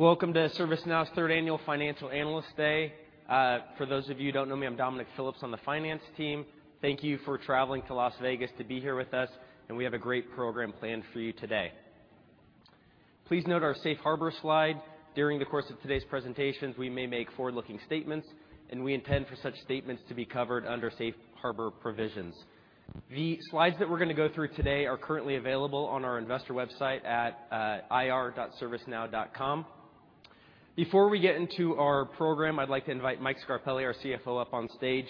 Welcome to ServiceNow's third annual Financial Analyst Day. For those of you who don't know me, I'm Dominic Phillips on the finance team. Thank you for traveling to Las Vegas to be here with us. We have a great program planned for you today. Please note our safe harbor slide. During the course of today's presentations, we may make forward-looking statements, and we intend for such statements to be covered under safe harbor provisions. The slides that we're going to go through today are currently available on our investor website at investors.servicenow.com. Before we get into our program, I'd like to invite Mike Scarpelli, our CFO, up on stage,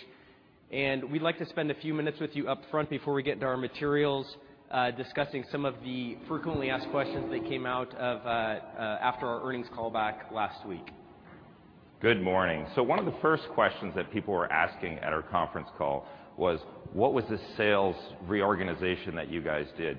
and we'd like to spend a few minutes with you up front before we get into our materials, discussing some of the frequently asked questions that came out after our earnings call back last week. Good morning. One of the first questions that people were asking at our conference call was, "What was the sales reorganization that you guys did?"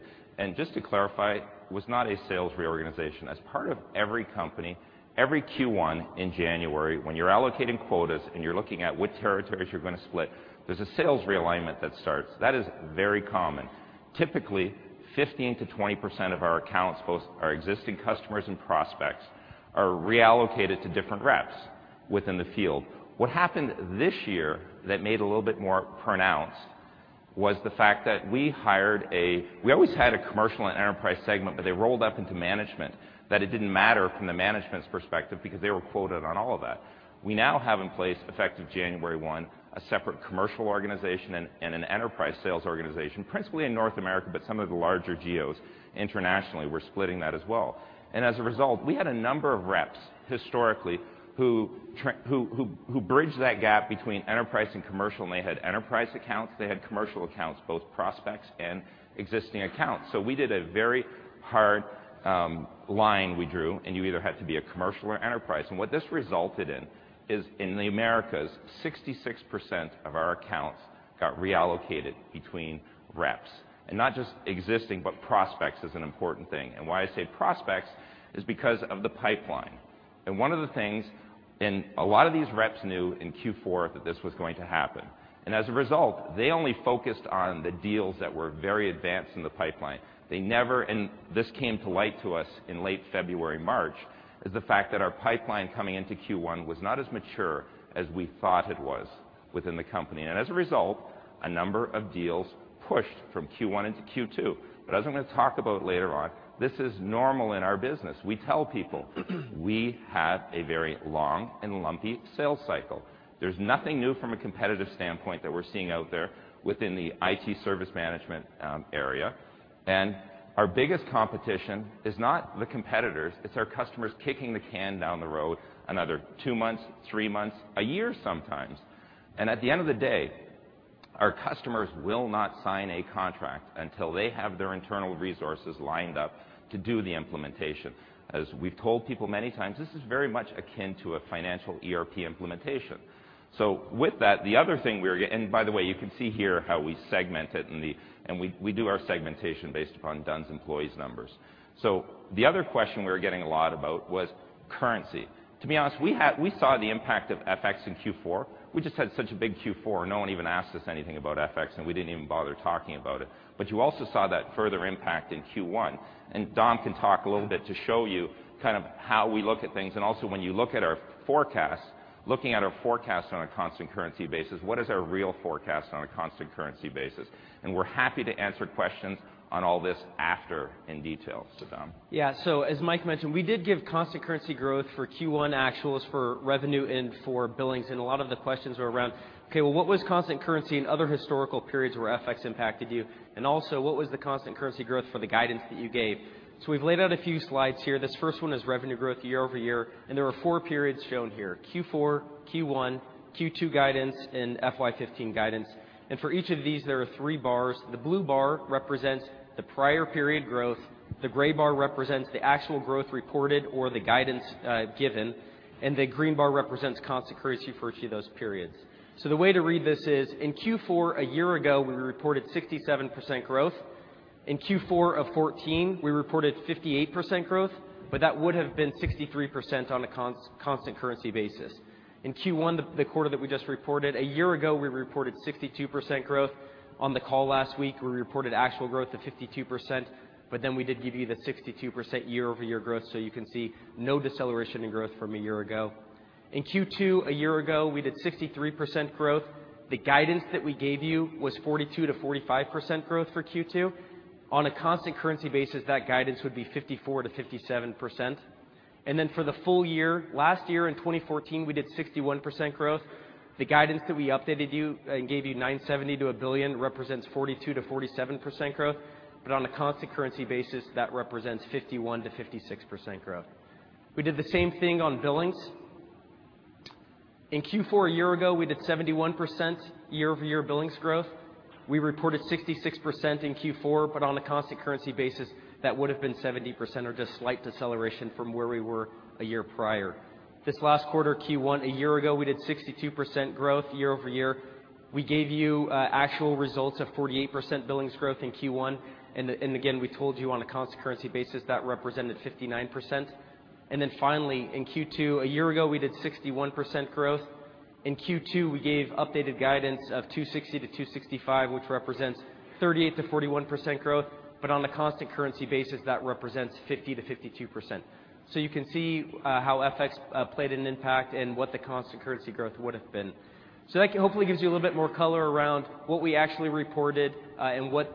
Just to clarify, it was not a sales reorganization. As part of every company, every Q1 in January, when you're allocating quotas and you're looking at what territories you're going to split, there's a sales realignment that starts. That is very common. Typically, 15%-20% of our accounts, both our existing customers and prospects, are reallocated to different reps within the field. What happened this year that made a little bit more pronounced, was the fact that we always had a commercial and enterprise segment, but they rolled up into management, that it didn't matter from the management's perspective because they were quoted on all of that. We now have in place, effective January 1, a separate commercial organization and an enterprise sales organization, principally in North America, but some of the larger geos internationally, we're splitting that as well. As a result, we had a number of reps historically, who bridged that gap between enterprise and commercial, and they had enterprise accounts, they had commercial accounts, both prospects and existing accounts. We did a very hard line we drew, and you either had to be a commercial or enterprise. What this resulted in is, in the Americas, 66% of our accounts got reallocated between reps. Not just existing, but prospects is an important thing. Why I say prospects is because of the pipeline. As a result, they only focused on the deals that were very advanced in the pipeline. This came to light to us in late February, March, is the fact that our pipeline coming into Q1 was not as mature as we thought it was within the company. As a result, a number of deals pushed from Q1 into Q2. But as I'm going to talk about later on, this is normal in our business. We tell people we have a very long and lumpy sales cycle. There's nothing new from a competitive standpoint that we're seeing out there within the IT service management area. Our biggest competition is not the competitors, it's our customers kicking the can down the road another two months, three months, a year sometimes. At the end of the day, our customers will not sign a contract until they have their internal resources lined up to do the implementation. As we've told people many times, this is very much akin to a financial ERP implementation. With that, and by the way, you can see here how we segment it in the, and we do our segmentation based upon Dun's employees numbers. The other question we were getting a lot about was currency. To be honest, we saw the impact of FX in Q4. We just had such a big Q4, no one even asked us anything about FX, and we didn't even bother talking about it. You also saw that further impact in Q1. Dom can talk a little bit to show you kind of how we look at things. Also, when you look at our forecast, looking at our forecast on a constant currency basis, what is our real forecast on a constant currency basis? We're happy to answer questions on all this after in detail. Dom. As Mike mentioned, we did give constant currency growth for Q1 actuals for revenue and for billings, a lot of the questions were around, "Okay, well, what was constant currency in other historical periods where FX impacted you? What was the constant currency growth for the guidance that you gave?" We've laid out a few slides here. This first one is revenue growth year-over-year, there are four periods shown here: Q4, Q1, Q2 guidance, and FY 2015 guidance. For each of these, there are three bars. The blue bar represents the prior period growth. The gray bar represents the actual growth reported or the guidance given. The green bar represents constant currency for each of those periods. The way to read this is, in Q4 a year ago, we reported 67% growth. In Q4 of 2014, we reported 58% growth, that would have been 63% on a constant currency basis. In Q1, the quarter that we just reported, a year ago, we reported 62% growth. On the call last week, we reported actual growth of 52%, we did give you the 62% year-over-year growth, you can see no deceleration in growth from a year ago. In Q2 a year ago, we did 63% growth. The guidance that we gave you was 42%-45% growth for Q2. On a constant currency basis, that guidance would be 54%-57%. For the full year, last year in 2014, we did 61% growth. The guidance that we updated you and gave you $970 million to $1 billion represents 42%-47% growth. On a constant currency basis, that represents 51%-56% growth. We did the same thing on billings. In Q4 a year ago, we did 71% year-over-year billings growth. We reported 66% in Q4, but on a constant currency basis, that would have been 70%, or just slight deceleration from where we were a year prior. This last quarter, Q1 a year ago, we did 62% growth year-over-year. We gave you actual results of 48% billings growth in Q1. Again, we told you on a constant currency basis, that represented 59%. Finally, in Q2 a year ago, we did 61% growth. In Q2, we gave updated guidance of $260 million-$265 million, which represents 38%-41% growth, but on a constant currency basis, that represents 50%-52%. You can see how FX played an impact and what the constant currency growth would've been. That hopefully gives you a little bit more color around what we actually reported, and what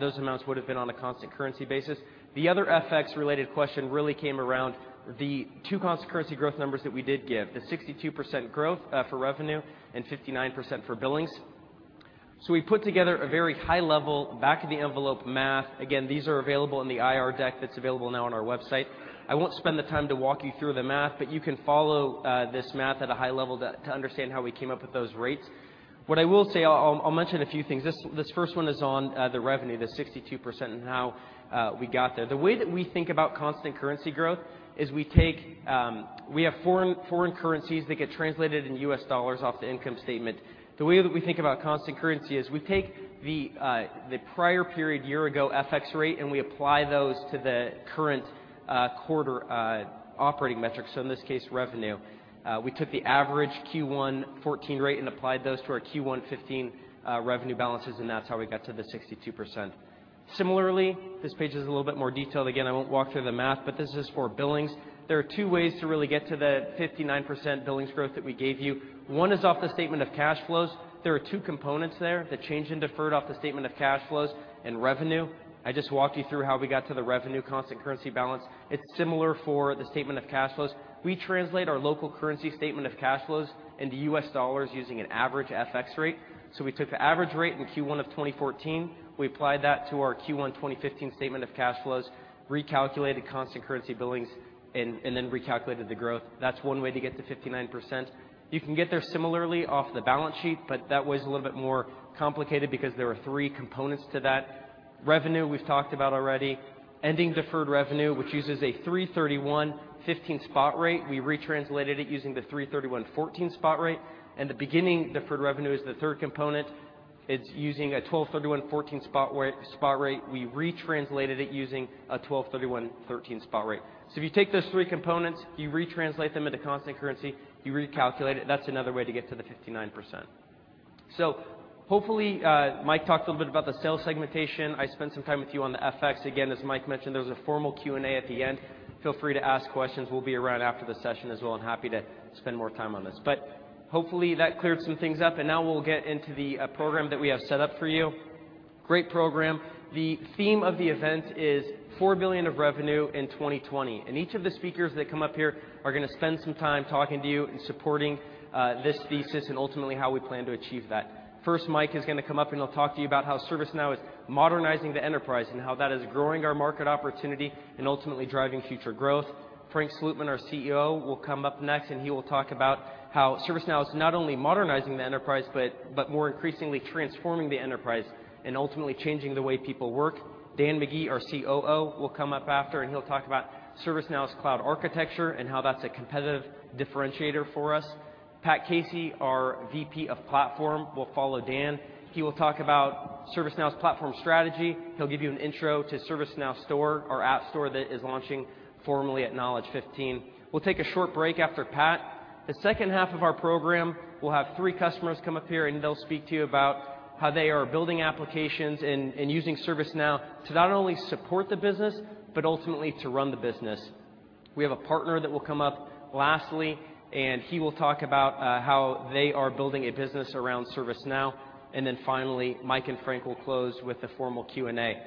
those amounts would've been on a constant currency basis. The other FX related question really came around the two constant currency growth numbers that we did give, the 62% growth, for revenue and 59% for billings. We put together a very high level back of the envelope math. Again, these are available in the IR deck that's available now on our website. I won't spend the time to walk you through the math, but you can follow this math at a high level to understand how we came up with those rates. What I will say, I'll mention a few things. This first one is on the revenue, the 62% and how we got there. The way that we think about constant currency growth is we have foreign currencies that get translated into US dollars off the income statement. The way that we think about constant currency is we take the prior period year ago FX rate, and we apply those to the current quarter operating metrics, so in this case, revenue. We took the average Q1 2014 rate and applied those to our Q1 2015 revenue balances, and that's how we got to the 62%. Similarly, this page is a little bit more detailed. Again, I won't walk through the math, but this is for billings. There are 2 ways to really get to the 59% billings growth that we gave you. One is off the statement of cash flows. There are 2 components there, the change in deferred off the statement of cash flows and revenue. I just walked you through how we got to the revenue constant currency balance. It's similar for the statement of cash flows. We translate our local currency statement of cash flows into US dollars using an average FX rate. We took the average rate in Q1 of 2014, we applied that to our Q1 2015 statement of cash flows, recalculated constant currency billings, and then recalculated the growth. That's one way to get to 59%. You can get there similarly off the balance sheet, but that was a little bit more complicated because there are 3 components to that. Revenue, we've talked about already. Ending deferred revenue, which uses a 3/31/2015 spot rate, we retranslated it using the 3/31/2014 spot rate. The beginning deferred revenue is the third component. It's using a 12/31/2014 spot rate. We retranslated it using a 12/31/2013 spot rate. If you take those three components, you retranslate them into constant currency, you recalculate it, that is another way to get to the 59%. Mike talked a little bit about the sales segmentation. I spent some time with you on the FX. Again, as Mike mentioned, there was a formal Q&A at the end. Feel free to ask questions. We will be around after the session as well, and happy to spend more time on this. Hopefully, that cleared some things up, and now we will get into the program that we have set up for you. Great program. The theme of the event is $4 billion of revenue in 2020, and each of the speakers that come up here are going to spend some time talking to you and supporting this thesis, and ultimately, how we plan to achieve that. Mike is going to come up, and he will talk to you about how ServiceNow is modernizing the enterprise and how that is growing our market opportunity and ultimately driving future growth. Frank Slootman, our CEO, will come up next, and he will talk about how ServiceNow is not only modernizing the enterprise, but more increasingly transforming the enterprise and ultimately changing the way people work. Dan McGee, our COO, will come up after, and he will talk about ServiceNow's cloud architecture and how that is a competitive differentiator for us. Pat Casey, our VP of Platform, will follow Dan. He will talk about ServiceNow's platform strategy. He will give you an intro to ServiceNow Store, our app store that is launching formally at Knowledge15. We will take a short break after Pat. The second half of our program, we will have three customers come up here, and they will speak to you about how they are building applications and using ServiceNow to not only support the business, but ultimately to run the business. Finally, Mike and Frank will close with the formal Q&A.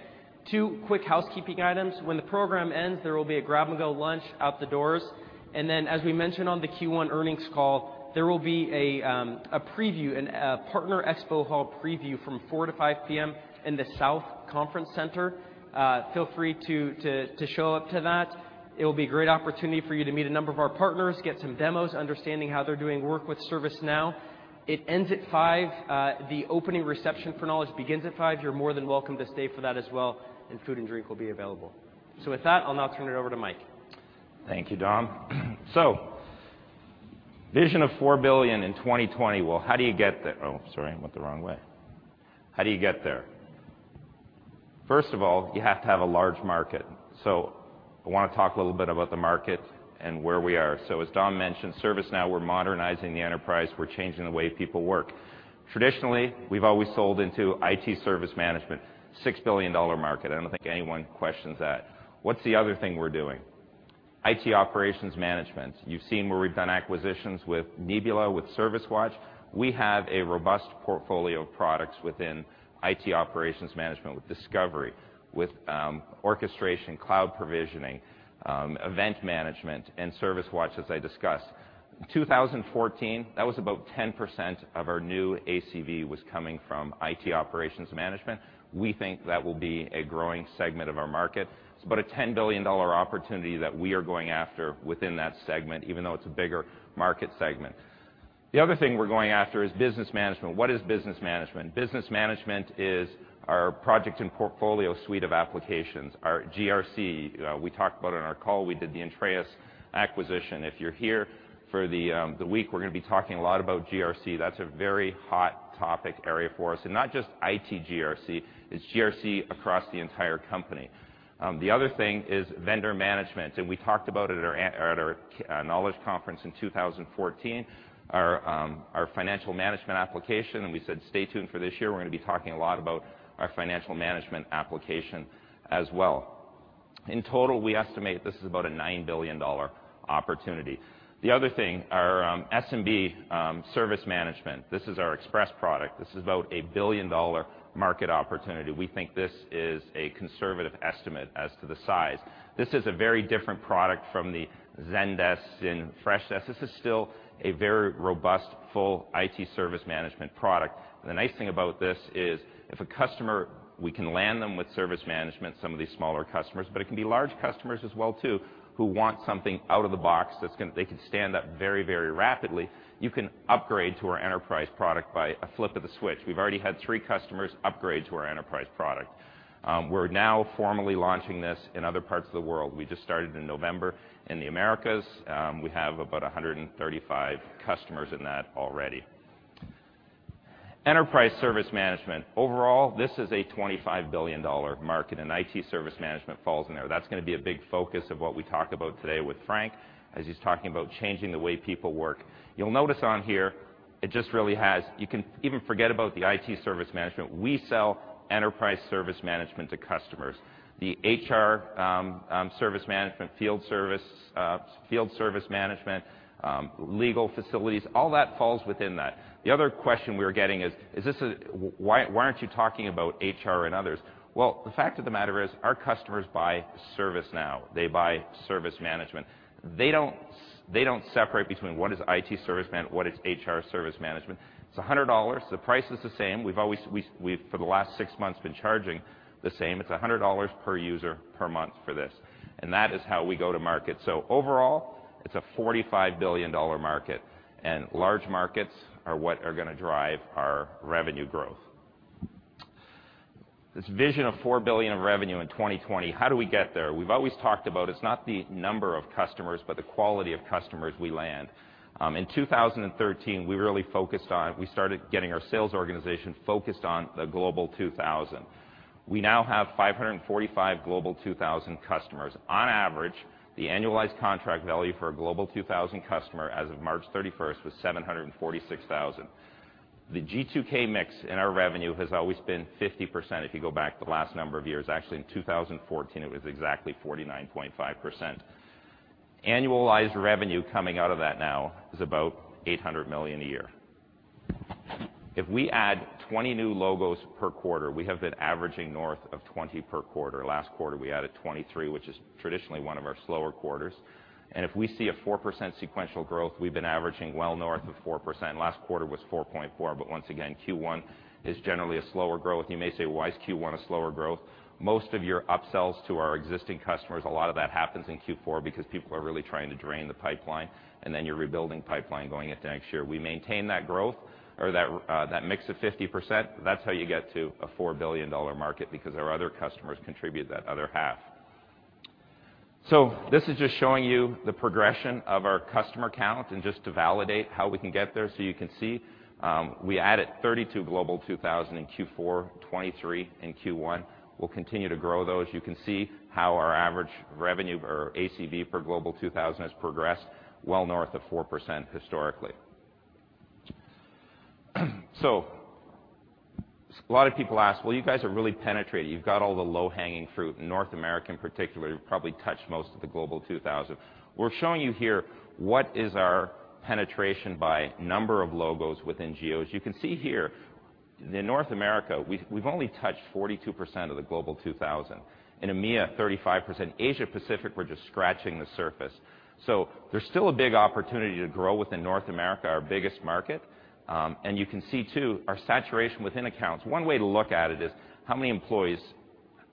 Two quick housekeeping items. When the program ends, there will be a grab-and-go lunch out the doors. As we mentioned on the Q1 earnings call, there will be a partner expo hall preview from 4:00 P.M.-5:00 P.M. in the South Conference Center. Feel free to show up to that. It will be a great opportunity for you to meet a number of our partners, get some demos, understanding how they are doing work with ServiceNow. It ends at 5:00 P.M. The opening reception for Knowledge begins at 5:00 P.M. You are more than welcome to stay for that as well, and food and drink will be available. With that, I will now turn it over to Mike. Thank you, Dom. Vision of $4 billion in 2020. How do you get there? Oh, sorry, I went the wrong way. How do you get there? First of all, you have to have a large market. I want to talk a little bit about the market and where we are. As Dom mentioned, ServiceNow, we're modernizing the enterprise. We're changing the way people work. Traditionally, we've always sold into IT service management, $6 billion market. I don't think anyone questions that. What's the other thing we're doing? IT operations management. You've seen where we've done acquisitions with Neebula, with ServiceWatch. We have a robust portfolio of products within IT operations management with Discovery, with orchestration, cloud provisioning, event management, and ServiceWatch, as I discussed. In 2014, that was about 10% of our new ACV was coming from IT operations management. We think that will be a growing segment of our market. It's about a $10 billion opportunity that we are going after within that segment, even though it's a bigger market segment. The other thing we're going after is business management. What is business management? Business management is our project and portfolio suite of applications, our GRC. We talked about it on our call. We did the Intréis acquisition. If you're here for the week, we're going to be talking a lot about GRC. That's a very hot topic area for us, and not just IT GRC. It's GRC across the entire company. The other thing is vendor management, and we talked about it at our Knowledge conference in 2014, our financial management application, and we said stay tuned for this year. We're going to be talking a lot about our financial management application as well. In total, we estimate this is about a $9 billion opportunity. The other thing, our SMB service management. This is our Express product. This is about a $1 billion market opportunity. We think this is a conservative estimate as to the size. This is a very different product from the Zendesk and Freshdesk. This is still a very robust, full IT service management product. The nice thing about this is if a customer, we can land them with service management, some of these smaller customers, but it can be large customers as well too, who want something out of the box that they can stand up very rapidly. You can upgrade to our enterprise product by a flip of the switch. We've already had three customers upgrade to our enterprise product. We're now formally launching this in other parts of the world. We just started in November in the Americas. We have about 135 customers in that already. Enterprise service management. Overall, this is a $25 billion market, and IT service management falls in there. That's going to be a big focus of what we talk about today with Frank, as he's talking about changing the way people work. You'll notice on here, you can even forget about the IT service management. We sell enterprise service management to customers. The HR service management, field service management, legal facilities, all that falls within that. The other question we are getting is, "Why aren't you talking about HR and others?" The fact of the matter is our customers buy ServiceNow. They buy service management. They don't separate between what is IT service management, what is HR service management. It's $100. The price is the same. We've, for the last six months, been charging the same. It's $100 per user per month for this. That is how we go to market. Overall, it's a $45 billion market, and large markets are what are going to drive our revenue growth. This vision of $4 billion of revenue in 2020, how do we get there? We've always talked about it's not the number of customers, but the quality of customers we land. In 2013, we started getting our sales organization focused on the Global 2000. We now have 545 Global 2000 customers. On average, the annualized contract value for a Global 2000 customer as of March 31st was $746,000. The G2K mix in our revenue has always been 50%, if you go back the last number of years. Actually, in 2014, it was exactly 49.5%. Annualized revenue coming out of that now is about $800 million a year. If we add 20 new logos per quarter, we have been averaging north of 20 per quarter. Last quarter, we added 23, which is traditionally one of our slower quarters. If we see a 4% sequential growth, we've been averaging well north of 4%. Last quarter was 4.4%, but once again, Q1 is generally a slower growth. You may say, "Why is Q1 a slower growth?" Most of your upsells to our existing customers, a lot of that happens in Q4 because people are really trying to drain the pipeline, and then you're rebuilding pipeline going into next year. We maintain that growth or that mix of 50%. That's how you get to a $4 billion market because our other customers contribute that other half. This is just showing you the progression of our customer count and just to validate how we can get there. You can see, we added 32 Global 2000 in Q4, 23 in Q1. We'll continue to grow those. You can see how our average revenue or ACV for Global 2000 has progressed well north of 4% historically. A lot of people ask, "Well, you guys are really penetrating. You've got all the low-hanging fruit. In North America, in particular, you've probably touched most of the Global 2000." We're showing you here what is our penetration by number of logos within geos. You can see here in North America, we've only touched 42% of the Global 2000. In EMEIA, 35%. Asia-Pacific, we're just scratching the surface. There's still a big opportunity to grow within North America, our biggest market. You can see too, our saturation within accounts. One way to look at it is how many employees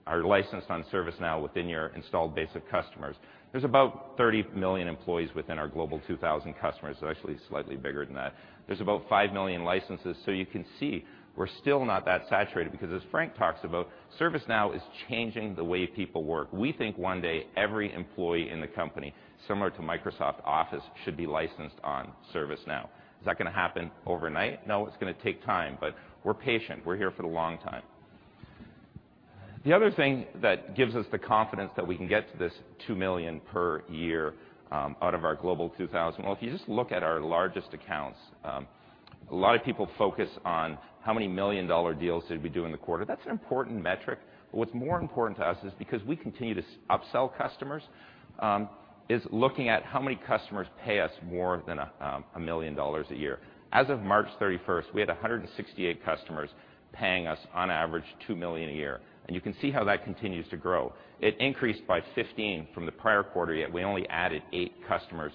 are licensed on ServiceNow within your installed base of customers. There's about 30 million employees within our Global 2000 customers. It's actually slightly bigger than that. There's about 5 million licenses. You can see we're still not that saturated because as Frank talks about, ServiceNow is changing the way people work. We think one day every employee in the company, similar to Microsoft Office, should be licensed on ServiceNow. Is that going to happen overnight? No, it's going to take time, but we're patient. We're here for the long time. The other thing that gives us the confidence that we can get to this $2 million per year out of our Global 2000, well, if you just look at our largest accounts. A lot of people focus on how many million-dollar deals did we do in the quarter. That's an important metric, what's more important to us is because we continue to upsell customers, is looking at how many customers pay us more than $1 million a year. As of March 31, we had 168 customers paying us on average $2 million a year, you can see how that continues to grow. It increased by 15 from the prior quarter, we only added 8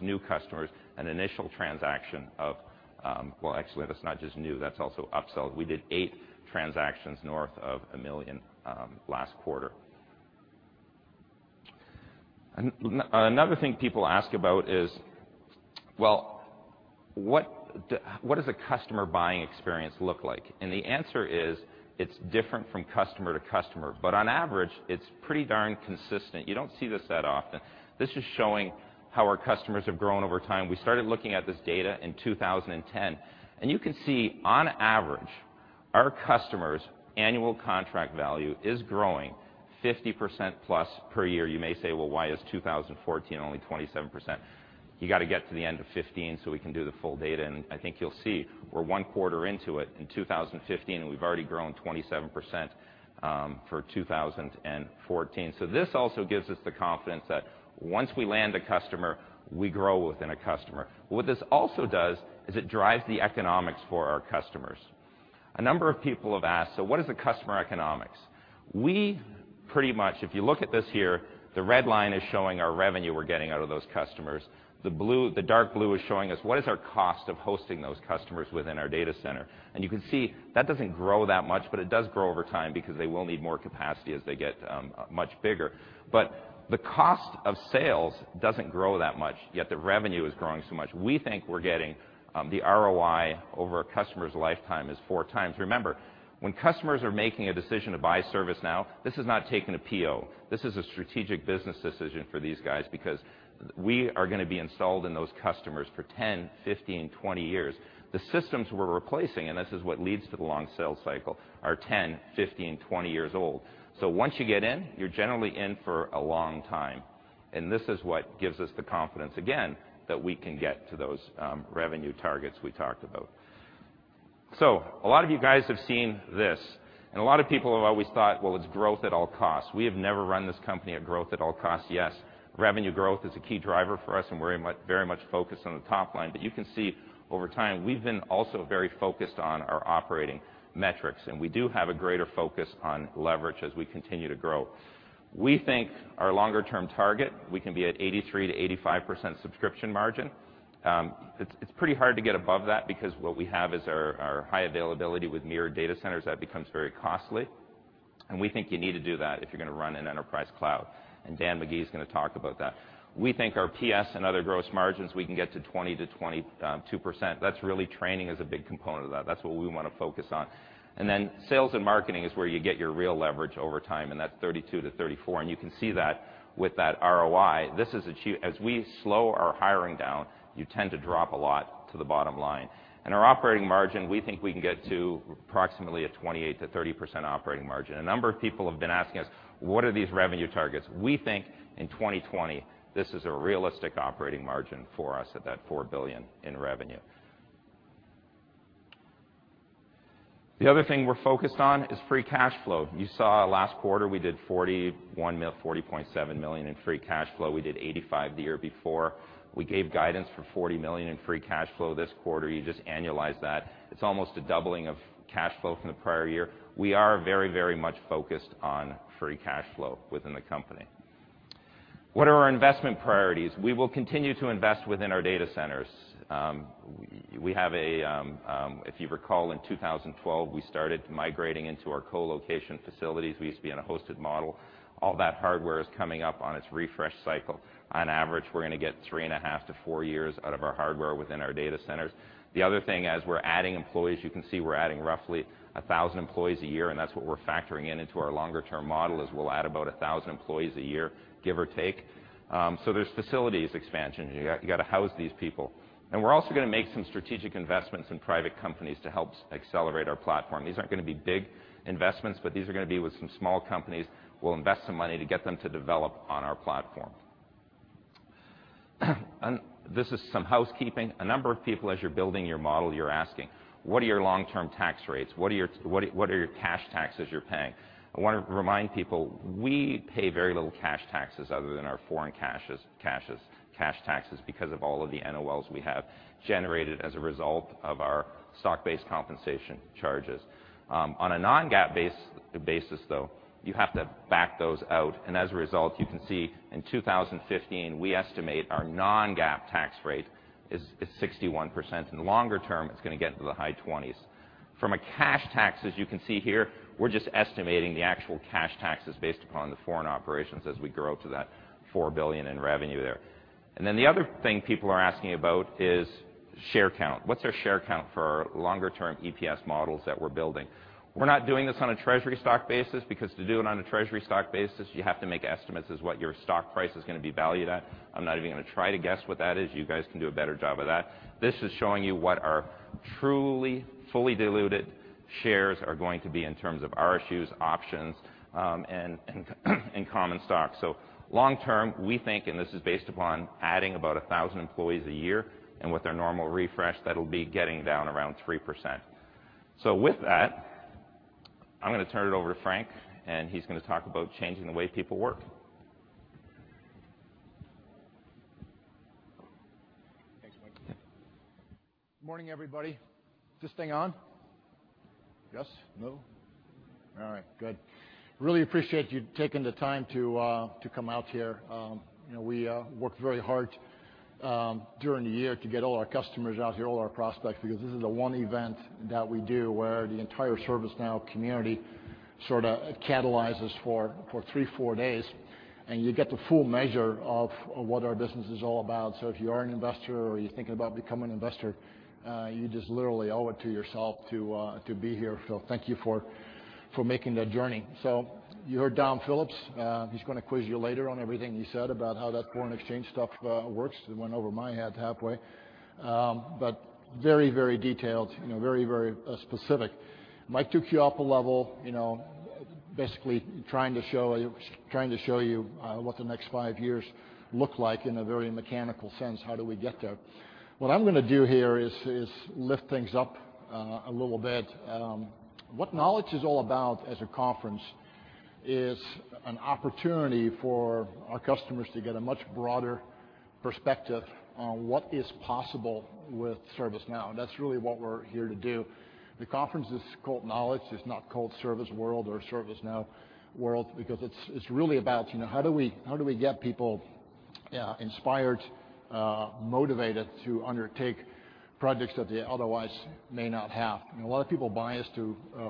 new customers, an initial transaction of. Actually, that's not just new, that's also upsells. We did 8 transactions north of $1 million last quarter. Another thing people ask about is, "What does a customer buying experience look like?" The answer is it's different from customer to customer. On average, it's pretty darn consistent. You don't see this that often. This is showing how our customers have grown over time. We started looking at this data in 2010, you can see, on average, our customers' annual contract value is growing 50%+ per year. You may say, "Why is 2014 only 27%?" You have to get to the end of 2015 so we can do the full data, I think you'll see we're 1 quarter into it in 2015, we've already grown 27% for 2014. This also gives us the confidence that once we land a customer, we grow within a customer. What this also does is it drives the economics for our customers. A number of people have asked, "What is the customer economics?" If you look at this here, the red line is showing our revenue we're getting out of those customers. The dark blue is showing us what is our cost of hosting those customers within our data center. You can see that doesn't grow that much, but it does grow over time because they will need more capacity as they get much bigger. The cost of sales doesn't grow that much, yet the revenue is growing so much. We think we're getting the ROI over a customer's lifetime is 4 times. Remember, when customers are making a decision to buy ServiceNow, this is not taking a PO. This is a strategic business decision for these guys because we are going to be installed in those customers for 10, 15, 20 years. The systems we're replacing, this is what leads to the long sales cycle, are 10, 15, 20 years old. Once you get in, you're generally in for a long time. This is what gives us the confidence, again, that we can get to those revenue targets we talked about. A lot of you guys have seen this, a lot of people have always thought, well, it's growth at all costs. We have never run this company at growth at all costs. Yes, revenue growth is a key driver for us, we're very much focused on the top line. You can see over time, we've been also very focused on our operating metrics, we do have a greater focus on leverage as we continue to grow. We think our longer-term target, we can be at 83%-85% subscription margin. It's pretty hard to get above that because what we have is our high availability with mirrored data centers. That becomes very costly, we think you need to do that if you're going to run an enterprise cloud, Dan McGee is going to talk about that. We think our PS and other gross margins, we can get to 20%-22%. Training is a big component of that. That's what we want to focus on. Then sales and marketing is where you get your real leverage over time, and that's 32%-34%. You can see that with that ROI. As we slow our hiring down, you tend to drop a lot to the bottom line. Our operating margin, we think we can get to approximately a 28%-30% operating margin. A number of people have been asking us, "What are these revenue targets?" We think in 2020, this is a realistic operating margin for us at that $4 billion in revenue. The other thing we're focused on is free cash flow. You saw last quarter, we did $41 million, $40.7 million in free cash flow. We did $85 million the year before. We gave guidance for $40 million in free cash flow this quarter. You just annualize that. It's almost a doubling of cash flow from the prior year. We are very much focused on free cash flow within the company. What are our investment priorities? We will continue to invest within our data centers. If you recall, in 2012, we started migrating into our co-location facilities. We used to be in a hosted model. All that hardware is coming up on its refresh cycle. On average, we're going to get three and a half to four years out of our hardware within our data centers. The other thing, as we're adding employees, you can see we're adding roughly 1,000 employees a year, and that's what we're factoring in into our longer-term model, is we'll add about 1,000 employees a year, give or take. So there's facilities expansion. You got to house these people. We're also going to make some strategic investments in private companies to help accelerate our platform. These aren't going to be big investments, but these are going to be with some small companies. We'll invest some money to get them to develop on our platform. This is some housekeeping. A number of people, as you're building your model, you're asking, "What are your long-term tax rates? What are your cash taxes you're paying?" I want to remind people, we pay very little cash taxes other than our foreign cash taxes because of all of the NOLs we have generated as a result of our stock-based compensation charges. On a non-GAAP basis, though, you have to back those out. As a result, you can see in 2015, we estimate our non-GAAP tax rate is 61%. In the longer term, it's going to get into the high 20s. From a cash tax, as you can see here, we're just estimating the actual cash taxes based upon the foreign operations as we grow to that $4 billion in revenue there. Then the other thing people are asking about is share count. What's our share count for our longer-term EPS models that we're building? We're not doing this on a treasury stock basis, because to do it on a treasury stock basis, you have to make estimates as what your stock price is going to be valued at. I'm not even going to try to guess what that is. You guys can do a better job of that. This is showing you what our truly fully diluted shares are going to be in terms of RSUs, options, and common stock. Long term, we think, and this is based upon adding about 1,000 employees a year, and with our normal refresh, that'll be getting down around 3%. With that, I'm going to turn it over to Frank, and he's going to talk about changing the way people work. Thanks, Mike. Morning, everybody. Is this thing on? Yes? No? All right, good. Really appreciate you taking the time to come out here. We worked very hard during the year to get all our customers out here, all our prospects, because this is the one event that we do where the entire ServiceNow community sort of catalyzes for three, four days, and you get the full measure of what our business is all about. If you are an investor or you're thinking about becoming an investor, you just literally owe it to yourself to be here. Thank you for making that journey. You heard Dom Phillips. He's going to quiz you later on everything he said about how that foreign exchange stuff works. It went over my head halfway. Very detailed, very specific. Mike took you up a level, basically trying to show you what the next five years look like in a very mechanical sense. How do we get there? What I'm going to do here is lift things up a little bit. What Knowledge is all about as a conference is an opportunity for our customers to get a much broader perspective on what is possible with ServiceNow. That's really what we're here to do. The conference is called Knowledge. It's not called Service World or ServiceNow World because it's really about how do we get people inspired, motivated to undertake projects that they otherwise may not have? A lot of people buy us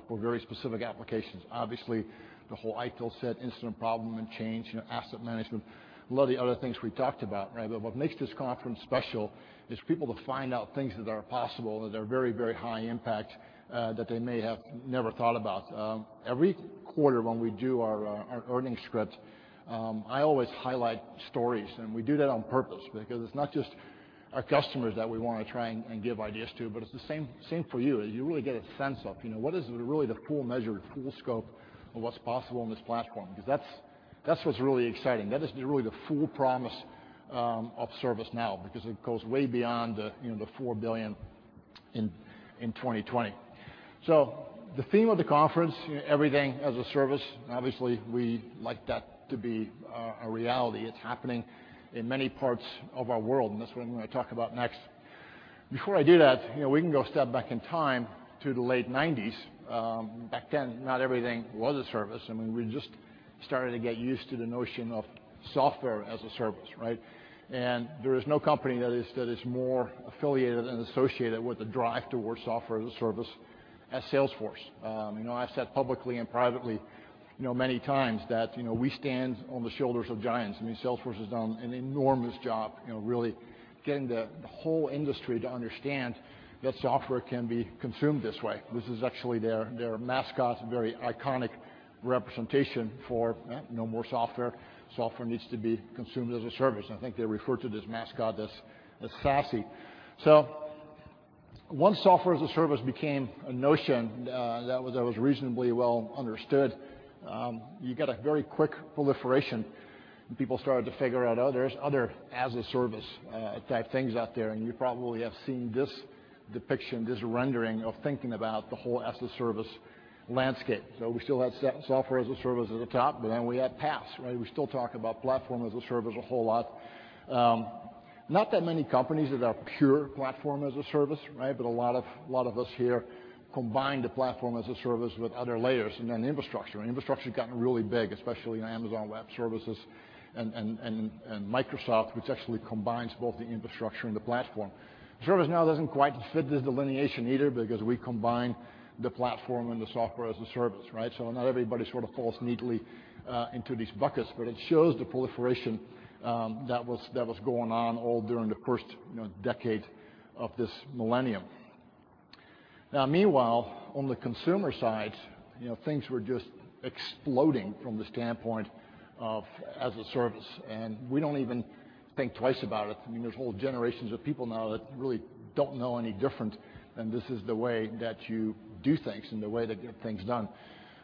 for very specific applications. Obviously, the whole ITIL set incident problem and change, asset management, a lot of the other things we talked about, right? What makes this conference special is people to find out things that are possible that are very high impact, that they may have never thought about. Every quarter when we do our earnings script, I always highlight stories, and we do that on purpose because it's not just our customers that we want to try and give ideas to, but it's the same for you, as you really get a sense of what is really the full measure, the full scope of what's possible in this platform. Because that's what's really exciting. That is really the full promise of ServiceNow, because it goes way beyond the $4 billion in 2020. The theme of the conference, Everything as a Service, obviously, we like that to be a reality. It's happening in many parts of our world, and that's what I'm going to talk about next. Before I do that, we can go a step back in time to the late nineties. Back then, not everything was a service. We were just starting to get used to the notion of software as a service, right? There is no company that is more affiliated and associated with the drive towards software as a service as Salesforce. I've said publicly and privately many times that we stand on the shoulders of giants. Salesforce has done an enormous job really getting the whole industry to understand that software can be consumed this way. This is actually their mascot, a very iconic representation for no more software. Software needs to be consumed as a service. I think they refer to this mascot as SaaSy. Once software as a service became a notion that was reasonably well understood, you got a very quick proliferation. People started to figure out, oh, there's other as-a-service type things out there. You probably have seen this depiction, this rendering of thinking about the whole as-a-service landscape. We still have software as a service at the top, then we add PaaS, right? We still talk about platform as a service a whole lot. Not that many companies that are pure platform as a service, right? A lot of us here combine the platform as a service with other layers. Infrastructure. Infrastructure's gotten really big, especially in Amazon Web Services and Microsoft, which actually combines both the infrastructure and the platform. ServiceNow doesn't quite fit this delineation either because we combine the platform and the software as a service, right? Not everybody sort of falls neatly into these buckets, but it shows the proliferation that was going on all during the first decade of this millennium. Meanwhile, on the consumer side, things were just exploding from the standpoint of as a service. We don't even think twice about it. There's whole generations of people now that really don't know any different, and this is the way that you do things and the way to get things done.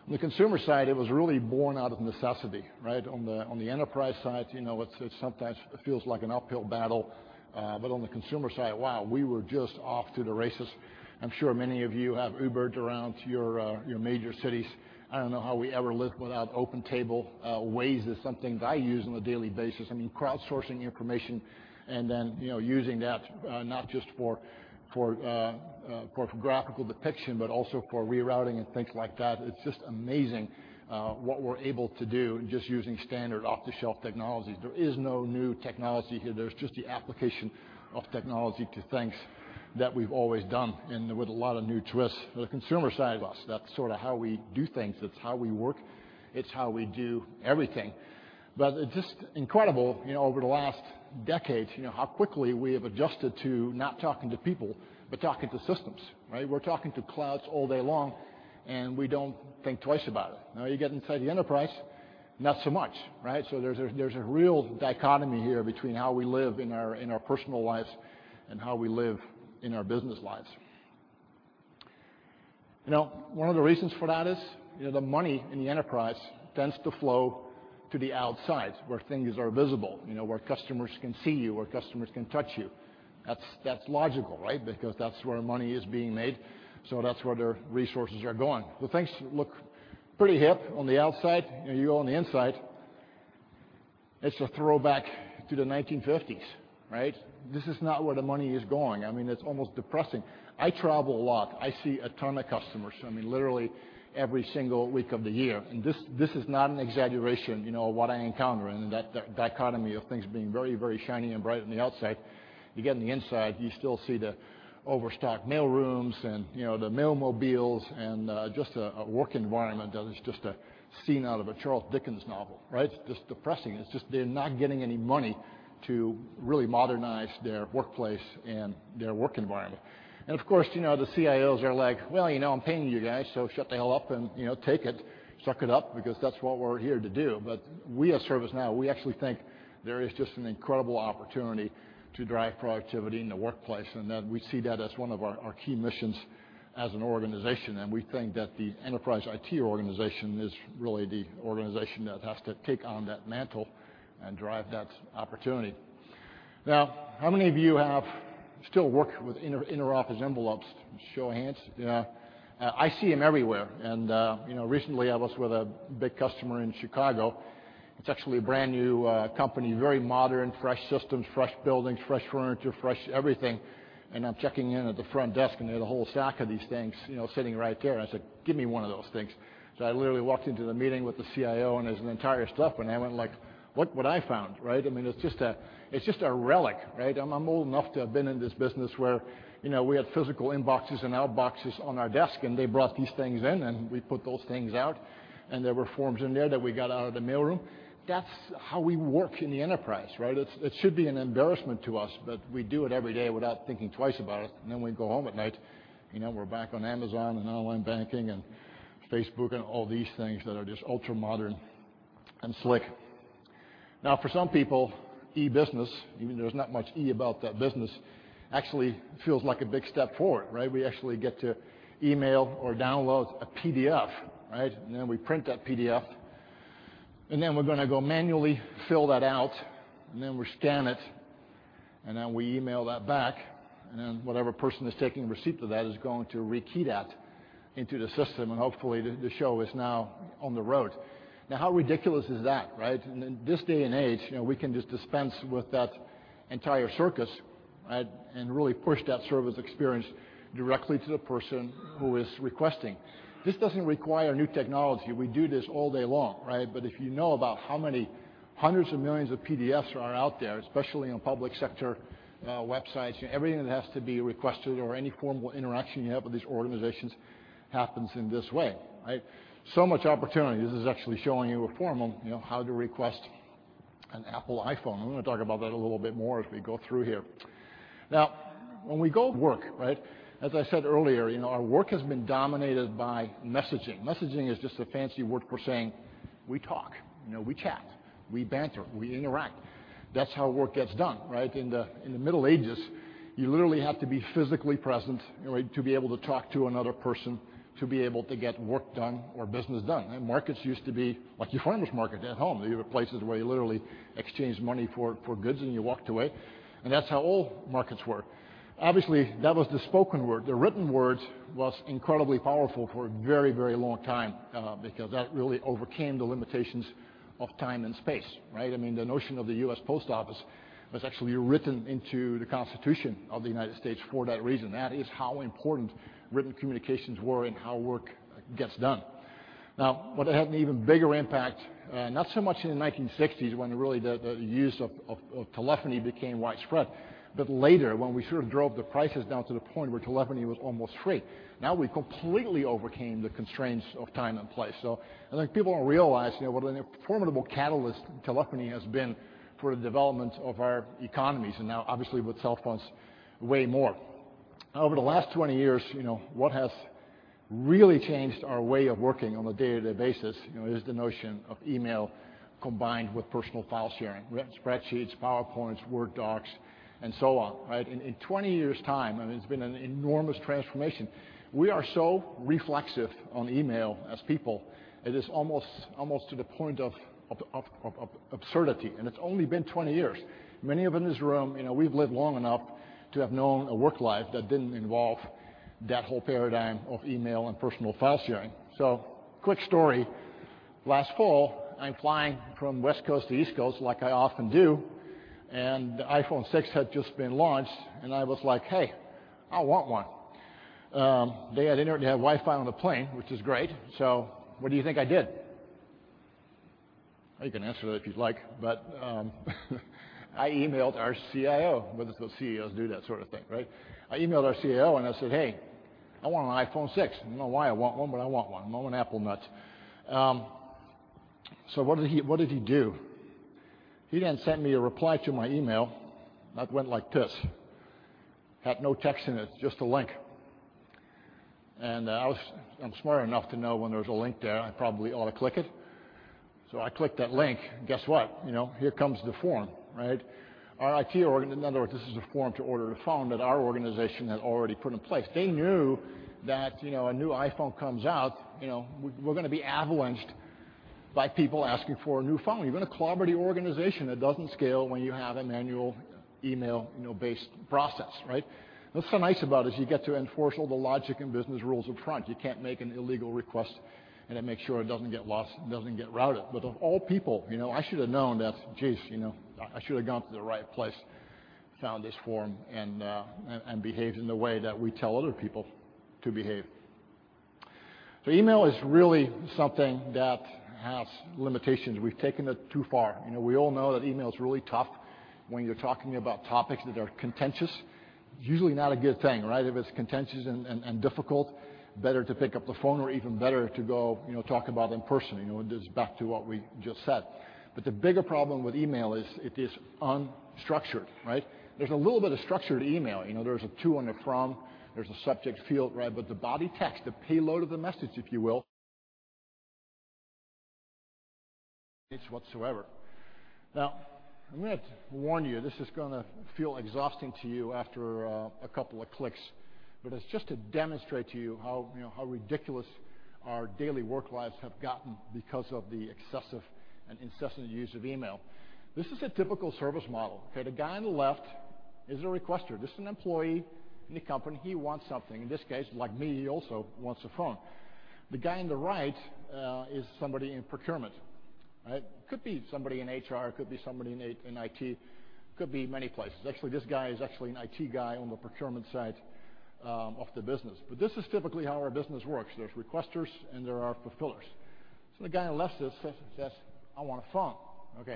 On the consumer side, it was really born out of necessity, right? On the enterprise side, it sometimes feels like an uphill battle. On the consumer side, wow, we were just off to the races. I'm sure many of you have Ubered around your major cities. I don't know how we ever lived without OpenTable. Waze is something that I use on a daily basis. I mean, crowdsourcing information and then using that not just for graphical depiction, but also for rerouting and things like that. It's just amazing what we're able to do just using standard off-the-shelf technologies. There is no new technology here. There's just the application of technology to things that we've always done, and with a lot of new twists. For the consumer side of us, that's sort of how we do things. That's how we work. It's how we do everything. It's just incredible over the last decade how quickly we have adjusted to not talking to people but talking to systems, right? We're talking to clouds all day long, and we don't think twice about it. You get inside the enterprise, not so much, right? There's a real dichotomy here between how we live in our personal lives and how we live in our business lives. One of the reasons for that is the money in the enterprise tends to flow to the outside, where things are visible, where customers can see you, where customers can touch you. That's logical, right? Because that's where money is being made, so that's where their resources are going. Well, things look pretty hip on the outside. You on the inside, it's a throwback to the 1950s, right? This is not where the money is going. It's almost depressing. I travel a lot. I see a ton of customers, literally every single week of the year. This is not an exaggeration what I encounter, and the dichotomy of things being very shiny and bright on the outside. You get on the inside, you still see the overstock mail rooms and the mailmobiles and just a work environment that is just a scene out of a Charles Dickens novel, right? It's just depressing. It's just they're not getting any money to really modernize their workplace and their work environment. Of course, the CIOs are like, "Well, I'm paying you guys, so shut the hell up and take it. Suck it up, because that's what we're here to do." We at ServiceNow, we actually think there is just an incredible opportunity to drive productivity in the workplace, and that we see that as one of our key missions as an organization, and we think that the enterprise IT organization is really the organization that has to take on that mantle and drive that opportunity. Now, how many of you have Still work with interoffice envelopes? Show of hands. I see them everywhere. Recently, I was with a big customer in Chicago. It's actually a brand-new company, very modern, fresh systems, fresh buildings, fresh furniture, fresh everything. I'm checking in at the front desk, and they had a whole stack of these things sitting right there. I said, "Give me one of those things." I literally walked into the meeting with the CIO and his entire staff, and I went like, "Look what I found." Right? It's just a relic, right? I'm old enough to have been in this business where we had physical inboxes and outboxes on our desk, and they brought these things in, and we put those things out, and there were forms in there that we got out of the mailroom. That's how we work in the enterprise, right? It should be an embarrassment to us, but we do it every day without thinking twice about it. Then we go home at night, we're back on Amazon and online banking and Facebook and all these things that are just ultra-modern and slick. Now, for some people, e-business, even though there's not much e about that business, actually feels like a big step forward, right? We actually get to email or download a PDF. Right? Then we print that PDF, and then we're going to go manually fill that out, and then we scan it, and then we email that back. Then whatever person is taking receipt of that is going to re-key that into the system, and hopefully, the show is now on the road. Now, how ridiculous is that, right? In this day and age, we can just dispense with that entire circus, right, and really push that service experience directly to the person who is requesting. This doesn't require new technology. We do this all day long, right? If you know about how many hundreds of millions of PDFs are out there, especially on public sector websites, everything that has to be requested or any formal interaction you have with these organizations happens in this way, right? Much opportunity. This is actually showing you a form on how to request an Apple iPhone. I'm going to talk about that a little bit more as we go through here. When we go work, right, as I said earlier, our work has been dominated by messaging. Messaging is just a fancy word for saying we talk. We chat. We banter. We interact. That's how work gets done, right? In the Middle Ages, you literally have to be physically present to be able to talk to another person, to be able to get work done or business done. Markets used to be like your farmer's market at home. You have places where you literally exchange money for goods, and you walked away, and that's how all markets work. Obviously, that was the spoken word. The written word was incredibly powerful for a very long time because that really overcame the limitations of time and space, right? The notion of the U.S. Post Office was actually written into the Constitution of the United States for that reason. That is how important written communications were in how work gets done. What had an even bigger impact, not so much in the 1960s when really the use of telephony became widespread, but later when we sort of drove the prices down to the point where telephony was almost free. We completely overcame the constraints of time and place. I think people don't realize what a formidable catalyst telephony has been for the development of our economies, and now obviously with cell phones way more. Over the last 20 years, what has really changed our way of working on a day-to-day basis is the notion of email combined with personal file sharing, spreadsheets, PowerPoints, Word docs, and so on. Right? In 20 years' time, it's been an enormous transformation. We are so reflexive on email as people, it is almost to the point of absurdity, and it's only been 20 years. Many of us in this room, we've lived long enough to have known a work life that didn't involve that whole paradigm of email and personal file sharing. Quick story. Last fall, I'm flying from West Coast to East Coast like I often do, the iPhone 6 had just been launched, I was like, "Hey, I want one." They already had Wi-Fi on the plane, which is great. What do you think I did? You can answer that if you'd like, I emailed our CIO, because that's what CEOs do that sort of thing, right? I emailed our CIO, I said, "Hey, I want an iPhone 6." I don't know why I want one, I want one. I'm an Apple nut. What did he do? He sent me a reply to my email that went like this. Had no text in it, just a link. I'm smart enough to know when there's a link there, I probably ought to click it. I clicked that link. Guess what? Here comes the form. Right? Our IT order. In other words, this is a form to order the phone that our organization had already put in place. They knew that a new iPhone comes out, we're going to be avalanched by people asking for a new phone. You're going to clobber the organization. It doesn't scale when you have a manual email-based process, right. That's what's so nice about it, is you get to enforce all the logic and business rules up front. You can't make an illegal request, and it makes sure it doesn't get lost and doesn't get routed. Of all people, I should have known that, geez, I should have gone to the right place, found this form, and behaved in the way that we tell other people to behave. Email is really something that has limitations. We've taken it too far. We all know that email's really tough when you're talking about topics that are contentious. Usually not a good thing, right. If it's contentious and difficult, better to pick up the phone or even better to go talk about in person. It is back to what we just said. The bigger problem with email is it is unstructured, right. There's a little bit of structure to email. There's a To and a From, there's a subject field, right, but the body text, the payload of the message, if you will, it's whatsoever. I'm going to warn you, this is going to feel exhausting to you after a couple of clicks, but it's just to demonstrate to you how ridiculous our daily work lives have gotten because of the excessive and incessant use of email. This is a typical service model. The guy on the left. Is it a requester? This is an employee in the company. He wants something. In this case, like me, he also wants a phone. The guy on the right is somebody in procurement. Could be somebody in HR, could be somebody in IT, could be many places. Actually, this guy is actually an IT guy on the procurement side of the business. This is typically how our business works. There's requesters, and there are fulfillers. The guy on the left says, "I want a phone."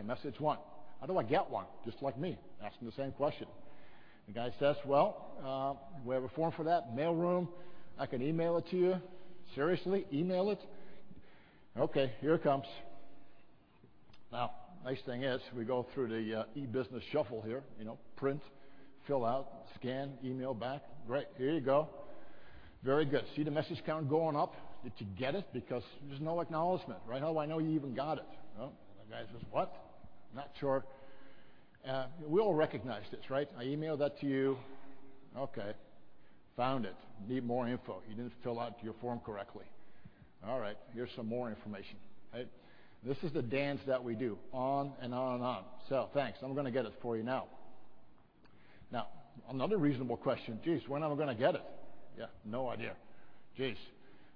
Message one. How do I get one? Just like me, asking the same question. The guy says, "Well, we have a form for that. Mail room. I can email it to you." Seriously, email it. Here it comes. Nice thing is we go through the e-business shuffle here. Print, fill out, scan, email back. Great. Here you go. Very good. See the message count going up? Did you get it? Because there's no acknowledgment. How do I know you even got it? The guy says, "What? Not sure." We all recognize this, right. Found it. Need more info. You didn't fill out your form correctly. All right, here's some more information. This is the dance that we do on and on. Thanks. I'm going to get it for you now. Another reasonable question, geez, when am I going to get it? Yeah, no idea. Geez,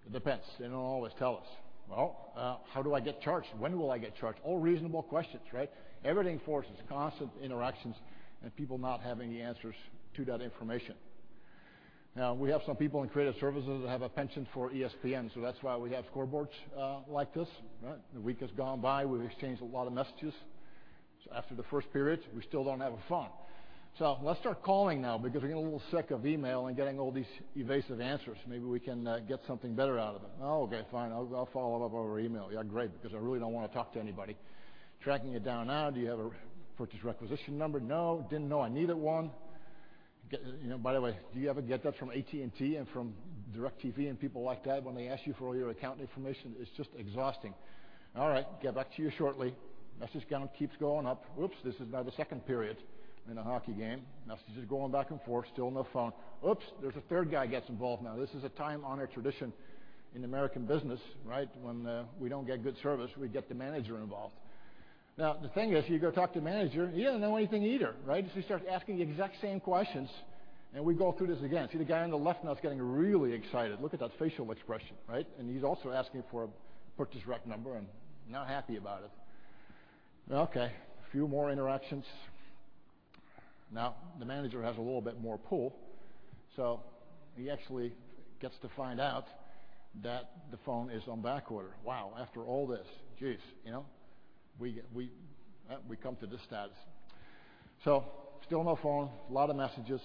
it depends. They don't always tell us. Well, how do I get charged? When will I get charged? All reasonable questions, right. Everything forces constant interactions and people not having the answers to that information. We have some people in creative services that have a penchant for ESPN. That's why we have scoreboards like this. The week has gone by, we've exchanged a lot of messages. After the first period, we still don't have a phone. Let's start calling now because we're getting a little sick of email and getting all these evasive answers. Maybe we can get something better out of it. Okay, fine. I'll follow up over email. Yeah, great, because I really don't want to talk to anybody. Tracking it down now. Do you have a purchase requisition number? No. Didn't know I needed one. By the way, do you ever get that from AT&T and from DirecTV and people like that when they ask you for all your account information? It's just exhausting. All right, get back to you shortly. Message count keeps going up. Oops, this is now the second period in a hockey game. Messages going back and forth, still no phone. Oops, there's a third guy gets involved now. This is a time-honored tradition in American business. When we don't get good service, we get the manager involved. The thing is, you go talk to the manager, he doesn't know anything either. He starts asking the exact same questions, and we go through this again. See the guy on the left now is getting really excited. Look at that facial expression. He's also asking for a purchase req number and not happy about it. Okay, a few more interactions. The manager has a little bit more pull, he actually gets to find out that the phone is on backorder. Wow, after all this. Geez. We come to this status. Still no phone, a lot of messages.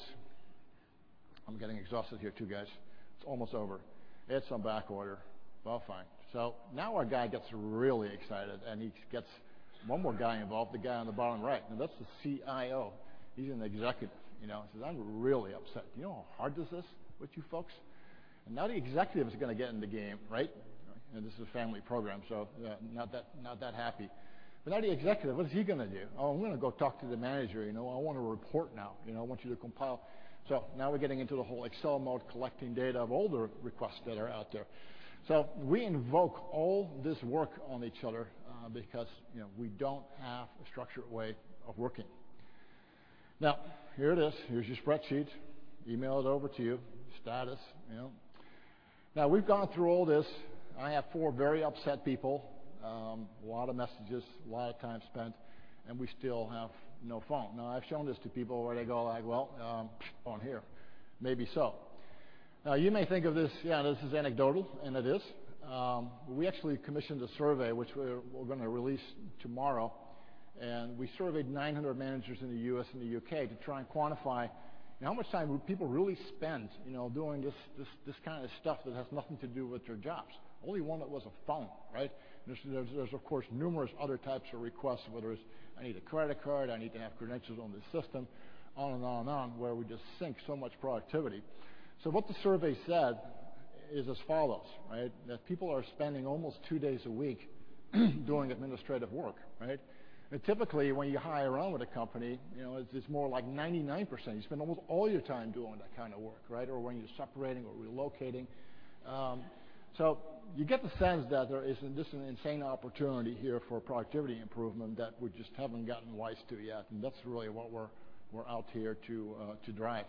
I'm getting exhausted here, too, guys. It's almost over. It's on backorder. Well, fine. Now our guy gets really excited, he gets one more guy involved, the guy on the bottom right. That's the CIO. He's an executive. He says, "I'm really upset. Do you know how hard this is with you folks?" Now the executive is going to get in the game. This is a family program, not that happy. Now the executive, what is he going to do? Oh, I'm going to go talk to the manager. I want a report now. I want you to compile. Now we're getting into the whole Excel mode, collecting data of all the requests that are out there. We invoke all this work on each other because we don't have a structured way of working. Here it is. Here's your spreadsheet. Emailed it over to you. Status. We've gone through all this. I have four very upset people. A lot of messages, a lot of time spent, we still have no phone. I've shown this to people where they go like, "Well, on here." Maybe so. You may think of this, yeah, this is anecdotal, and it is. We actually commissioned a survey which we're going to release tomorrow, we surveyed 900 managers in the U.S. and the U.K. to try and quantify how much time would people really spend doing this kind of stuff that has nothing to do with their jobs. Only one that was a phone. There's of course, numerous other types of requests, whether it's I need a credit card, I need to have credentials on this system, on and on, where we just sink so much productivity. What the survey said is as follows. People are spending almost two days a week doing administrative work. Typically, when you hire on with a company, it's more like 99%. You spend almost all your time doing that kind of work. When you're separating or relocating. You get the sense that there is just an insane opportunity here for productivity improvement that we just haven't gotten wise to yet, and that's really what we're out here to drive.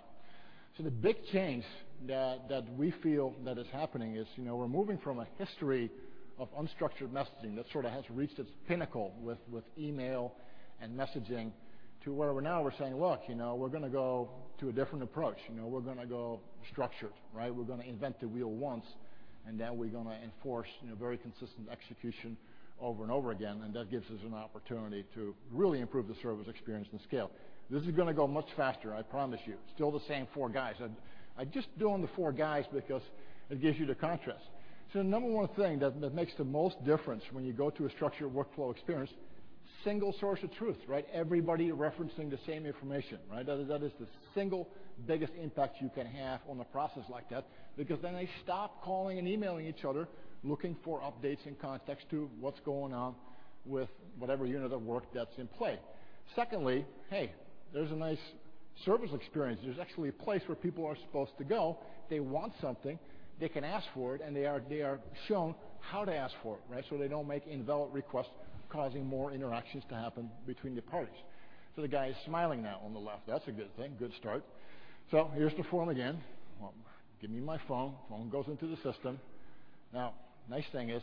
The big change that we feel that is happening is we're moving from a history of unstructured messaging that sort of has reached its pinnacle with email and messaging to where we're now we're saying, look, we're going to go to a different approach. We're going to go structured. We're going to invent the wheel once, then we're going to enforce very consistent execution over and over again, and that gives us an opportunity to really improve the service experience and scale. This is going to go much faster, I promise you. Still the same four guys. I'm just doing the four guys because it gives you the contrast. The number one thing that makes the most difference when you go to a structured workflow experience, single source of truth. Everybody referencing the same information. That is the single biggest impact you can have on a process like that because then they stop calling and emailing each other, looking for updates and context to what's going on with whatever unit of work that's in play. Secondly, hey, there's a nice service experience. There's actually a place where people are supposed to go. They want something, they can ask for it, they are shown how to ask for it so they don't make invalid requests causing more interactions to happen between the parties. The guy is smiling now on the left. That's a good thing. Good start. Here's the form again. Give me my phone. Phone goes into the system. Nice thing is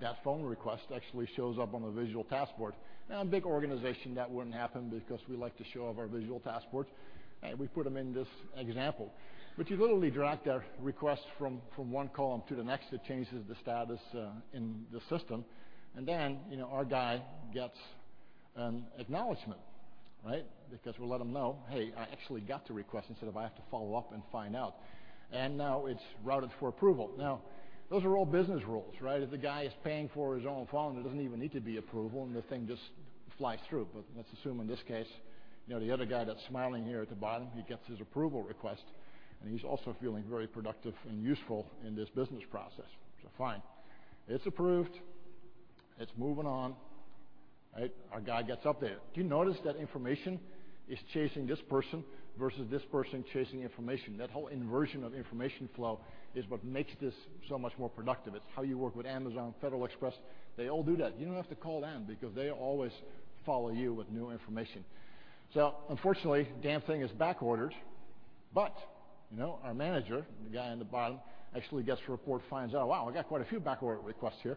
that phone request actually shows up on the visual task board. In a big organization, that wouldn't happen because we like to show off our visual task boards, and we put them in this example. You literally drag that request from one column to the next. It changes the status in the system, then our guy gets an acknowledgment. Because we let him know, "Hey, I actually got the request," instead of I have to follow up and find out. Now it's routed for approval. Those are all business rules. If the guy is paying for his own phone, there doesn't even need to be approval, the thing just flies through. Let's assume in this case, the other guy that's smiling here at the bottom, he gets his approval request, and he's also feeling very productive and useful in this business process. Fine. It's approved. It's moving on. Our guy gets updated. Do you notice that information is chasing this person versus this person chasing information? That whole inversion of information flow is what makes this so much more productive. It's how you work with Amazon, Federal Express. They all do that. You don't have to call them because they always follow you with new information. Unfortunately, damn thing is backordered. Our manager, the guy on the bottom, actually gets the report, finds out, "Wow, I got quite a few backorder requests here.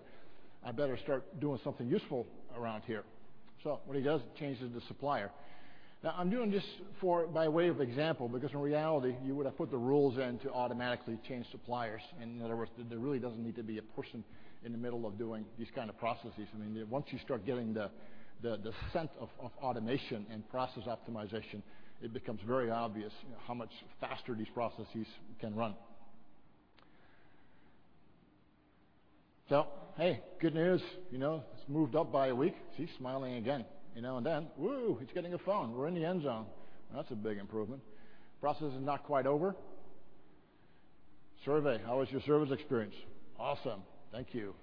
I better start doing something useful around here." What he does, he changes the supplier. I'm doing this by way of example, because in reality, you would have put the rules in to automatically change suppliers. In other words, there really doesn't need to be a person in the middle of doing these kind of processes. Once you start getting the scent of automation and process optimization, it becomes very obvious how much faster these processes can run. Hey, good news. It's moved up by a week. See, smiling again. Now and then, woo, he's getting a phone. We're in the end zone. That's a big improvement. Process is not quite over. Survey, how was your service experience? Awesome. Thank you.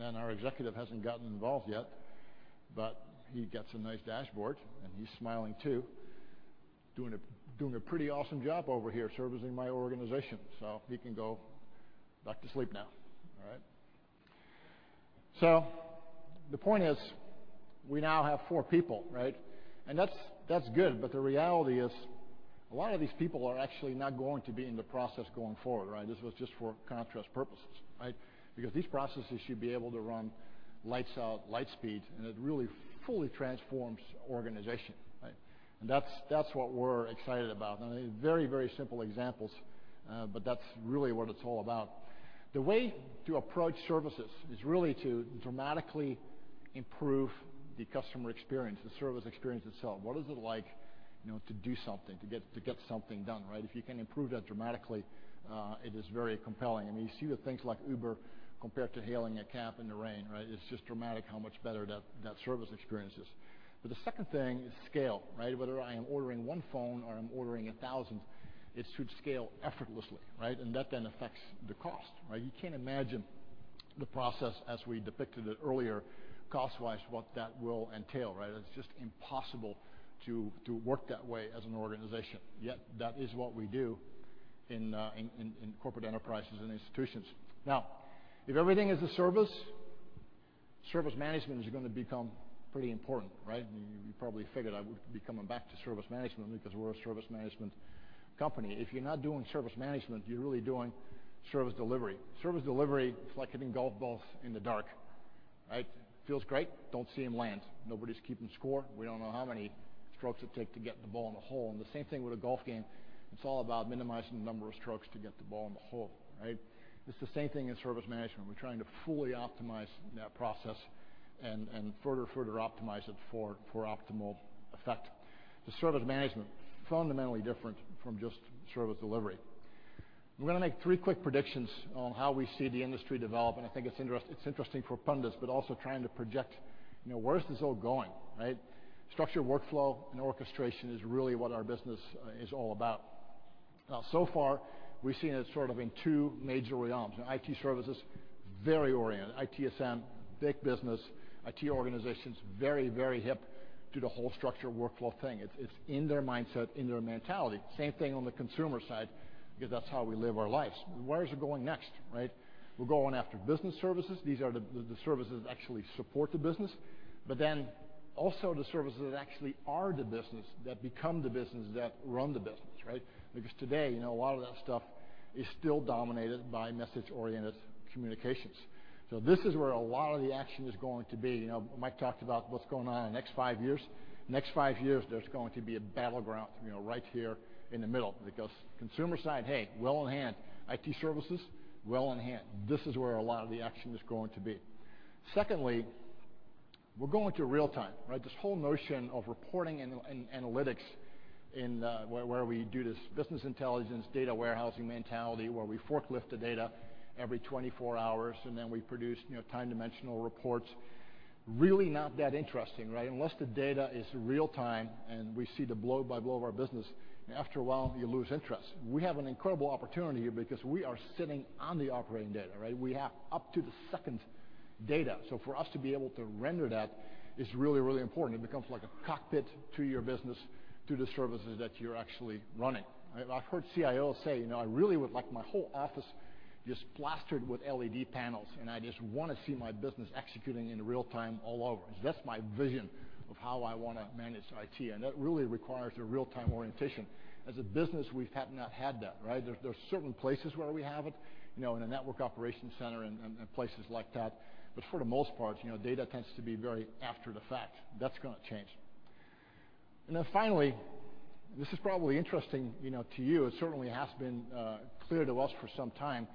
Our executive hasn't gotten involved yet, he gets a nice dashboard, he's smiling too, doing a pretty awesome job over here servicing my organization. He can go back to sleep now. All right? The point is, we now have four people, right? That's good, the reality is a lot of these people are actually not going to be in the process going forward. This was just for contrast purposes. These processes should be able to run lights out, light speed, it really fully transforms organization. That's what we're excited about. Very simple examples, that's really what it's all about. The way to approach services is really to dramatically improve the customer experience, the service experience itself. What is it like to do something, to get something done? If you can improve that dramatically, it is very compelling. You see with things like Uber compared to hailing a cab in the rain. It's just dramatic how much better that service experience is. The second thing is scale. Whether I am ordering one phone or I'm ordering 1,000, it should scale effortlessly. That then affects the cost. You can't imagine the process as we depicted it earlier, cost-wise, what that will entail. It's just impossible to work that way as an organization, yet that is what we do in corporate enterprises and institutions. If everything is a service management is going to become pretty important. You probably figured I would be coming back to service management because we're a service management company. If you're not doing service management, you're really doing service delivery. Service delivery is like hitting golf balls in the dark. Feels great, don't see them land. Nobody's keeping score. We don't know how many strokes it takes to get the ball in the hole. The same thing with a golf game, it's all about minimizing the number of strokes to get the ball in the hole. It's the same thing as service management. We're trying to fully optimize that process and further optimize it for optimal effect. Service management, fundamentally different from just service delivery. I'm going to make three quick predictions on how we see the industry develop, I think it's interesting for pundits, also trying to project where is this all going. Structured workflow and orchestration is really what our business is all about. Far, we've seen it sort of in two major realms. In IT services, very oriented. ITSM, big business, IT organizations, very hip to the whole structured workflow thing. It's in their mindset, in their mentality. Same thing on the consumer side, because that's how we live our lives. Where is it going next? We're going after business services. These are the services that actually support the business. Also the services that actually are the business, that become the business, that run the business. Because today, a lot of that stuff is still dominated by message-oriented communications. This is where a lot of the action is going to be. Mike talked about what's going on in the next five years. The next five years, there's going to be a battleground right here in the middle because consumer side, hey, well in hand. IT services, well in hand. This is where a lot of the action is going to be. Secondly, we're going to real-time. This whole notion of reporting and analytics where we do this business intelligence, data warehousing mentality, where we forklift the data every 24 hours, and then we produce time dimensional reports. Really not that interesting. Unless the data is real-time and we see the blow by blow of our business, after a while, you lose interest. We have an incredible opportunity here because we are sitting on the operating data. We have up to the second- data. For us to be able to render that is really, really important. It becomes like a cockpit to your business, to the services that you're actually running. I've heard CIOs say, "I really would like my whole office just plastered with LED panels, and I just want to see my business executing in real time all over." That's my vision of how I want to manage IT. That really requires a real-time orientation. As a business, we've not had that, right? There's certain places where we have it, in a network operations center and places like that. For the most part, data tends to be very after the fact. That's going to change. Finally, this is probably interesting to you. It certainly has been clear to us for some time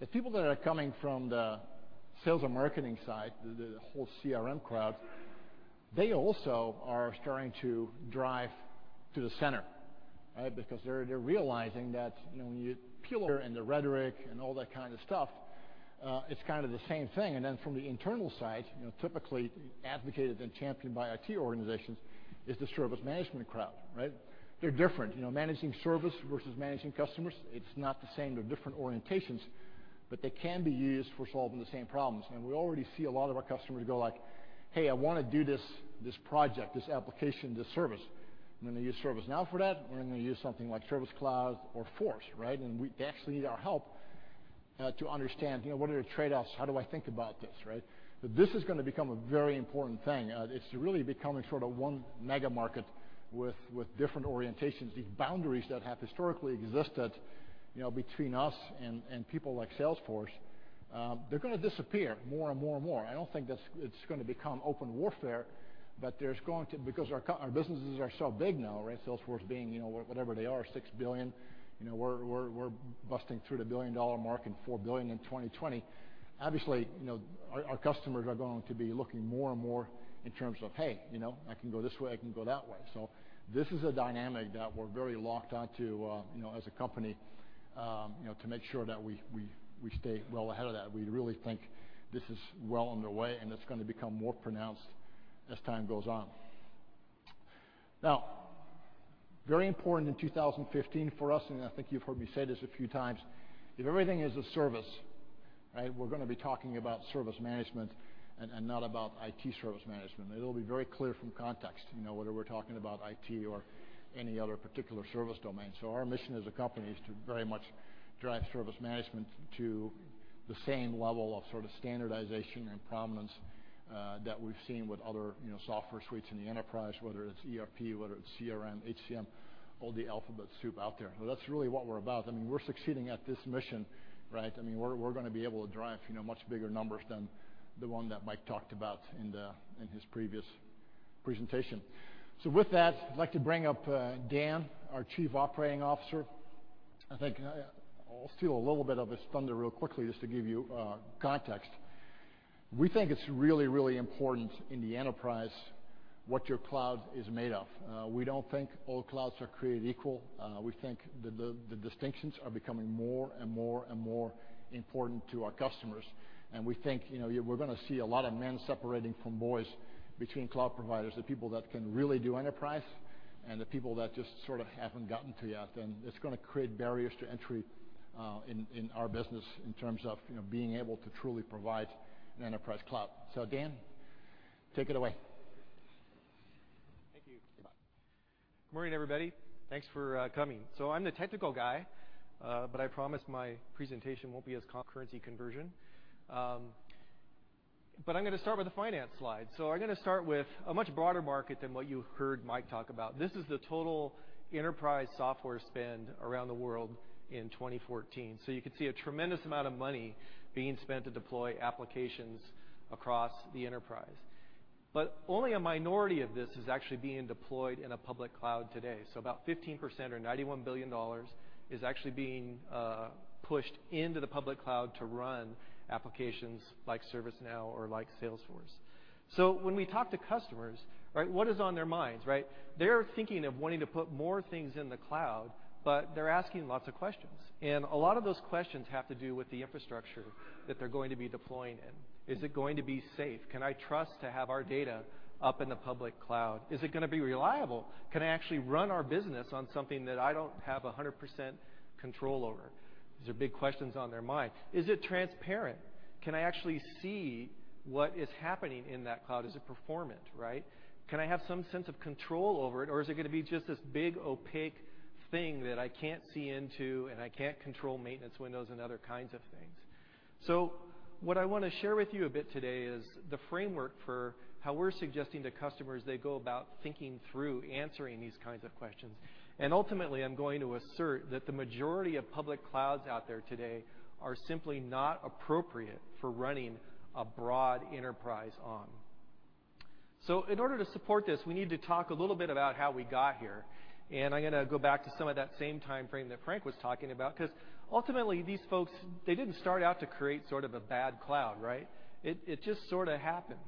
that people that are coming from the sales and marketing side, the whole CRM crowd, they also are starting to drive to the center. They're realizing that when you peel and the rhetoric and all that kind of stuff, it's kind of the same thing. From the internal side, typically advocated and championed by IT organizations, is the service management crowd, right? They're different. Managing service versus managing customers, it's not the same. They're different orientations. They can be used for solving the same problems. We already see a lot of our customers go like, "Hey, I want to do this project, this application, this service. I'm going to use ServiceNow for that. I'm going to use something like Service Cloud or Force.com," right? They actually need our help to understand what are the trade-offs, how do I think about this, right? This is going to become a very important thing. It's really becoming sort of one mega market with different orientations. These boundaries that have historically existed between us and people like Salesforce, they're going to disappear more and more and more. I don't think it's going to become open warfare, but there's going to because our businesses are so big now, right? Salesforce being whatever they are, $6 billion. We're busting through the billion-dollar mark and $4 billion in 2020. Our customers are going to be looking more and more in terms of, "Hey, I can go this way. I can go that way." This is a dynamic that we're very locked onto as a company to make sure that we stay well ahead of that. We really think this is well underway, and it's going to become more pronounced as time goes on. Very important in 2015 for us, and I think you've heard me say this a few times, if everything is a service, right, we're going to be talking about service management and not about IT service management. It'll be very clear from context whether we're talking about IT or any other particular service domain. Our mission as a company is to very much drive service management to the same level of sort of standardization and prominence that we've seen with other software suites in the enterprise, whether it's ERP, whether it's CRM, HCM, all the alphabet soup out there. That's really what we're about. We're succeeding at this mission, right? We're going to be able to drive much bigger numbers than the one that Mike talked about in his previous presentation. With that, I'd like to bring up Dan, our Chief Operating Officer. I think I'll steal a little bit of his thunder real quickly just to give you context. We think it's really, really important in the enterprise what your cloud is made of. We don't think all clouds are created equal. We think the distinctions are becoming more and more important to our customers. We think we're going to see a lot of men separating from boys between cloud providers, the people that can really do enterprise and the people that just sort of haven't gotten to yet. It's going to create barriers to entry in our business in terms of being able to truly provide an enterprise cloud. Dan, take it away. Thank you. Yeah. Good morning, everybody. Thanks for coming. I'm the technical guy, but I promise my presentation won't be as currency conversion. I'm going to start with the finance slide. I'm going to start with a much broader market than what you heard Mike talk about. This is the total enterprise software spend around the world in 2014. You could see a tremendous amount of money being spent to deploy applications across the enterprise. Only a minority of this is actually being deployed in a public cloud today. About 15% or $91 billion is actually being pushed into the public cloud to run applications like ServiceNow or like Salesforce. When we talk to customers, what is on their minds, right? They're thinking of wanting to put more things in the cloud, but they're asking lots of questions. A lot of those questions have to do with the infrastructure that they're going to be deploying in. Is it going to be safe? Can I trust to have our data up in the public cloud? Is it going to be reliable? Can I actually run our business on something that I don't have 100% control over? These are big questions on their mind. Is it transparent? Can I actually see what is happening in that cloud? Is it performant, right? Can I have some sense of control over it, or is it going to be just this big, opaque thing that I can't see into, and I can't control maintenance windows and other kinds of things? What I want to share with you a bit today is the framework for how we're suggesting to customers they go about thinking through answering these kinds of questions. Ultimately, I'm going to assert that the majority of public clouds out there today are simply not appropriate for running a broad enterprise on. In order to support this, we need to talk a little bit about how we got here, and I'm going to go back to some of that same timeframe that Frank was talking about because ultimately, these folks, they didn't start out to create sort of a bad cloud, right? It just sort of happened.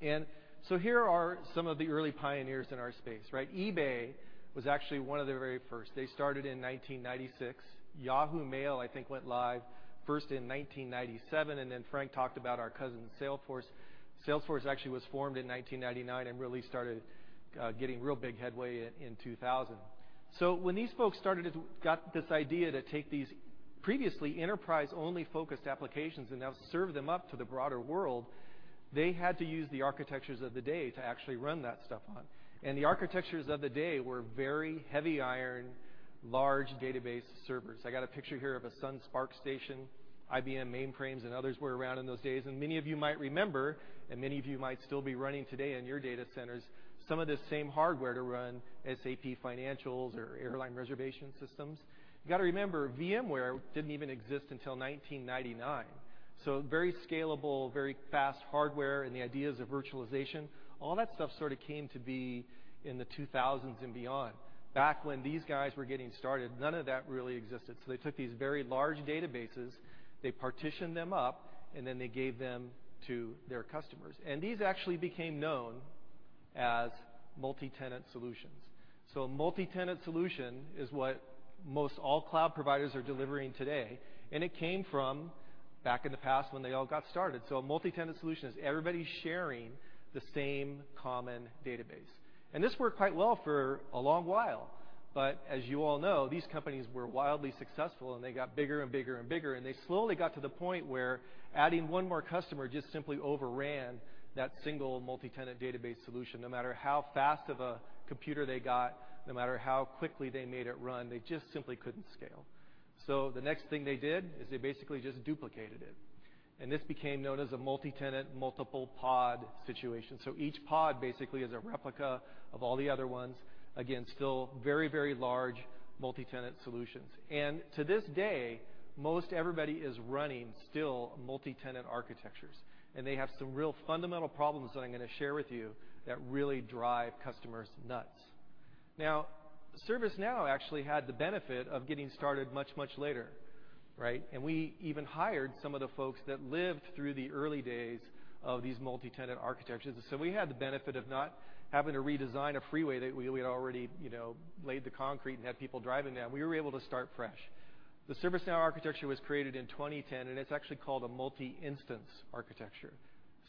Here are some of the early pioneers in our space, right? eBay was actually one of the very first. They started in 1996. Yahoo Mail, I think, went live first in 1997, and then Frank talked about our cousin, Salesforce. Salesforce actually was formed in 1999 and really started getting real big headway in 2000. When these folks got this idea to take these previously enterprise only focused applications and now serve them up to the broader world. They had to use the architectures of the day to actually run that stuff on. The architectures of the day were very heavy iron, large database servers. I got a picture here of a Sun SPARCstation, IBM mainframes and others were around in those days, and many of you might remember, and many of you might still be running today in your data centers some of this same hardware to run SAP financials or airline reservation systems. You got to remember, VMware didn't even exist until 1999. Very scalable, very fast hardware, and the ideas of virtualization, all that stuff sort of came to be in the 2000s and beyond. Back when these guys were getting started, none of that really existed. They took these very large databases, they partitioned them up, they gave them to their customers. These actually became known as multi-tenant solutions. A multi-tenant solution is what most all cloud providers are delivering today. It came from back in the past when they all got started. A multi-tenant solution is everybody sharing the same common database. This worked quite well for a long while. As you all know, these companies were wildly successful, and they got bigger and bigger and bigger, and they slowly got to the point where adding one more customer just simply overran that single multi-tenant database solution. No matter how fast of a computer they got, no matter how quickly they made it run, they just simply couldn't scale. The next thing they did is they basically just duplicated it, this became known as a multi-tenant, multiple pod situation. Each pod basically is a replica of all the other ones. Again, still very large multi-tenant solutions. To this day, most everybody is running still multi-tenant architectures. They have some real fundamental problems that I'm going to share with you that really drive customers nuts. ServiceNow actually had the benefit of getting started much later. Right? We even hired some of the folks that lived through the early days of these multi-tenant architectures. We had the benefit of not having to redesign a freeway that we had already laid the concrete and had people driving down. We were able to start fresh. The ServiceNow architecture was created in 2010, it's actually called a multi-instance architecture,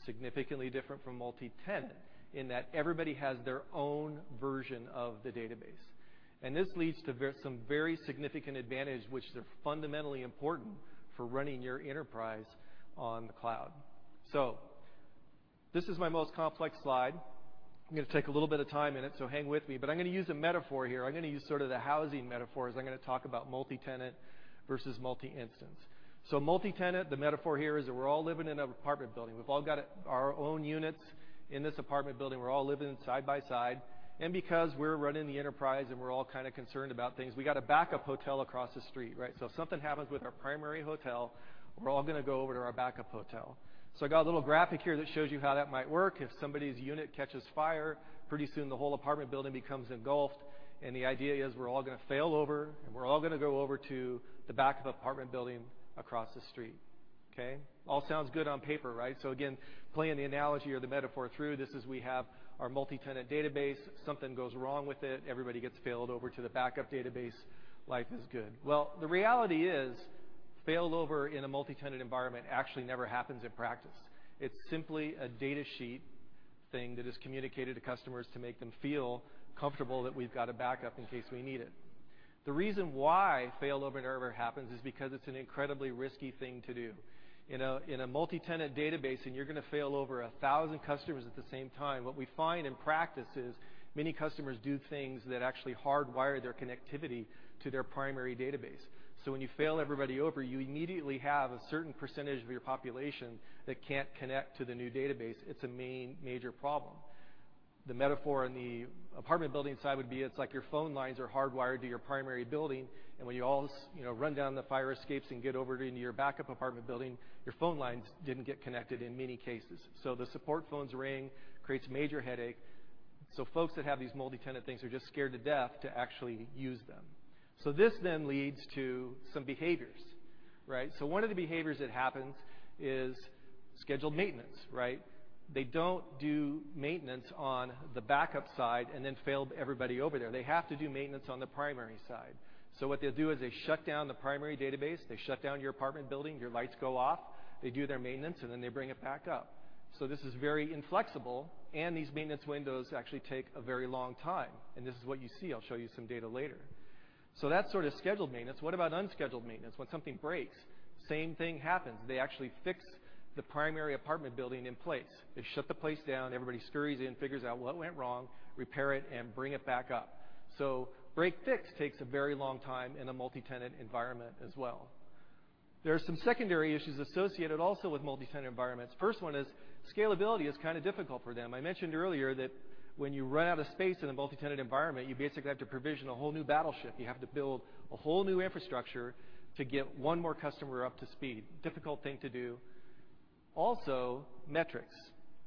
significantly different from multi-tenant in that everybody has their own version of the database. This leads to some very significant advantage, which they're fundamentally important for running your enterprise on the cloud. This is my most complex slide. I'm going to take a little bit of time in it, so hang with me. I'm going to use a metaphor here. I'm going to use sort of the housing metaphor as I'm going to talk about multi-tenant versus multi-instance. Multi-tenant, the metaphor here is that we're all living in an apartment building. We've all got our own units in this apartment building. We're all living side by side. Because we're running the enterprise and we're all kind of concerned about things, we got a backup hotel across the street, right? If something happens with our primary hotel, we're all going to go over to our backup hotel. I got a little graphic here that shows you how that might work. If somebody's unit catches fire, pretty soon the whole apartment building becomes engulfed, the idea is we're all going to fail over, we're all going to go over to the backup apartment building across the street. Okay? All sounds good on paper, right? Again, playing the analogy or the metaphor through this is we have our multi-tenant database. If something goes wrong with it, everybody gets failed over to the backup database. Life is good. The reality is failed over in a multi-tenant environment actually never happens in practice. It's simply a data sheet thing that is communicated to customers to make them feel comfortable that we've got a backup in case we need it. The reason why failover never happens is because it's an incredibly risky thing to do. In a multi-tenant database, you're going to fail over 1,000 customers at the same time, what we find in practice is many customers do things that actually hardwire their connectivity to their primary database. When you fail everybody over, you immediately have a certain percentage of your population that can't connect to the new database. It's a main major problem. The metaphor in the apartment building side would be it's like your phone lines are hardwired to your primary building, and when you all run down the fire escapes and get over into your backup apartment building, your phone lines didn't get connected in many cases. The support phones ring, creates a major headache. Folks that have these multi-tenant things are just scared to death to actually use them. This then leads to some behaviors, right? One of the behaviors that happens is scheduled maintenance, right? They don't do maintenance on the backup side then fail everybody over there. They have to do maintenance on the primary side. What they'll do is they shut down the primary database. They shut down your apartment building, your lights go off, they do their maintenance, then they bring it back up. This is very inflexible, and these maintenance windows actually take a very long time, and this is what you see. I'll show you some data later. That's sort of scheduled maintenance. What about unscheduled maintenance? When something breaks, same thing happens. They actually fix the primary apartment building in place. They shut the place down, everybody scurries in, figures out what went wrong, repair it, then bring it back up. Break/fix takes a very long time in a multi-tenant environment as well. There are some secondary issues associated also with multi-tenant environments. First one is scalability is kind of difficult for them. I mentioned earlier that when you run out of space in a multi-tenant environment, you basically have to provision a whole new battleship. You have to build a whole new infrastructure to get one more customer up to speed. Difficult thing to do. Also, metrics.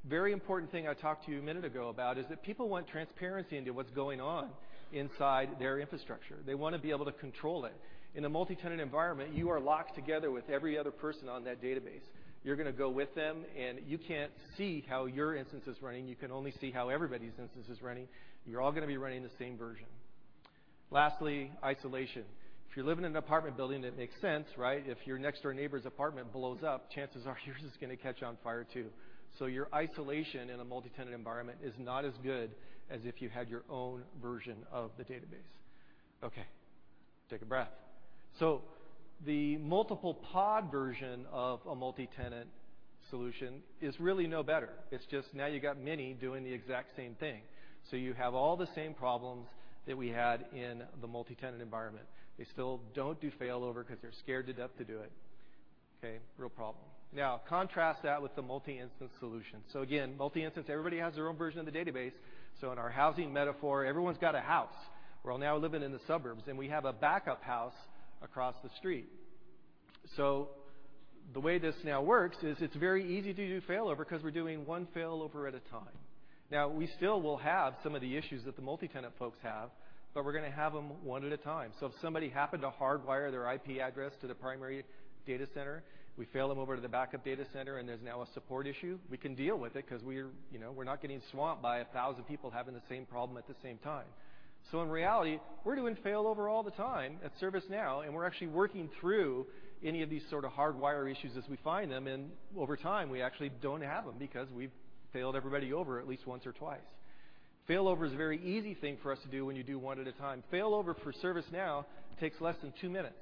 Very important thing I talked to you a minute ago about is that people want transparency into what's going on inside their infrastructure. They want to be able to control it. In a multi-tenant environment, you are locked together with every other person on that database. You're going to go with them, you can't see how your instance is running. You can only see how everybody's instance is running. You're all going to be running the same version. Lastly, isolation. If you live in an apartment building, that makes sense, right? If your next-door neighbor's apartment blows up, chances are yours is going to catch on fire too. Your isolation in a multi-tenant environment is not as good as if you had your own version of the database. Okay. Take a breath. The multiple pod version of a multi-tenant solution is really no better. It's just now you got many doing the exact same thing. You have all the same problems that we had in the multi-tenant environment. They still don't do failover because they're scared to death to do it. Okay. Real problem. Contrast that with the multi-instance solution. Again, multi-instance, everybody has their own version of the database. In our housing metaphor, everyone's got a house. We're all now living in the suburbs, and we have a backup house across the street. The way this now works is it's very easy to do failover because we're doing one failover at a time. We still will have some of the issues that the multi-tenant folks have, but we're going to have them one at a time. If somebody happened to hardwire their IP address to the primary data center, we fail them over to the backup data center, and there's now a support issue, we can deal with it because we're not getting swamped by 1,000 people having the same problem at the same time. In reality, we're doing failover all the time at ServiceNow, and we're actually working through any of these sort of hardwire issues as we find them, and over time, we actually don't have them because we've failed everybody over at least once or twice. Failover is a very easy thing for us to do when you do one at a time. Failover for ServiceNow takes less than two minutes.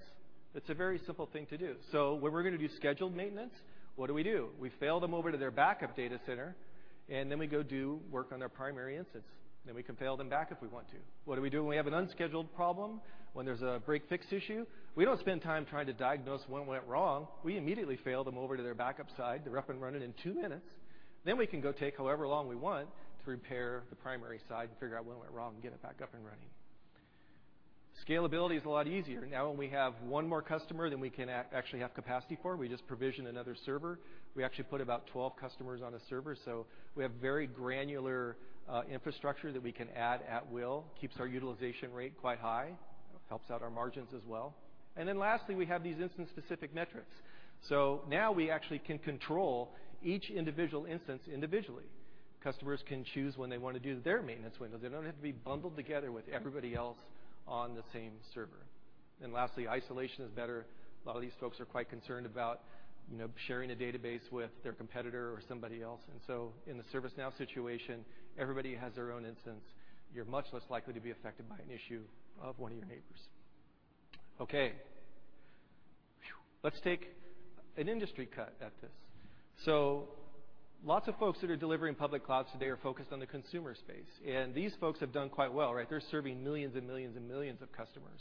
It's a very simple thing to do. When we're going to do scheduled maintenance, what do we do? We fail them over to their backup data center, we go do work on their primary instance. We can fail them back if we want to. What do we do when we have an unscheduled problem, when there's a break fix issue? We don't spend time trying to diagnose what went wrong. We immediately fail them over to their backup site. They're up and running in two minutes. Then we can go take however long we want to repair the primary site and figure out what went wrong and get it back up and running. Scalability is a lot easier. When we have one more customer than we can actually have capacity for, we just provision another server. We actually put about 12 customers on a server, so we have very granular infrastructure that we can add at will. Keeps our utilization rate quite high, helps out our margins as well. Lastly, we have these instance-specific metrics. Now we actually can control each individual instance individually. Customers can choose when they want to do their maintenance windows. They don't have to be bundled together with everybody else on the same server. Lastly, isolation is better. A lot of these folks are quite concerned about sharing a database with their competitor or somebody else. In the ServiceNow situation, everybody has their own instance. You're much less likely to be affected by an issue of one of your neighbors. Okay. Let's take an industry cut at this. Lots of folks that are delivering public clouds today are focused on the consumer space, and these folks have done quite well, right. They're serving millions and millions and millions of customers.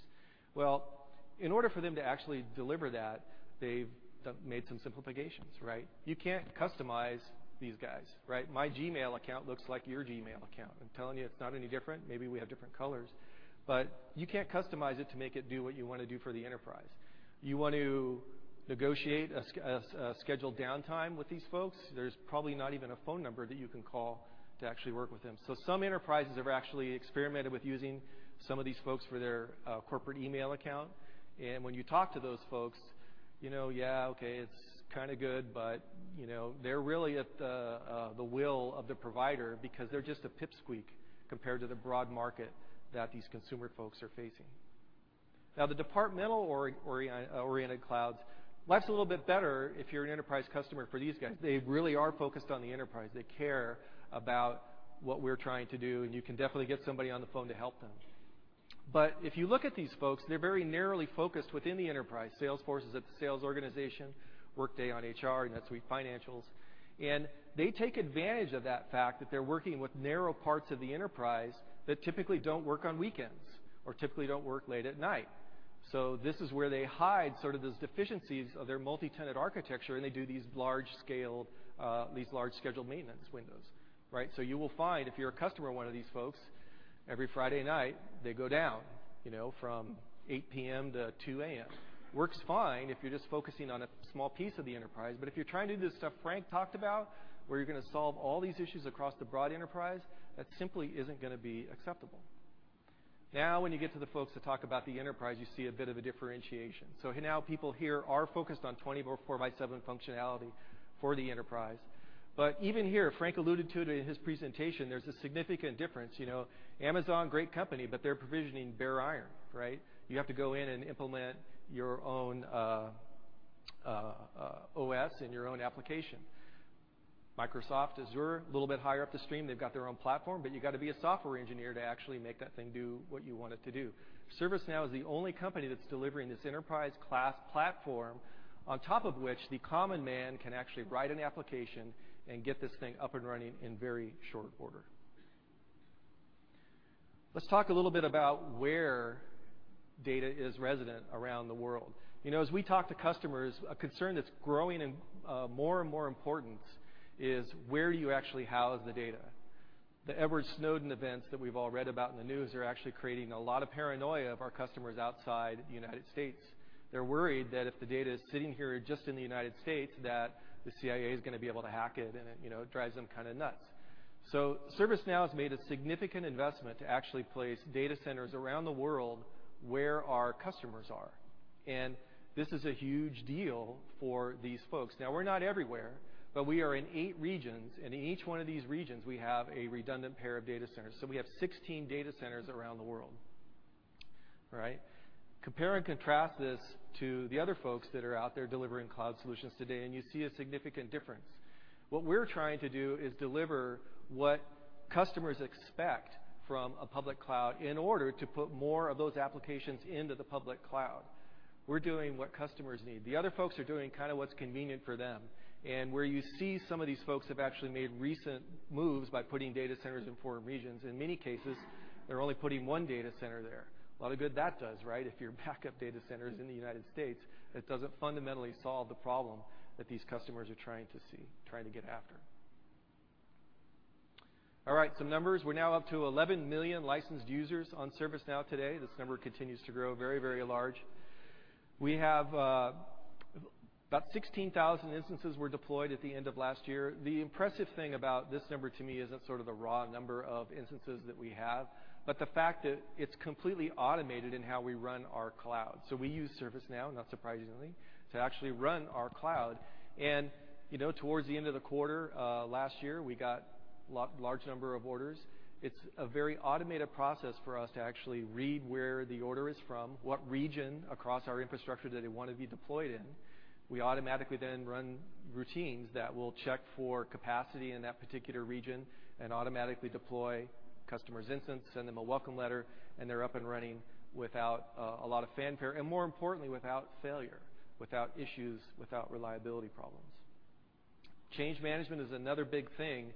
In order for them to actually deliver that, they've made some simplifications, right? You can't customize these guys, right? My Gmail account looks like your Gmail account. I'm telling you, it's not any different. Maybe we have different colors. You can't customize it to make it do what you want to do for the enterprise. You want to negotiate a scheduled downtime with these folks, there's probably not even a phone number that you can call to actually work with them. Some enterprises have actually experimented with using some of these folks for their corporate email account. When you talk to those folks, you know, yeah, okay, it's kind of good, but they're really at the will of the provider because they're just a pipsqueak compared to the broad market that these consumer folks are facing. The departmental-oriented clouds, life's a little bit better if you're an enterprise customer for these guys. They really are focused on the enterprise. They care about what we're trying to do, and you can definitely get somebody on the phone to help them. If you look at these folks, they're very narrowly focused within the enterprise. Salesforce is a sales organization, Workday on HR, NetSuite financials. They take advantage of that fact that they're working with narrow parts of the enterprise that typically don't work on weekends, or typically don't work late at night. This is where they hide sort of those deficiencies of their multi-tenant architecture, and they do these large-scale, these large scheduled maintenance windows, right? You will find if you're a customer of one of these folks, every Friday night, they go down from 8:00 P.M. to 2:00 A.M. Works fine if you're just focusing on a small piece of the enterprise. If you're trying to do the stuff Frank talked about, where you're going to solve all these issues across the broad enterprise, that simply isn't going to be acceptable. When you get to the folks that talk about the enterprise, you see a bit of a differentiation. People here are focused on 24 by seven functionality for the enterprise. Even here, Frank alluded to it in his presentation, there's a significant difference. Amazon, great company, but they're provisioning bare iron, right? You have to go in and implement your own OS and your own application. Microsoft Azure, a little bit higher up the stream. They've got their own platform, but you got to be a software engineer to actually make that thing do what you want it to do. ServiceNow is the only company that's delivering this enterprise class platform on top of which the common man can actually write an application and get this thing up and running in very short order. Let's talk a little bit about where data is resident around the world. As we talk to customers, a concern that's growing in more and more importance is where you actually house the data. The Edward Snowden events that we've all read about in the news are actually creating a lot of paranoia of our customers outside the United States. They're worried that if the data is sitting here just in the United States, that the CIA is going to be able to hack it, and it drives them kind of nuts. ServiceNow has made a significant investment to actually place data centers around the world where our customers are, this is a huge deal for these folks. We're not everywhere, we are in eight regions, and in each one of these regions, we have a redundant pair of data centers. We have 16 data centers around the world. All right? Compare and contrast this to the other folks that are out there delivering cloud solutions today, you see a significant difference. What we're trying to do is deliver what customers expect from a public cloud in order to put more of those applications into the public cloud. We're doing what customers need. The other folks are doing what's convenient for them. Where you see some of these folks have actually made recent moves by putting data centers in foreign regions, in many cases, they're only putting one data center there. A lot of good that does, right? If your backup data center's in the U.S., that doesn't fundamentally solve the problem that these customers are trying to get after. All right, some numbers. We're now up to 11 million licensed users on ServiceNow today. This number continues to grow very, very large. We have about 16,000 instances were deployed at the end of last year. The impressive thing about this number to me isn't the raw number of instances that we have, but the fact that it's completely automated in how we run our cloud. We use ServiceNow, not surprisingly, to actually run our cloud. Towards the end of the quarter, last year, we got large number of orders. It's a very automated process for us to actually read where the order is from, what region across our infrastructure that they want to be deployed in. We automatically then run routines that will check for capacity in that particular region and automatically deploy customer's instance, send them a welcome letter, they're up and running without a lot of fanfare, more importantly, without failure, without issues, without reliability problems. Change management is another big thing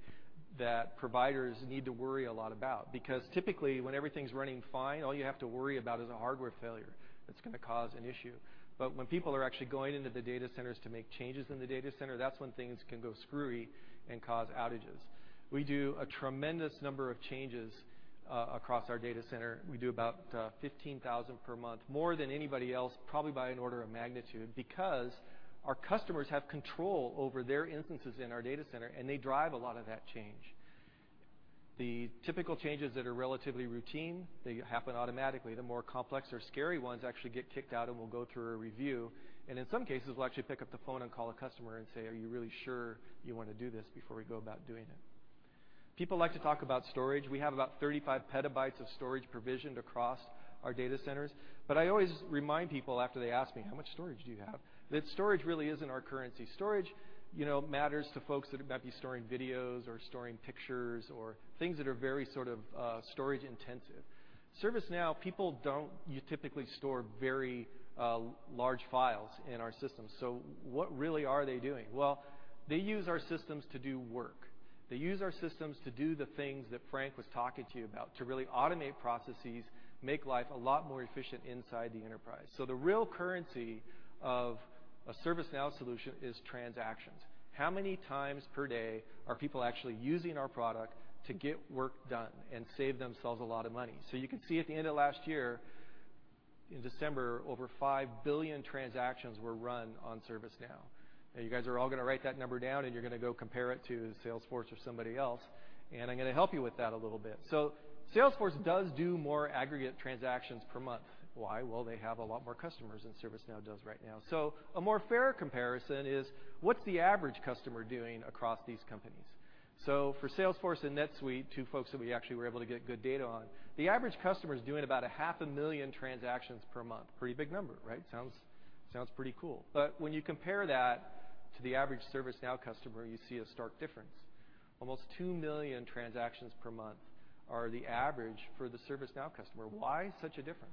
that providers need to worry a lot about, because typically when everything's running fine, all you have to worry about is a hardware failure that's going to cause an issue. When people are actually going into the data centers to make changes in the data center, that's when things can go screwy and cause outages. We do a tremendous number of changes across our data center. We do about 15,000 per month, more than anybody else, probably by an order of magnitude, because our customers have control over their instances in our data center, they drive a lot of that change. The typical changes that are relatively routine, they happen automatically. The more complex or scary ones actually get kicked out and will go through a review. In some cases, we'll actually pick up the phone and call a customer and say, "Are you really sure you want to do this?" before we go about doing it. People like to talk about storage. We have about 35 petabytes of storage provisioned across our data centers. I always remind people after they ask me, "How much storage do you have?" That storage really isn't our currency. Storage matters to folks that might be storing videos or storing pictures or things that are very storage intensive. ServiceNow, people don't typically store very large files in our system. What really are they doing? Well, they use our systems to do work. They use our systems to do the things that Frank was talking to you about, to really automate processes, make life a lot more efficient inside the enterprise. The real currency of a ServiceNow solution is transactions. How many times per day are people actually using our product to get work done and save themselves a lot of money? You can see at the end of last year, in December, over 5 billion transactions were run on ServiceNow. Now, you guys are all going to write that number down, and you're going to go compare it to Salesforce or somebody else, and I'm going to help you with that a little bit. Salesforce does do more aggregate transactions per month. Why? Well, they have a lot more customers than ServiceNow does right now. A more fair comparison is what's the average customer doing across these companies? For Salesforce and NetSuite, two folks that we actually were able to get good data on, the average customer is doing about a half a million transactions per month. Pretty big number, right? Sounds pretty cool. When you compare that to the average ServiceNow customer, you see a stark difference. Almost 2 million transactions per month are the average for the ServiceNow customer. Why such a difference?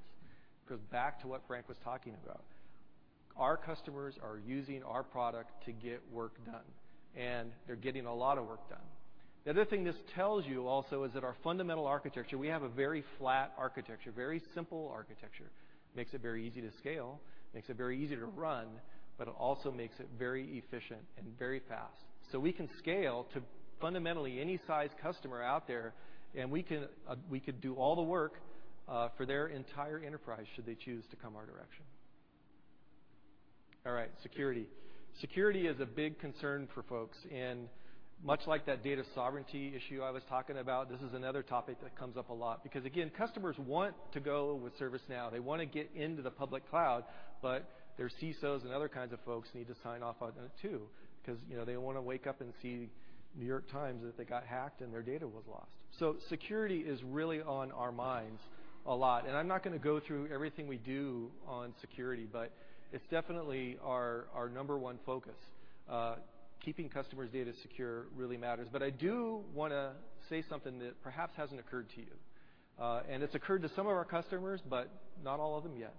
It goes back to what Frank was talking about. Our customers are using our product to get work done, and they're getting a lot of work done. The other thing this tells you also is that our fundamental architecture, we have a very flat architecture, very simple architecture. Makes it very easy to scale, makes it very easy to run, but it also makes it very efficient and very fast. We can scale to fundamentally any size customer out there, and we could do all the work for their entire enterprise, should they choose to come our direction. All right. Security. Security is a big concern for folks, and much like that data sovereignty issue I was talking about, this is another topic that comes up a lot. Again, customers want to go with ServiceNow. They want to get into the public cloud, but their CISOs and other kinds of folks need to sign off on it, too. They don't want to wake up and see The New York Times that they got hacked and their data was lost. Security is really on our minds a lot, and I'm not going to go through everything we do on security, but it's definitely our number 1 focus. Keeping customers' data secure really matters. I do want to say something that perhaps hasn't occurred to you. It's occurred to some of our customers, but not all of them yet.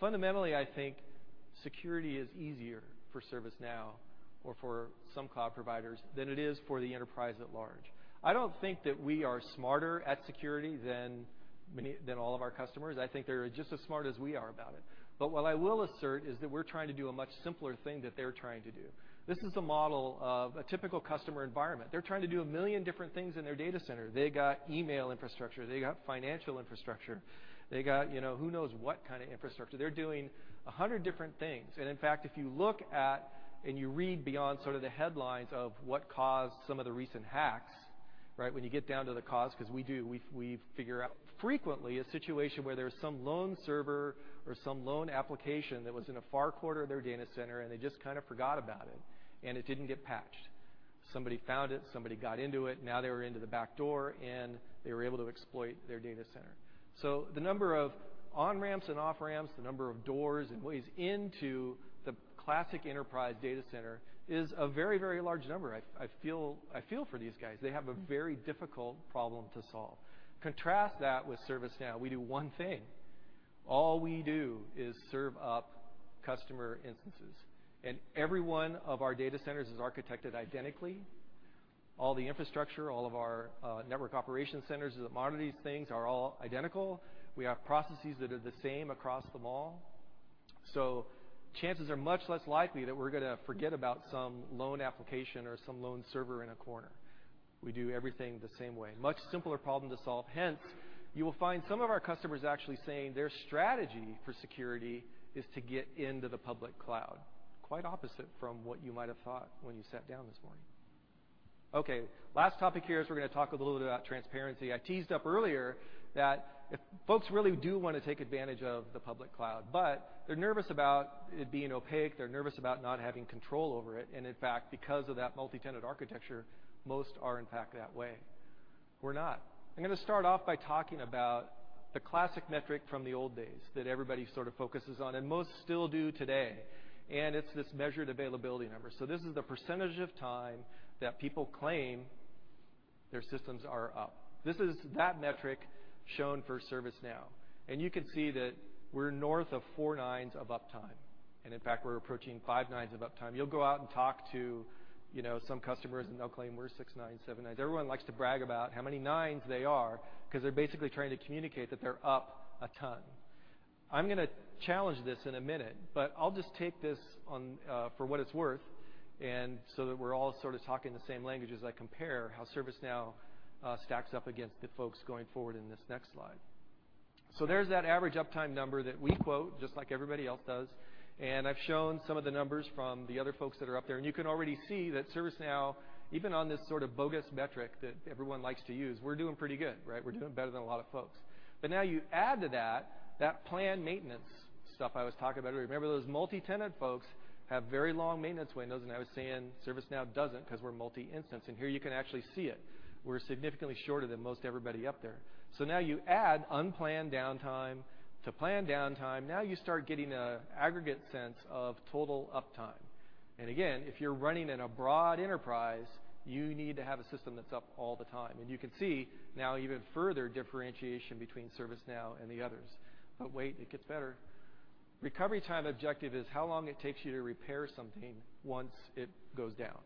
Fundamentally, I think security is easier for ServiceNow or for some cloud providers than it is for the enterprise at large. I don't think that we are smarter at security than all of our customers. I think they're just as smart as we are about it. What I will assert is that we're trying to do a much simpler thing that they're trying to do. This is a model of a typical customer environment. They're trying to do a million different things in their data center. They got email infrastructure. They got financial infrastructure. They got who knows what kind of infrastructure. They're doing 100 different things. In fact, if you look at and you read beyond sort of the headlines of what caused some of the recent hacks, when you get down to the cause, because we do, we figure out frequently a situation where there's some lone server or some lone application that was in a far corner of their data center, and they just kind of forgot about it, and it didn't get patched. Somebody found it, somebody got into it. Now they were into the back door, and they were able to exploit their data center. The number of on-ramps and off-ramps, the number of doors and ways into the classic enterprise data center is a very, very large number. I feel for these guys. They have a very difficult problem to solve. Contrast that with ServiceNow. We do one thing. All we do is serve up customer instances, and every one of our data centers is architected identically. All the infrastructure, all of our network operation centers that monitor these things are all identical. We have processes that are the same across them all. Chances are much less likely that we're going to forget about some lone application or some lone server in a corner. We do everything the same way. Much simpler problem to solve. Hence, you will find some of our customers actually saying their strategy for security is to get into the public cloud, quite opposite from what you might have thought when you sat down this morning. Okay, last topic here is we're going to talk a little bit about transparency. I teased up earlier that if folks really do want to take advantage of the public cloud, but they're nervous about it being opaque, they're nervous about not having control over it, and in fact, because of that multi-tenant architecture, most are in fact that way. We're not. I'm going to start off by talking about the classic metric from the old days that everybody sort of focuses on and most still do today. It's this measured availability number. This is the percentage of time that people claim their systems are up. This is that metric shown for ServiceNow, and you can see that we're north of four nines of uptime, and in fact, we're approaching five nines of uptime. You'll go out and talk to some customers, and they'll claim we're six nines, seven nines. Everyone likes to brag about how many nines they are because they're basically trying to communicate that they're up a ton. I'm going to challenge this in a minute, but I'll just take this for what it's worth and so that we're all sort of talking the same language as I compare how ServiceNow stacks up against the folks going forward in this next slide. There's that average uptime number that we quote, just like everybody else does, and I've shown some of the numbers from the other folks that are up there. You can already see that ServiceNow, even on this sort of bogus metric that everyone likes to use, we're doing pretty good. We're doing better than a lot of folks. Now you add to that that planned maintenance stuff I was talking about earlier. Remember, those multi-tenant folks have very long maintenance windows, and I was saying ServiceNow doesn't because we're multi-instance. Here you can actually see it. We're significantly shorter than most everybody up there. Now you add unplanned downtime to planned downtime. Now you start getting an aggregate sense of total uptime. Again, if you're running in a broad enterprise, you need to have a system that's up all the time. You can see now even further differentiation between ServiceNow and the others. Wait, it gets better. Recovery time objective is how long it takes you to repair something once it goes down.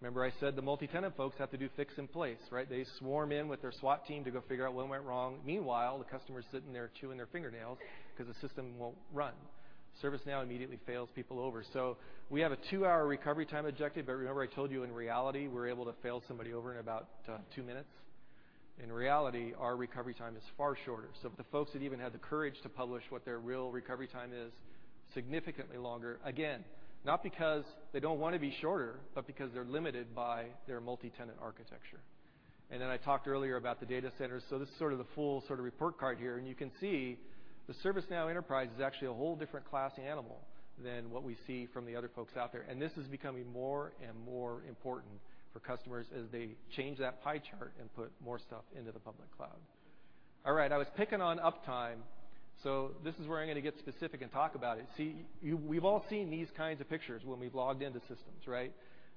Remember I said the multi-tenant folks have to do fix and place, right? They swarm in with their SWAT team to go figure out what went wrong. Meanwhile, the customer's sitting there chewing their fingernails because the system won't run. ServiceNow immediately fails people over. We have a two-hour recovery time objective, but remember I told you, in reality, we're able to fail somebody over in about two minutes. In reality, our recovery time is far shorter. The folks that even had the courage to publish what their real recovery time is significantly longer, again, not because they don't want to be shorter, but because they're limited by their multi-tenant architecture. Then I talked earlier about the data centers. This is sort of the full report card here, you can see the ServiceNow enterprise is actually a whole different class animal than what we see from the other folks out there, this is becoming more and more important for customers as they change that pie chart and put more stuff into the public cloud. All right, I was picking on uptime. This is where I'm going to get specific and talk about it. See, we've all seen these kinds of pictures when we've logged into systems, right?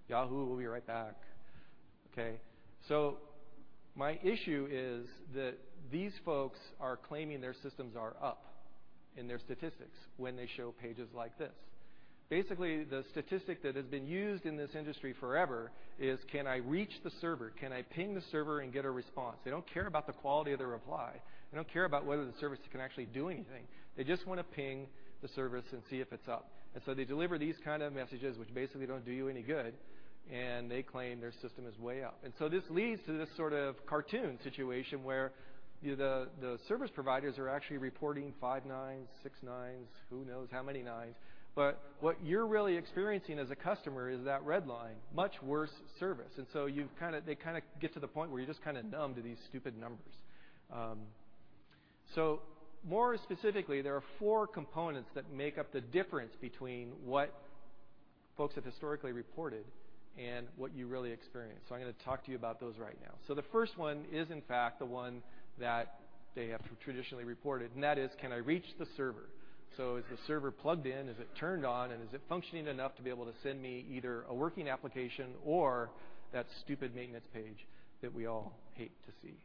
Yahoo will be right back. Okay. My issue is that these folks are claiming their systems are up in their statistics when they show pages like this. Basically, the statistic that has been used in this industry forever is can I reach the server? Can I ping the server and get a response? They don't care about the quality of the reply. They don't care about whether the service can actually do anything. They just want to ping the service and see if it's up. They deliver these kind of messages, which basically don't do you any good, they claim their system is way up. This leads to this sort of cartoon situation where the service providers are actually reporting 5 nines, 6 nines, who knows how many nines. What you're really experiencing as a customer is that red line, much worse service. They kind of get to the point where you're just kind of numb to these stupid numbers. More specifically, there are four components that make up the difference between what folks have historically reported and what you really experience. I'm going to talk to you about those right now. The first one is in fact the one that they have traditionally reported, and that is can I reach the server? Is the server plugged in, is it turned on, and is it functioning enough to be able to send me either a working application or that stupid maintenance page that we all hate to see?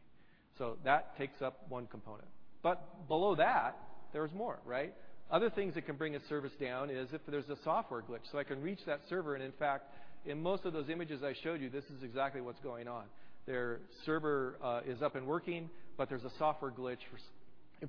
That takes up one component. Below that, there's more, right? Other things that can bring a service down is if there's a software glitch. I can reach that server, and in fact, in most of those images I showed you, this is exactly what's going on. Their server is up and working, but there's a software glitch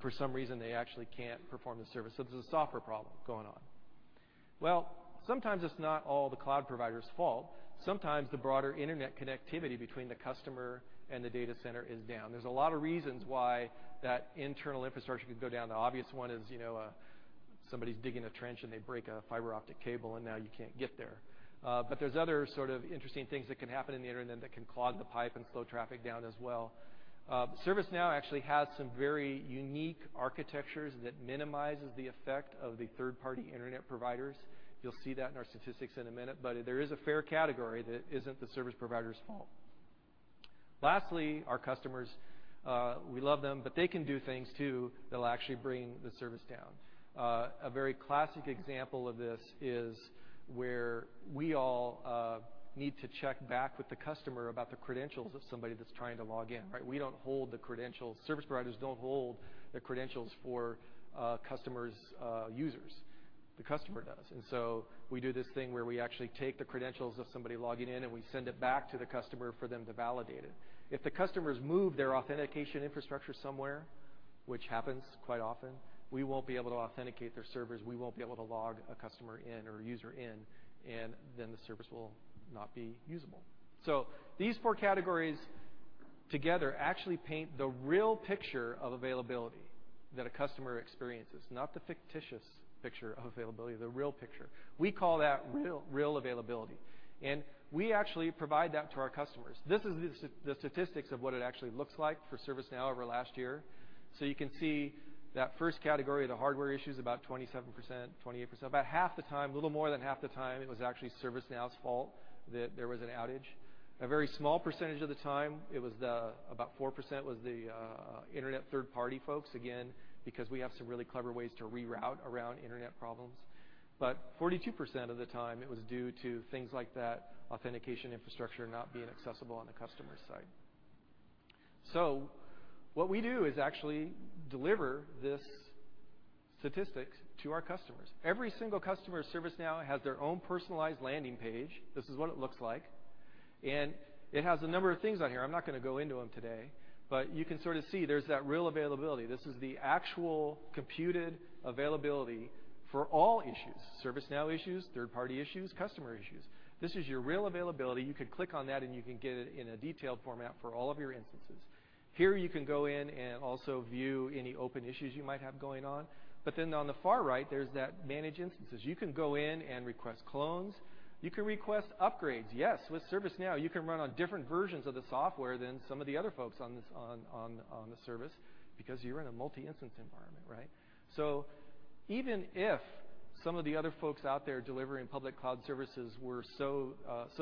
for some reason, they actually can't perform the service. There's a software problem going on. Sometimes it's not all the cloud provider's fault. Sometimes the broader internet connectivity between the customer and the data center is down. There's a lot of reasons why that internal infrastructure could go down. The obvious one is somebody's digging a trench, and they break a fiber optic cable, and now you can't get there. There's other sort of interesting things that can happen in the internet that can clog the pipe and slow traffic down as well. ServiceNow actually has some very unique architectures that minimizes the effect of the third-party internet providers. You'll see that in our statistics in a minute, there is a fair category that isn't the service provider's fault. Lastly, our customers, we love them, but they can do things too that'll actually bring the service down. A very classic example of this is where we all need to check back with the customer about the credentials of somebody that's trying to log in, right? We don't hold the credentials. Service providers don't hold the credentials for customers' users. The customer does. We do this thing where we actually take the credentials of somebody logging in, and we send it back to the customer for them to validate it. If the customers move their authentication infrastructure somewhere, which happens quite often, we won't be able to authenticate their servers, we won't be able to log a customer in or a user in, and then the service will not be usable. These 4 categories together actually paint the real picture of availability that a customer experiences, not the fictitious picture of availability, the real picture. We call that real availability, and we actually provide that to our customers. This is the statistics of what it actually looks like for ServiceNow over last year. You can see that first category of the hardware issues about 27%-28%. About half the time, a little more than half the time, it was actually ServiceNow's fault that there was an outage. A very small percentage of the time, about 4%, was the internet third party folks. Again, because we have some really clever ways to reroute around internet problems. 42% of the time, it was due to things like that authentication infrastructure not being accessible on the customer's side. What we do is actually deliver this statistic to our customers. Every single customer of ServiceNow has their own personalized landing page. This is what it looks like. It has a number of things on here. I'm not going to go into them today, you can sort of see there's that real availability. This is the actual computed availability for all issues, ServiceNow issues, third-party issues, customer issues. This is your real availability. You could click on that, you can get it in a detailed format for all of your instances. Here you can go in and also view any open issues you might have going on. On the far right, there's that manage instances. You can go in and request clones. You can request upgrades. Yes, with ServiceNow, you can run on different versions of the software than some of the other folks on the service because you're in a multi-instance environment, right? Even if some of the other folks out there delivering public cloud services were so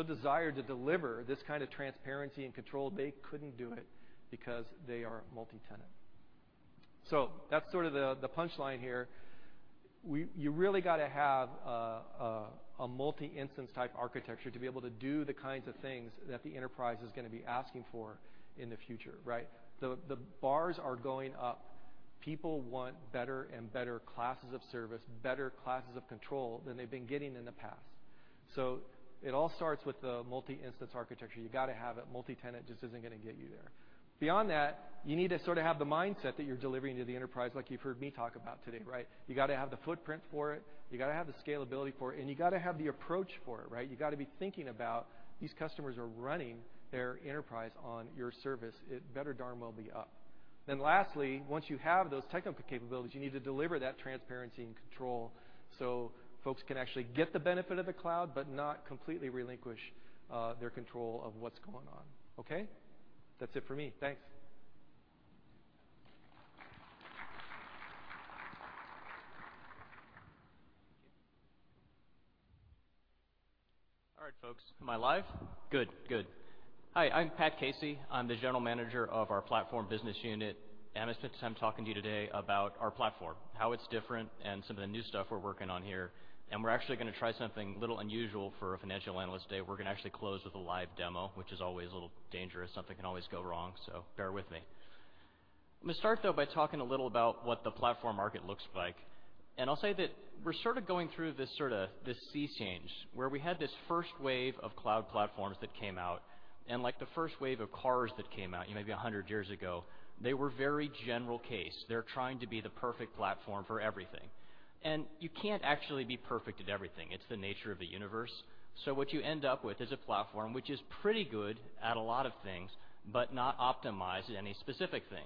desired to deliver this kind of transparency and control, they couldn't do it because they are multi-tenant. That's sort of the punchline here. You really got to have a multi-instance type architecture to be able to do the kinds of things that the enterprise is going to be asking for in the future, right? The bars are going up. People want better and better classes of service, better classes of control than they've been getting in the past. It all starts with the multi-instance architecture. You got to have it. Multi-tenant just isn't going to get you there. Beyond that, you need to sort of have the mindset that you're delivering to the enterprise, like you've heard me talk about today, right? You got to have the footprint for it. You got to have the scalability for it, you got to have the approach for it, right? You got to be thinking about these customers are running their enterprise on your service. It better darn well be up. Lastly, once you have those technical capabilities, you need to deliver that transparency and control so folks can actually get the benefit of the cloud, but not completely relinquish their control of what's going on. Okay. That's it for me. Thanks. Thank you. All right, folks. Am I live? Good. Hi, I'm Pat Casey. I'm the general manager of our platform business unit. I'm going to spend some time talking to you today about our platform, how it's different, and some of the new stuff we're working on here. We're actually going to try something a little unusual for a financial analyst day. We're going to actually close with a live demo, which is always a little dangerous. Something can always go wrong, bear with me. I'm going to start, though, by talking a little about what the platform market looks like. I'll say that we're sort of going through this sea change, where we had this first wave of cloud platforms that came out, and like the first wave of cars that came out, maybe 100 years ago, they were very general case. They're trying to be the perfect platform for everything. You can't actually be perfect at everything. It's the nature of the universe. What you end up with is a platform which is pretty good at a lot of things, but not optimized at any specific thing.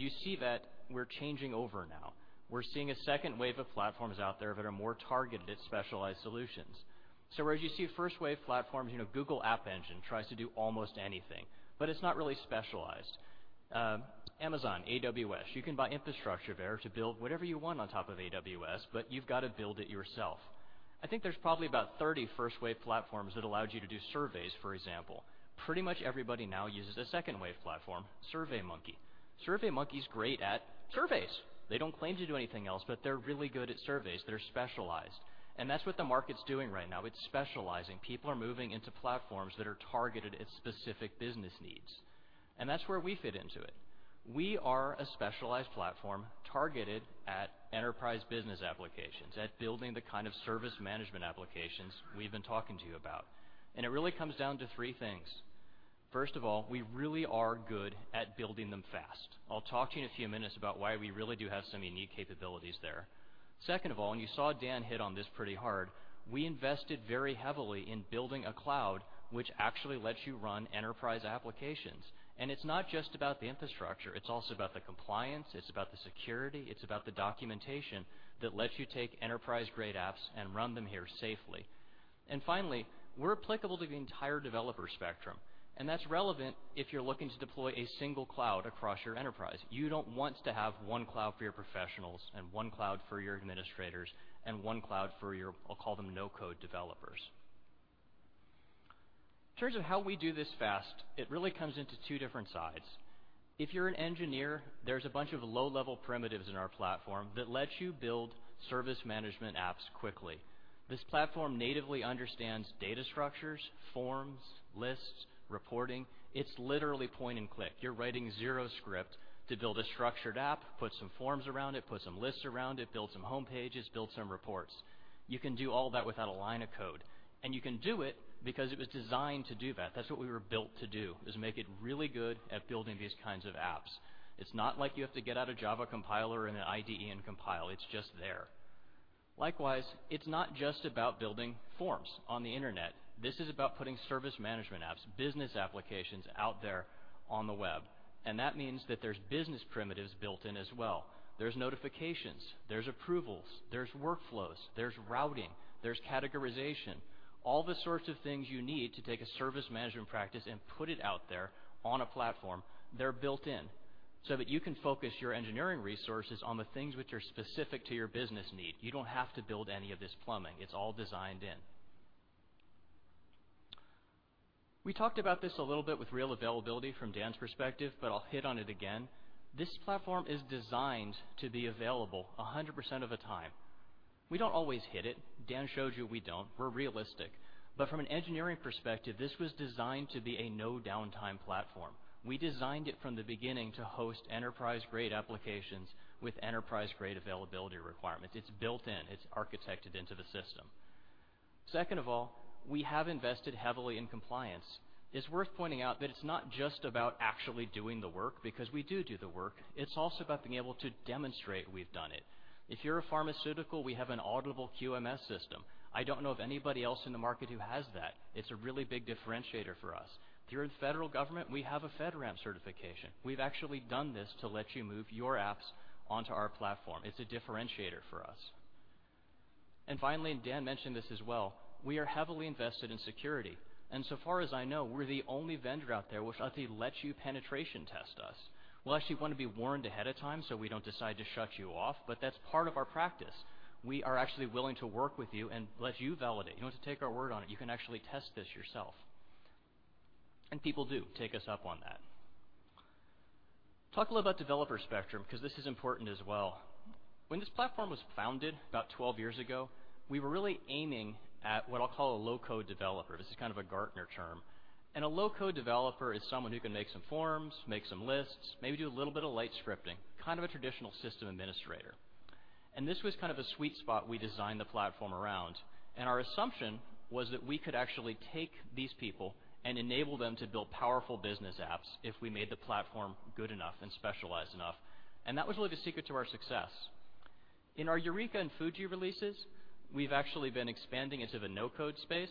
You see that we're changing over now. We're seeing a second wave of platforms out there that are more targeted at specialized solutions. Where as you see first-wave platforms, Google App Engine tries to do almost anything, but it's not really specialized. Amazon AWS, you can buy infrastructure there to build whatever you want on top of AWS, but you've got to build it yourself. I think there's probably about 30 first-wave platforms that allowed you to do surveys, for example. Pretty much everybody now uses a second wave platform, SurveyMonkey. SurveyMonkey's great at surveys. They don't claim to do anything else, but they're really good at surveys. They're specialized. That's what the market's doing right now. It's specializing. People are moving into platforms that are targeted at specific business needs, and that's where we fit into it. We are a specialized platform targeted at enterprise business applications, at building the kind of service management applications we've been talking to you about. It really comes down to three things. First of all, we really are good at building them fast. I'll talk to you in a few minutes about why we really do have some unique capabilities there. Second of all, and you saw Dan hit on this pretty hard, we invested very heavily in building a cloud which actually lets you run enterprise applications. It's not just about the infrastructure. It's also about the compliance, it's about the security, it's about the documentation that lets you take enterprise-grade apps and run them here safely. Finally, we're applicable to the entire developer spectrum, and that's relevant if you're looking to deploy a single cloud across your enterprise. You don't want to have one cloud for your professionals and one cloud for your administrators and one cloud for your, I'll call them no-code developers. In terms of how we do this fast, it really comes into two different sides. If you're an engineer, there's a bunch of low-level primitives in our platform that lets you build service management apps quickly. This platform natively understands data structures, forms, lists, reporting. It's literally point and click. You're writing zero script to build a structured app, put some forms around it, put some lists around it, build some homepages, build some reports. You can do all that without a line of code, and you can do it because it was designed to do that. That's what we were built to do, is make it really good at building these kinds of apps. It's not like you have to get out a Java compiler and an IDE and compile. It's just there. Likewise, it's not just about building forms on the Internet. This is about putting service management apps, business applications out there on the web, and that means that there's business primitives built in as well. There's notifications, there's approvals, there's workflows, there's routing, there's categorization. All the sorts of things you need to take a service management practice and put it out there on a platform, they're built in, so that you can focus your engineering resources on the things which are specific to your business need. You don't have to build any of this plumbing. It's all designed in. We talked about this a little bit with real availability from Dan's perspective, but I'll hit on it again. This platform is designed to be available 100% of the time. We don't always hit it. Dan showed you we don't. We're realistic. From an engineering perspective, this was designed to be a no-downtime platform. We designed it from the beginning to host enterprise-grade applications with enterprise-grade availability requirements. It's built in. It's architected into the system. Second of all, we have invested heavily in compliance. It's worth pointing out that it's not just about actually doing the work, because we do do the work. It's also about being able to demonstrate we've done it. If you're a pharmaceutical, we have an auditable QMS system. I don't know of anybody else in the market who has that. It's a really big differentiator for us. If you're in federal government, we have a FedRAMP certification. We've actually done this to let you move your apps onto our platform. It's a differentiator for us. Finally, Dan mentioned this as well, we are heavily invested in security. So far as I know, we're the only vendor out there which actually lets you penetration test us. We'll actually want to be warned ahead of time so we don't decide to shut you off, but that's part of our practice. We are actually willing to work with you and let you validate. You don't have to take our word on it. You can actually test this yourself. People do take us up on that. Talk a little about developer spectrum, because this is important as well. When this platform was founded about 12 years ago, we were really aiming at what I'll call a low-code developer. This is kind of a Gartner term. A low-code developer is someone who can make some forms, make some lists, maybe do a little bit of light scripting, kind of a traditional system administrator. This was kind of a sweet spot we designed the platform around. Our assumption was that we could actually take these people and enable them to build powerful business apps if we made the platform good enough and specialized enough. That was really the secret to our success. In our Eureka and Fuji releases, we've actually been expanding into the no-code space,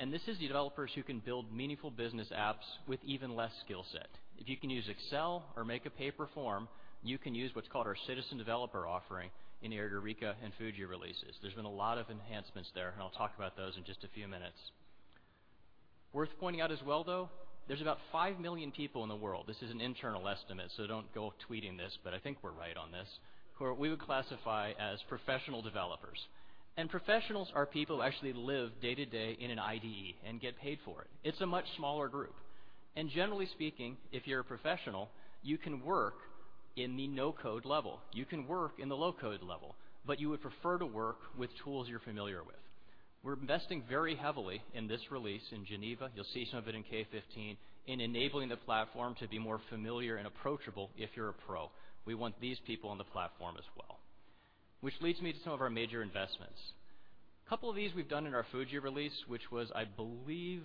and this is the developers who can build meaningful business apps with even less skill set. If you can use Excel or make a paper form, you can use what's called our citizen developer offering in our Eureka and Fuji releases. There's been a lot of enhancements there, and I'll talk about those in just a few minutes. Worth pointing out as well, though, there's about five million people in the world, this is an internal estimate, so don't go tweeting this, but I think we're right on this, who we would classify as professional developers. Professionals are people who actually live day-to-day in an IDE and get paid for it. It's a much smaller group. Generally speaking, if you're a professional, you can work in the no-code level, you can work in the low-code level, but you would prefer to work with tools you're familiar with. We're investing very heavily in this release in Geneva, you'll see some of it in Knowledge15, in enabling the platform to be more familiar and approachable if you're a pro. We want these people on the platform as well. Which leads me to some of our major investments. A couple of these we've done in our Fuji release, which was, I believe,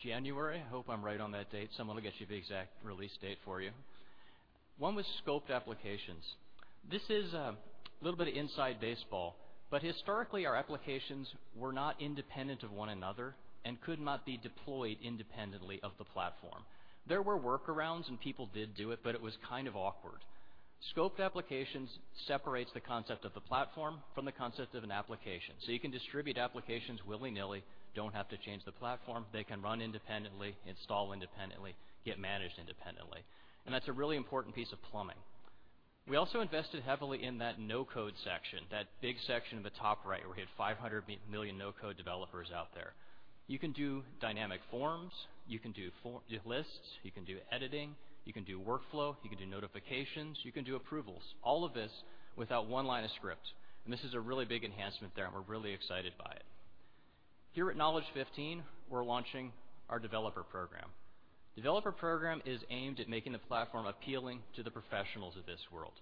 January. Hope I'm right on that date. Someone will get you the exact release date for you. One was scoped applications. This is a little bit of inside baseball, but historically, our applications were not independent of one another and could not be deployed independently of the platform. There were workarounds and people did do it, but it was kind of awkward. Scoped applications separates the concept of the platform from the concept of an application. You can distribute applications willy-nilly, don't have to change the platform. They can run independently, install independently, get managed independently. That's a really important piece of plumbing. We also invested heavily in that no-code section, that big section at the top right where we had 500 million no-code developers out there. You can do dynamic forms, you can do lists, you can do editing, you can do workflow, you can do notifications, you can do approvals, all of this without one line of script. This is a really big enhancement there, and we're really excited by it. Here at Knowledge15, we're launching our developer program. Developer program is aimed at making the platform appealing to the professionals of this world.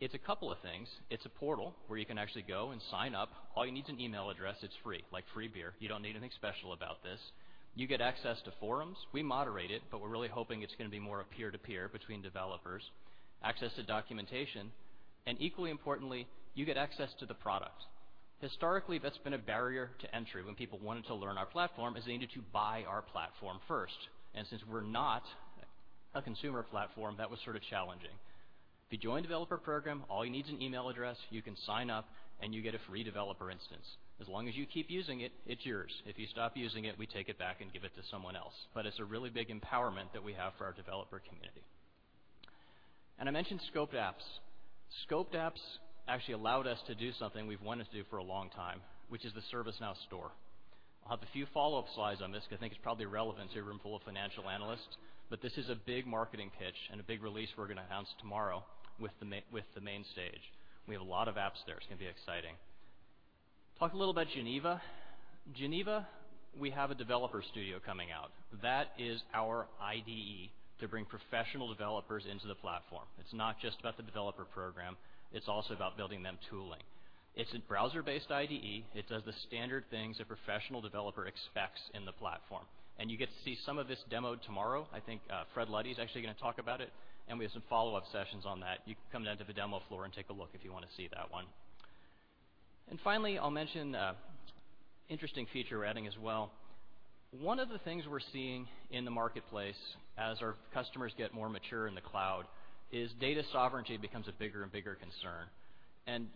It's a couple of things. It's a portal where you can actually go and sign up. All you need is an email address. It's free, like free beer. You don't need anything special about this. You get access to forums. We moderate it, but we're really hoping it's going to be more a peer-to-peer between developers. Access to documentation, and equally importantly, you get access to the product. Historically, that's been a barrier to entry when people wanted to learn our platform is they needed to buy our platform first. Since we're not a consumer platform, that was sort of challenging. If you join developer program, all you need is an email address. You can sign up and you get a free developer instance. As long as you keep using it's yours. If you stop using it, we take it back and give it to someone else. It's a really big empowerment that we have for our developer community. I mentioned scoped apps. Scoped apps actually allowed us to do something we've wanted to do for a long time, which is the ServiceNow Store. I'll have a few follow-up slides on this because I think it's probably relevant to a room full of financial analysts, but this is a big marketing pitch and a big release we're going to announce tomorrow with the main stage. We have a lot of apps there. It's going to be exciting. Talk a little about Geneva. Geneva, we have a developer studio coming out. That is our IDE to bring professional developers into the platform. It's not just about the developer program, it's also about building them tooling. It's a browser-based IDE. It does the standard things a professional developer expects in the platform. You get to see some of this demoed tomorrow. I think Fred Luddy is actually going to talk about it, we have some follow-up sessions on that. You can come down to the demo floor and take a look if you want to see that one. Finally, I'll mention an interesting feature we're adding as well. One of the things we're seeing in the marketplace as our customers get more mature in the cloud is data sovereignty becomes a bigger and bigger concern.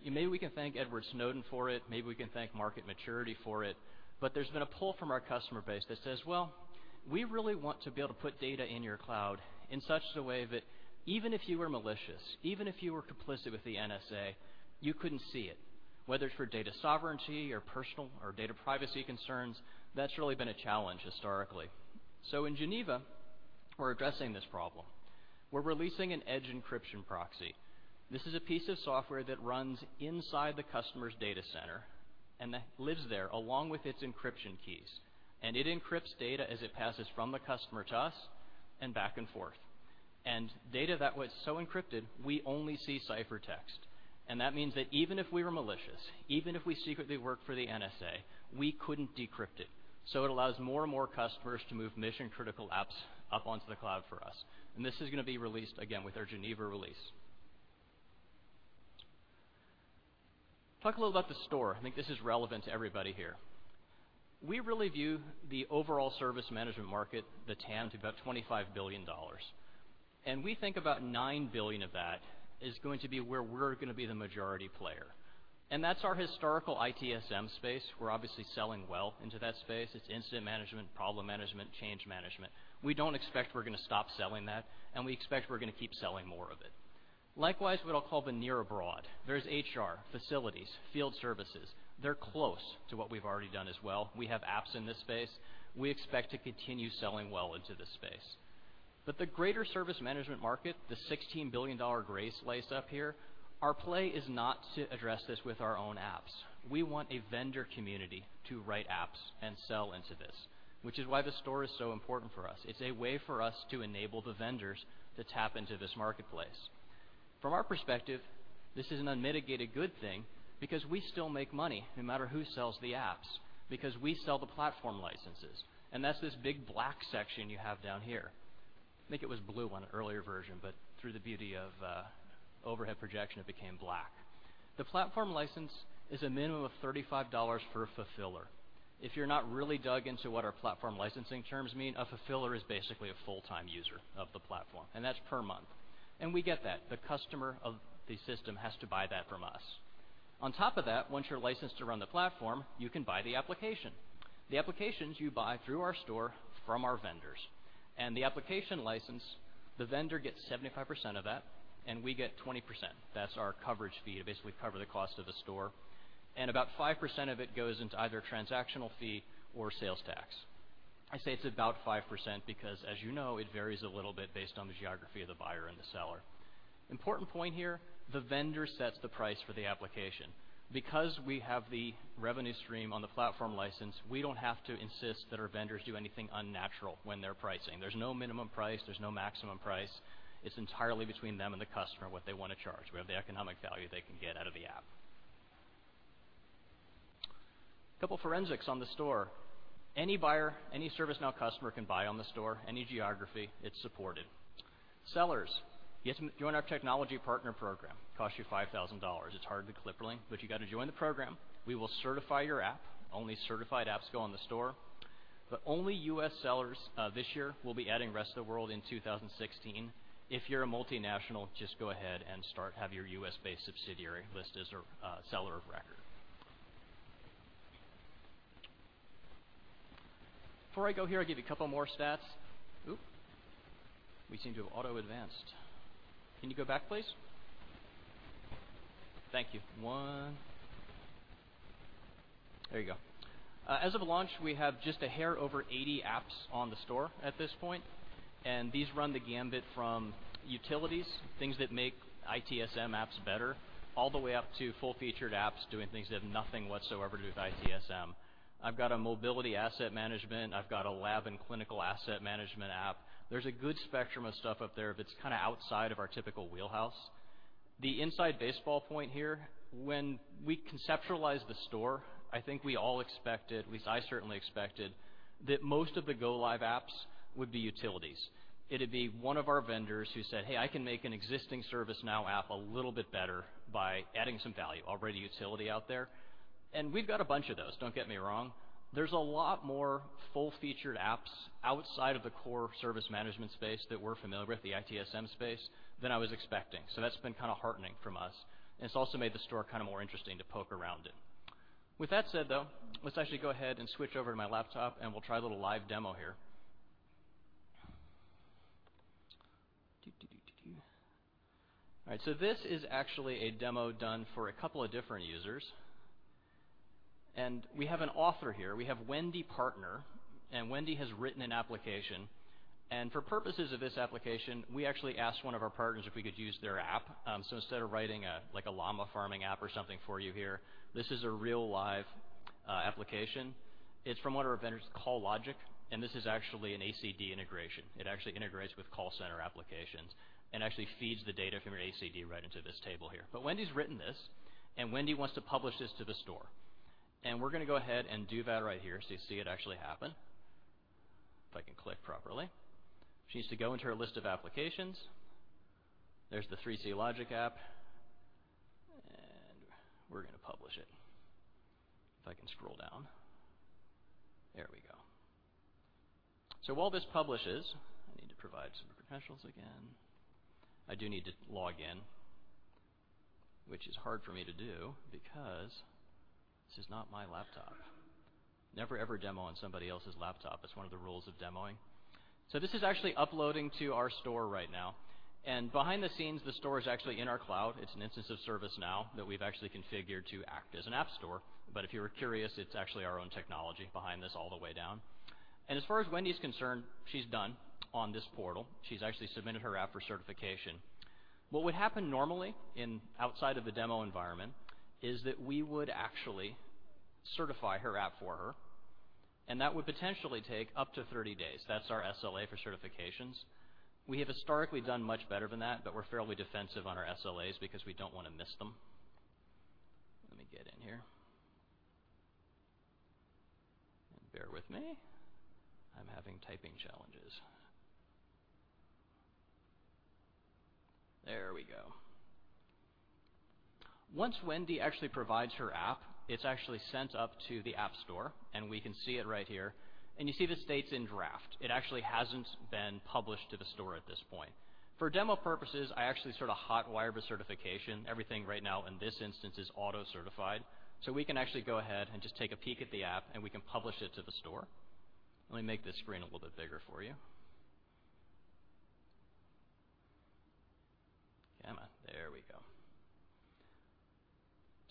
Maybe we can thank Edward Snowden for it, maybe we can thank market maturity for it, but there's been a pull from our customer base that says, "Well, we really want to be able to put data in your cloud in such a way that even if you were malicious, even if you were complicit with the NSA, you couldn't see it." Whether it's for data sovereignty or personal or data privacy concerns, that's really been a challenge historically. In Geneva, we're addressing this problem. We're releasing an edge encryption proxy. This is a piece of software that runs inside the customer's data center and that lives there along with its encryption keys. It encrypts data as it passes from the customer to us and back and forth. Data that was so encrypted, we only see ciphertext. That means that even if we were malicious, even if we secretly work for the NSA, we couldn't decrypt it. It allows more and more customers to move mission-critical apps up onto the cloud for us. This is going to be released, again, with our Geneva release. Talk a little about the store. I think this is relevant to everybody here. We really view the overall service management market, the TAM, to about $25 billion. We think about $9 billion of that is going to be where we're going to be the majority player. That's our historical ITSM space. We're obviously selling well into that space. It's incident management, problem management, change management. We don't expect we're going to stop selling that, and we expect we're going to keep selling more of it. Likewise, what I'll call the near abroad. There's HR, facilities, field services. They're close to what we've already done as well. We have apps in this space. We expect to continue selling well into this space. The greater service management market, the $16 billion gray slice up here, our play is not to address this with our own apps. We want a vendor community to write apps and sell into this, which is why the store is so important for us. It's a way for us to enable the vendors to tap into this marketplace. From our perspective, this is an unmitigated good thing because we still make money no matter who sells the apps, because we sell the platform licenses, and that's this big black section you have down here. I think it was blue on an earlier version, but through the beauty of overhead projection, it became black. The platform license is a minimum of $35 per fulfiller. If you're not really dug into what our platform licensing terms mean, a fulfiller is basically a full-time user of the platform, and that's per month. We get that. The customer of the system has to buy that from us. On top of that, once you're licensed to run the platform, you can buy the application. The applications you buy through our store from our vendors. The application license, the vendor gets 75% of that, and we get 20%. That's our coverage fee to basically cover the cost of the store. About 5% of it goes into either transactional fee or sales tax. I say it's about 5% because, as you know, it varies a little bit based on the geography of the buyer and the seller. Important point here, the vendor sets the price for the application. Because we have the revenue stream on the platform license, we don't have to insist that our vendors do anything unnatural when they're pricing. There's no minimum price. There's no maximum price. It's entirely between them and the customer, what they want to charge, whatever the economic value they can get out of the app. Couple forensics on the store. Any buyer, any ServiceNow customer can buy on the store. Any geography, it's supported. Sellers, you have to join our technology partner program. Costs you $5,000. It's hard to clip, but you got to join the program. We will certify your app. Only certified apps go on the store. Only U.S. sellers this year. We'll be adding rest of the world in 2016. If you're a multinational, just go ahead and start. Have your U.S.-based subsidiary listed as seller of record. Before I go here, I'll give you a couple more stats. We seem to have auto-advanced. Can you go back, please? Thank you. One. There you go. As of launch, we have just a hair over 80 apps on the store at this point, and these run the gamut from utilities, things that make ITSM apps better, all the way up to full-featured apps doing things that have nothing whatsoever to do with ITSM. I've got a mobility asset management. I've got a lab and clinical asset management app. There's a good spectrum of stuff up there that's kind of outside of our typical wheelhouse. The inside baseball point here, when we conceptualized the store, I think we all expected, at least I certainly expected, that most of the go-live apps would be utilities. It'd be one of our vendors who said, "Hey, I can make an existing ServiceNow app a little bit better by adding some value." Already a utility out there. We've got a bunch of those. Don't get me wrong. There's a lot more full-featured apps outside of the core service management space that we're familiar with, the ITSM space, than I was expecting. That's been kind of heartening from us, and it's also made the store kind of more interesting to poke around in. With that said, though, let's actually go ahead and switch over to my laptop, and we'll try a little live demo here. All right. This is actually a demo done for a couple of different users. We have an author here. We have Wendy Partner, and Wendy has written an application. For purposes of this application, we actually asked one of our partners if we could use their app. Instead of writing a llama farming app or something for you here, this is a real live application. It's from one of our vendors, 3CLogic, and this is actually an ACD integration. It actually integrates with call center applications and actually feeds the data from your ACD right into this table here. Wendy's written this, and Wendy wants to publish this to the store. We're going to go ahead and do that right here, so you see it actually happen. If I can click properly. She needs to go into her list of applications. There's the 3CLogic app, and we're going to publish it. If I can scroll down. There we go. While this publishes, I need to provide some credentials again. I do need to log in, which is hard for me to do because this is not my laptop. Never ever demo on somebody else's laptop. That's one of the rules of demoing. This is actually uploading to our store right now. Behind the scenes, the store is actually in our cloud. It's an instance of ServiceNow that we've actually configured to act as an app store. If you were curious, it's actually our own technology behind this all the way down. As far as Wendy's concerned, she's done on this portal. She's actually submitted her app for certification. What would happen normally outside of the demo environment is that we would actually certify her app for her, and that would potentially take up to 30 days. That's our SLA for certifications. We have historically done much better than that, but we're fairly defensive on our SLAs because we don't want to miss them. Let me get in here. Bear with me. I'm having typing challenges. There we go. Once Wendy actually provides her app, it's actually sent up to the app store, and we can see it right here. You see that it states in draft. It actually hasn't been published to the store at this point. For demo purposes, I actually sort of hot-wired the certification. Everything right now in this instance is auto-certified. We can actually go ahead and just take a peek at the app, and we can publish it to the store. Let me make this screen a little bit bigger for you.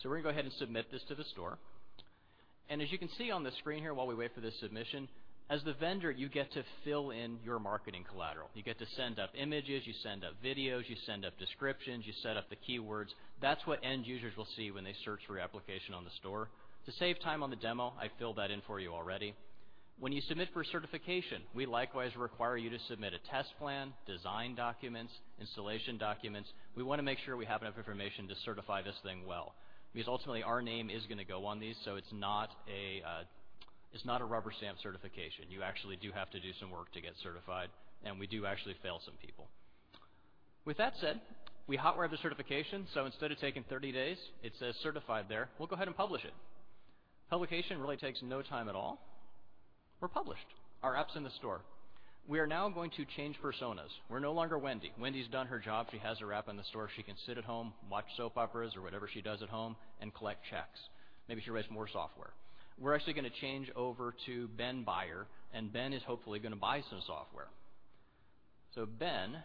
Come on. There we go. We're going to go ahead and submit this to the store. As you can see on the screen here while we wait for this submission, as the vendor, you get to fill in your marketing collateral. You get to send up images. You send up videos. You send up descriptions. You set up the keywords. That's what end users will see when they search for your application on the store. To save time on the demo, I filled that in for you already. When you submit for certification, we likewise require you to submit a test plan, design documents, installation documents. We want to make sure we have enough information to certify this thing well, because ultimately our name is going to go on these, so it's not a rubber stamp certification. You actually do have to do some work to get certified, and we do actually fail some people. With that said, we hot-wired the certification, so instead of taking 30 days, it says certified there. We'll go ahead and publish it. Publication really takes no time at all. We're published. Our app's in the store. We are now going to change personas. We're no longer Wendy. Wendy's done her job. She has her app in the store. She can sit at home, watch soap operas or whatever she does at home, and collect checks. Maybe she'll write some more software. We're actually going to change over to Ben Buyer, and Ben is hopefully going to buy some software. Ben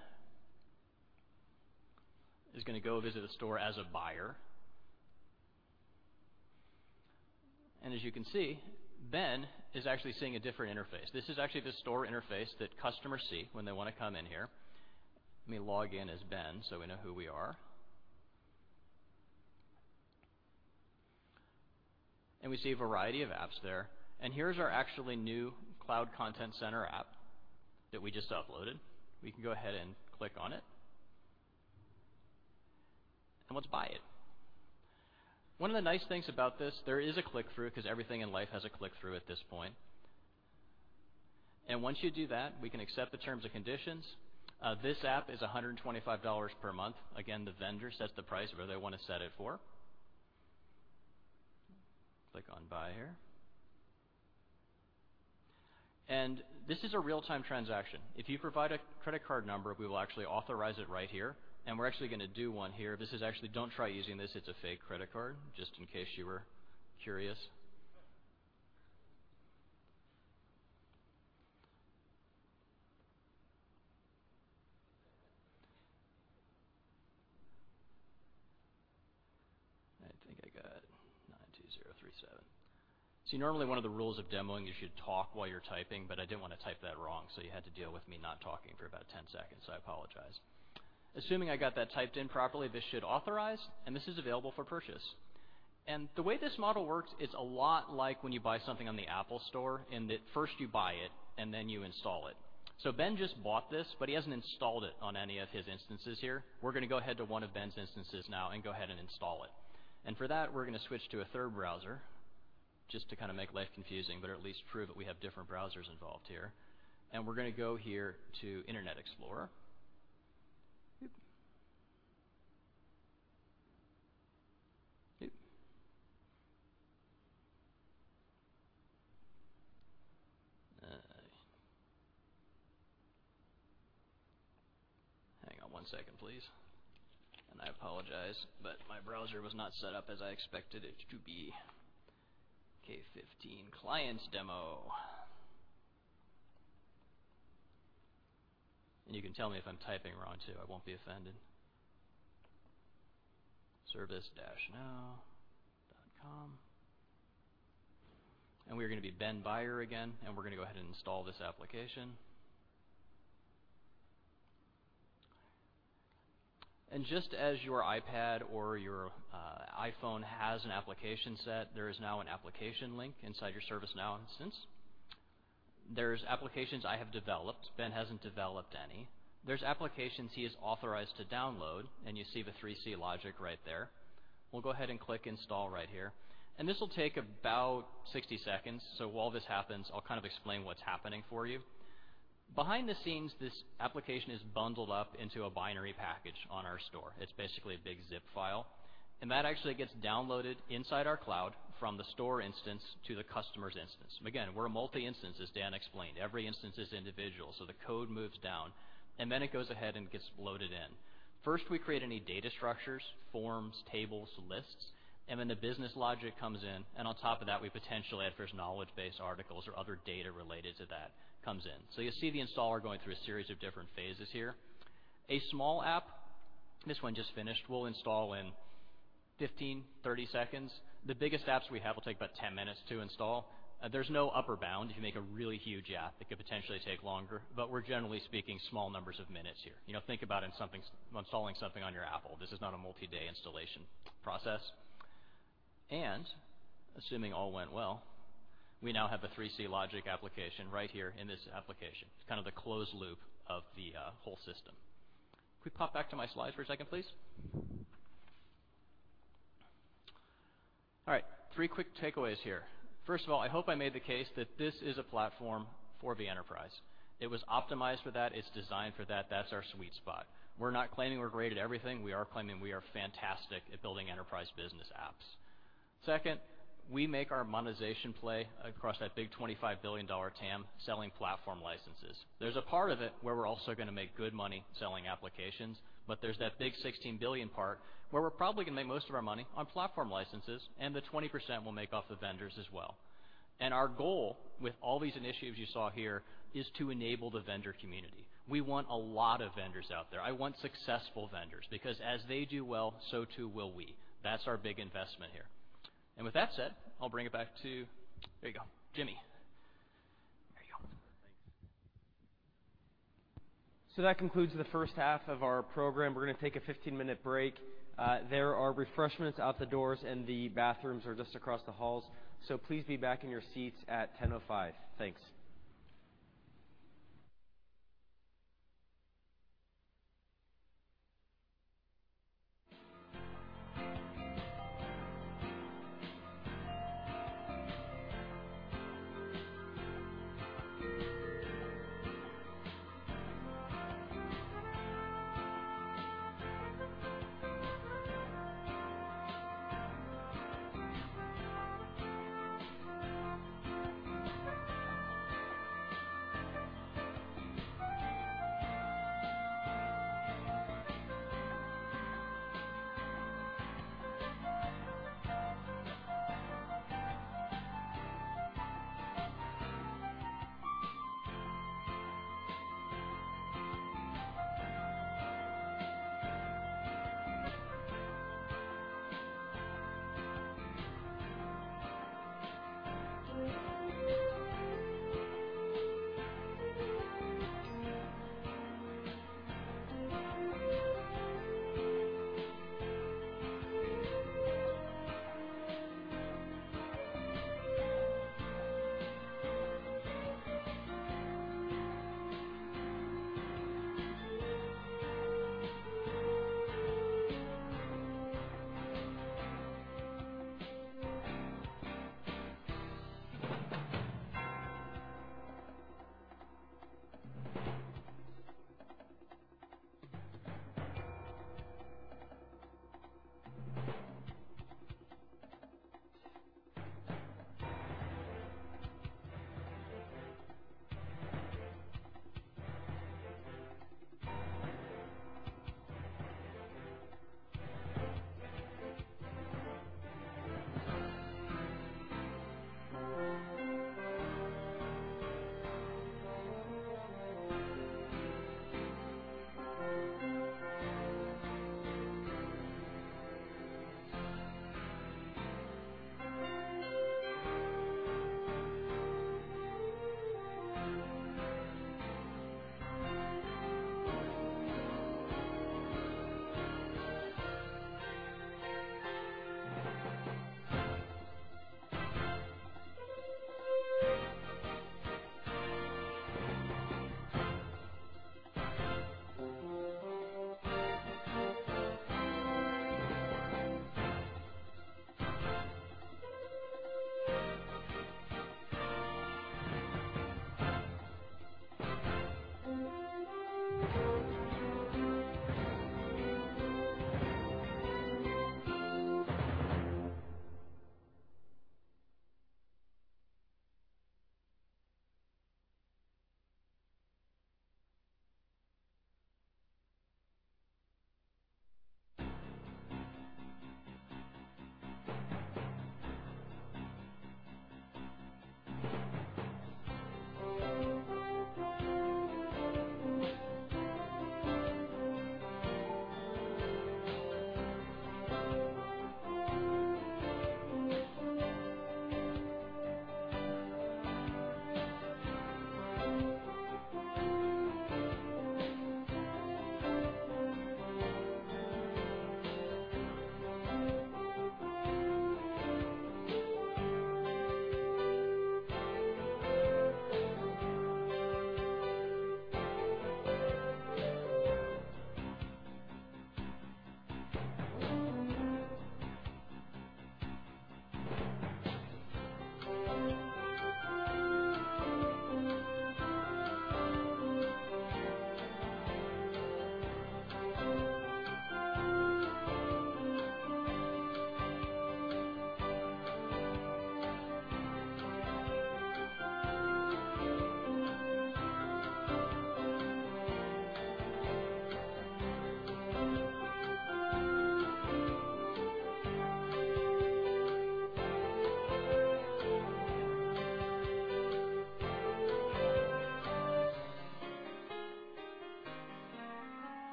is going to go visit a store as a buyer. As you can see, Ben is actually seeing a different interface. This is actually the store interface that customers see when they want to come in here. Let me log in as Ben so we know who we are. We see a variety of apps there. Here's our actually new Cloud Contact Center app that we just uploaded. We can go ahead and click on it. Let's buy it. One of the nice things about this, there is a click-through because everything in life has a click-through at this point. Once you do that, we can accept the terms and conditions. This app is $125 per month. Again, the vendor sets the price wherever they want to set it for. Click on Buy here. This is a real-time transaction. If you provide a credit card number, we will actually authorize it right here, and we're actually going to do one here. Actually, don't try using this. It's a fake credit card, just in case you were curious. I think I got 92037. See, normally one of the rules of demoing, you should talk while you're typing, but I didn't want to type that wrong, so you had to deal with me not talking for about 10 seconds. I apologize. Assuming I got that typed in properly, this should authorize, and this is available for purchase. The way this model works, it's a lot like when you buy something on the Apple store in that first you buy it and then you install it. Ben just bought this, but he hasn't installed it on any of his instances here. We're going to go ahead to one of Ben's instances now and go ahead and install it. For that, we're going to switch to a third browser just to kind of make life confusing, but at least prove that we have different browsers involved here. We're going to go here to Internet Explorer. One second, please. I apologize, but my browser was not set up as I expected it to be. K15 clients demo. You can tell me if I'm typing wrong, too. I won't be offended. servicenow.com. We are going to be Ben Buyer again, and we're going to go ahead and install this application. Just as your iPad or your iPhone has an application set, there is now an application link inside your ServiceNow instance. There's applications I have developed. Ben hasn't developed any. There's applications he is authorized to download, and you see the 3CLogic right there. We'll go ahead and click install right here. This will take about 60 seconds, so while this happens, I'll explain what's happening for you. Behind the scenes, this application is bundled up into a binary package on our store. It's basically a big zip file. That actually gets downloaded inside our cloud from the store instance to the customer's instance. Again, we're a multi-instance as Dan explained. Every instance is individual, so the code moves down, and then it goes ahead and gets loaded in. First, we create any data structures, forms, tables, lists, and then the business logic comes in, and on top of that, we potentially, if there's knowledge base articles or other data related to that, comes in. You'll see the installer going through a series of different phases here. A small app, this one just finished, will install in 15-30 seconds. The biggest apps we have will take about 10 minutes to install. There's no upper bound. If you make a really huge app, it could potentially take longer, but we're generally speaking small numbers of minutes here. Think about installing something on your Apple. This is not a multi-day installation process. Assuming all went well, we now have a 3CLogic application right here in this application. It's kind of the closed loop of the whole system. Could we pop back to my slides for a second, please? All right. Three quick takeaways here. First of all, I hope I made the case that this is a platform for the enterprise. It was optimized for that. It's designed for that. That's our sweet spot. We're not claiming we're great at everything. We are claiming we are fantastic at building enterprise business apps. Second, we make our monetization play across that big $25 billion TAM selling platform licenses. There's a part of it where we're also going to make good money selling applications, but there's that big $16 billion part where we're probably going to make most of our money on platform licenses, and the 20% we'll make off the vendors as well. Our goal with all these initiatives you saw here is to enable the vendor community. We want a lot of vendors out there. I want successful vendors because as they do well, so too will we. That's our big investment here. With that said, I'll bring it back to, there you go, Jimmy. There you go. Thanks. That concludes the first half of our program. We're going to take a 15-minute break. There are refreshments out the doors, and the bathrooms are just across the halls. Please be back in your seats at 10:05 A.M. Thanks.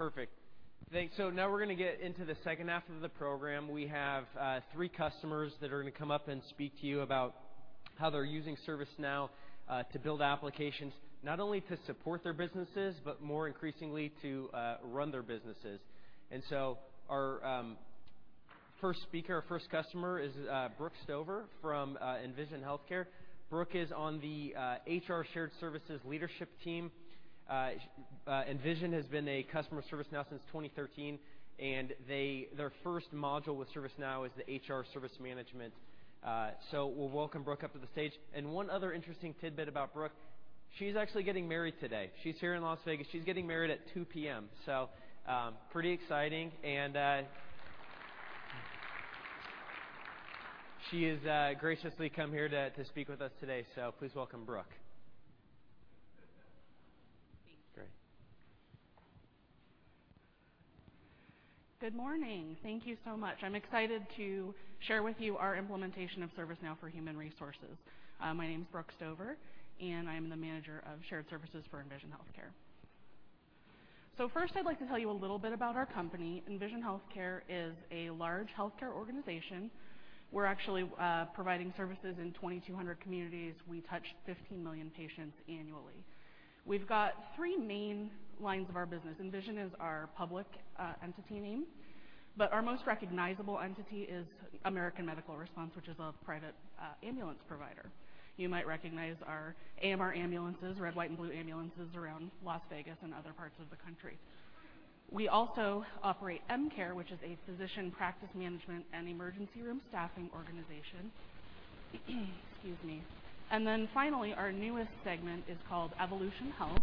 Perfect. Thanks. Now we're going to get into the second half of the program. We have three customers that are going to come up and speak to you about how they're using ServiceNow to build applications, not only to support their businesses, but more increasingly to run their businesses. Our first speaker, our first customer, is Brooke Stover from Envision Healthcare. Brooke is on the HR Shared Services Leadership Team. Envision has been a customer of ServiceNow since 2013, and their first module with ServiceNow is the HR Service Management. We'll welcome Brooke up to the stage. One other interesting tidbit about Brooke, she's actually getting married today. She's here in Las Vegas. She's getting married at 2:00 P.M., pretty exciting. She has graciously come here to speak with us today. Please welcome Brooke. Thank you. Great. Good morning. Thank you so much. I'm excited to share with you our implementation of ServiceNow for human resources. My name is Brooke Stover, and I am the manager of Shared Services for Envision Healthcare. First, I'd like to tell you a little bit about our company. Envision Healthcare is a large healthcare organization. We're actually providing services in 2,200 communities. We touch 15 million patients annually. We've got three main lines of our business. Envision is our public entity name, but our most recognizable entity is American Medical Response, which is a private ambulance provider. You might recognize our AMR ambulances, red, white, and blue ambulances around Las Vegas and other parts of the country. We also operate EmCare, which is a physician practice management and emergency room staffing organization. Excuse me. Finally, our newest segment is called Evolution Health.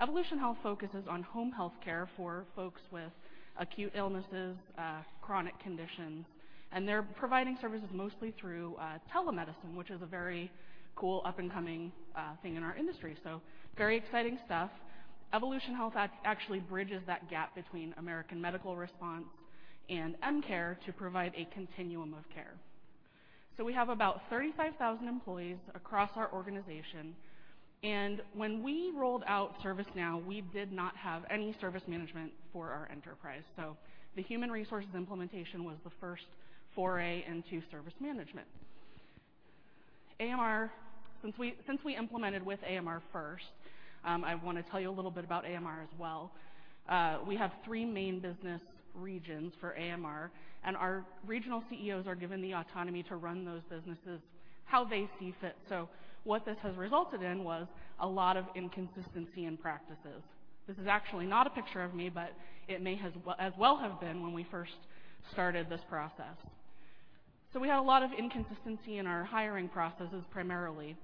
Evolution Health focuses on home health care for folks with acute illnesses, chronic conditions, and they're providing services mostly through telemedicine, which is a very cool up-and-coming thing in our industry. Very exciting stuff. Evolution Health actually bridges that gap between American Medical Response and EmCare to provide a continuum of care. We have about 35,000 employees across our organization, and when we rolled out ServiceNow, we did not have any service management for our enterprise. The human resources implementation was the first foray into service management. Since we implemented with AMR first, I want to tell you a little bit about AMR as well. We have three main business regions for AMR, and our regional CEOs are given the autonomy to run those businesses how they see fit. What this has resulted in was a lot of inconsistency in practices. This is actually not a picture of me, but it may as well have been when we first started this process. We had a lot of inconsistency in our hiring processes, primarily.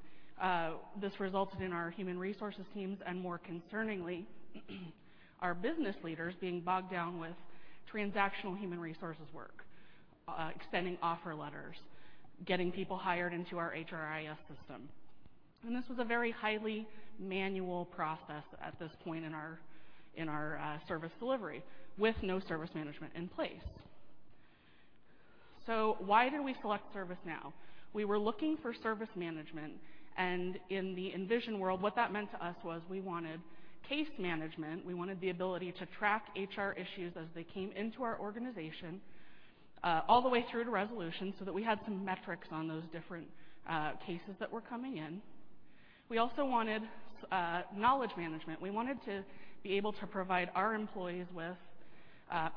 This resulted in our human resources teams and, more concerningly, our business leaders being bogged down with transactional human resources work, extending offer letters, getting people hired into our HRIS system. This was a very highly manual process at this point in our service delivery with no service management in place. Why did we select ServiceNow? We were looking for service management, and in the Envision world, what that meant to us was we wanted case management. We wanted the ability to track HR issues as they came into our organization, all the way through to resolution, so that we had some metrics on those different cases that were coming in. We also wanted knowledge management. We wanted to be able to provide our employees with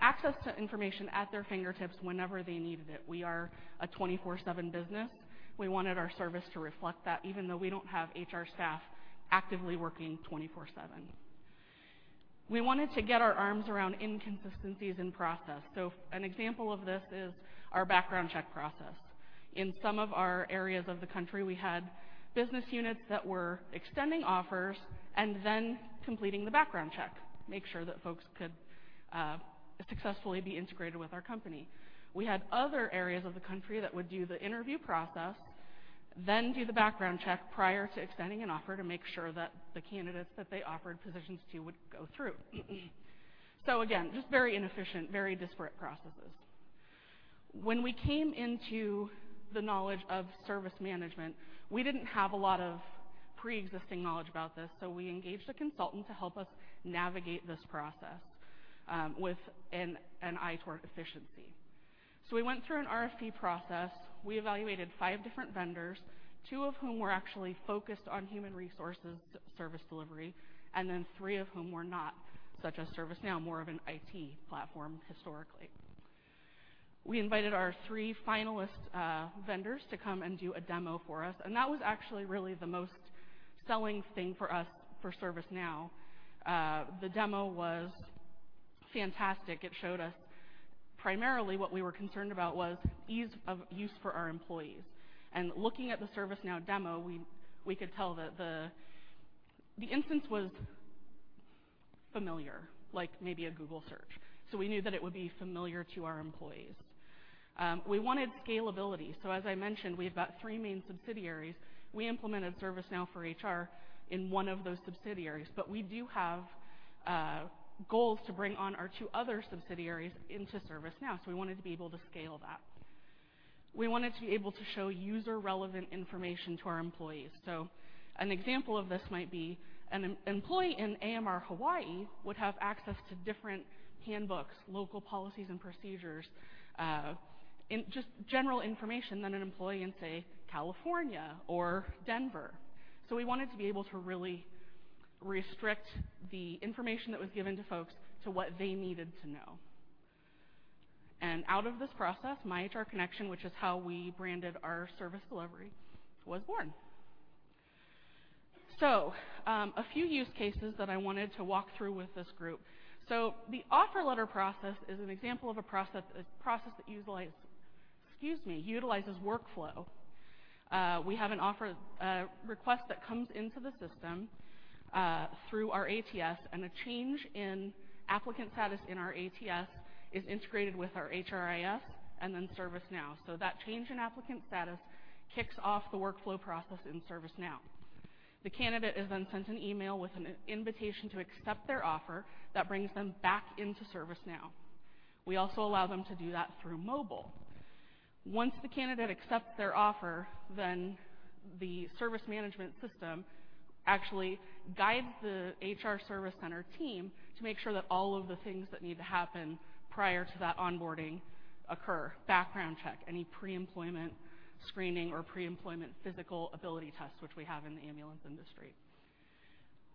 access to information at their fingertips whenever they needed it. We are a 24/7 business. We wanted our service to reflect that, even though we don't have HR staff actively working 24/7. We wanted to get our arms around inconsistencies in process. An example of this is our background check process. In some of our areas of the country, we had business units that were extending offers and then completing the background check, make sure that folks could successfully be integrated with our company. We had other areas of the country that would do the interview process, then do the background check prior to extending an offer to make sure that the candidates that they offered positions to would go through. Again, just very inefficient, very disparate processes. When we came into the knowledge of service management, we didn't have a lot of pre-existing knowledge about this, we engaged a consultant to help us navigate this process, with an eye toward efficiency. We went through an RFP process. We evaluated five different vendors, two of whom were actually focused on human resources service delivery, and then three of whom were not, such as ServiceNow, more of an IT platform historically. We invited our three finalist vendors to come and do a demo for us, and that was actually really the most selling thing for us for ServiceNow. The demo was fantastic. It showed us primarily what we were concerned about was ease of use for our employees. Looking at the ServiceNow demo, we could tell that the instance was familiar, like maybe a Google Search. We knew that it would be familiar to our employees. We wanted scalability. As I mentioned, we've got three main subsidiaries. We implemented ServiceNow for HR in one of those subsidiaries, but we do have goals to bring on our two other subsidiaries into ServiceNow. We wanted to be able to scale that. We wanted to be able to show user-relevant information to our employees. An example of this might be an employee in AMR Hawaii would have access to different handbooks, local policies and procedures, just general information than an employee in, say, California or Denver. We wanted to be able to really restrict the information that was given to folks to what they needed to know. Out of this process, MyHR Connection, which is how we branded our service delivery, was born. A few use cases that I wanted to walk through with this group. The offer letter process is an example of a process that utilizes workflow. We have an offer request that comes into the system, through our ATS, and a change in applicant status in our ATS is integrated with our HRIS and then ServiceNow. That change in applicant status kicks off the workflow process in ServiceNow. The candidate is then sent an email with an invitation to accept their offer that brings them back into ServiceNow. We also allow them to do that through mobile. Once the candidate accepts their offer, the service management system actually guides the HR service center team to make sure that all of the things that need to happen prior to that onboarding occur, background check, any pre-employment screening or pre-employment physical ability tests, which we have in the ambulance industry.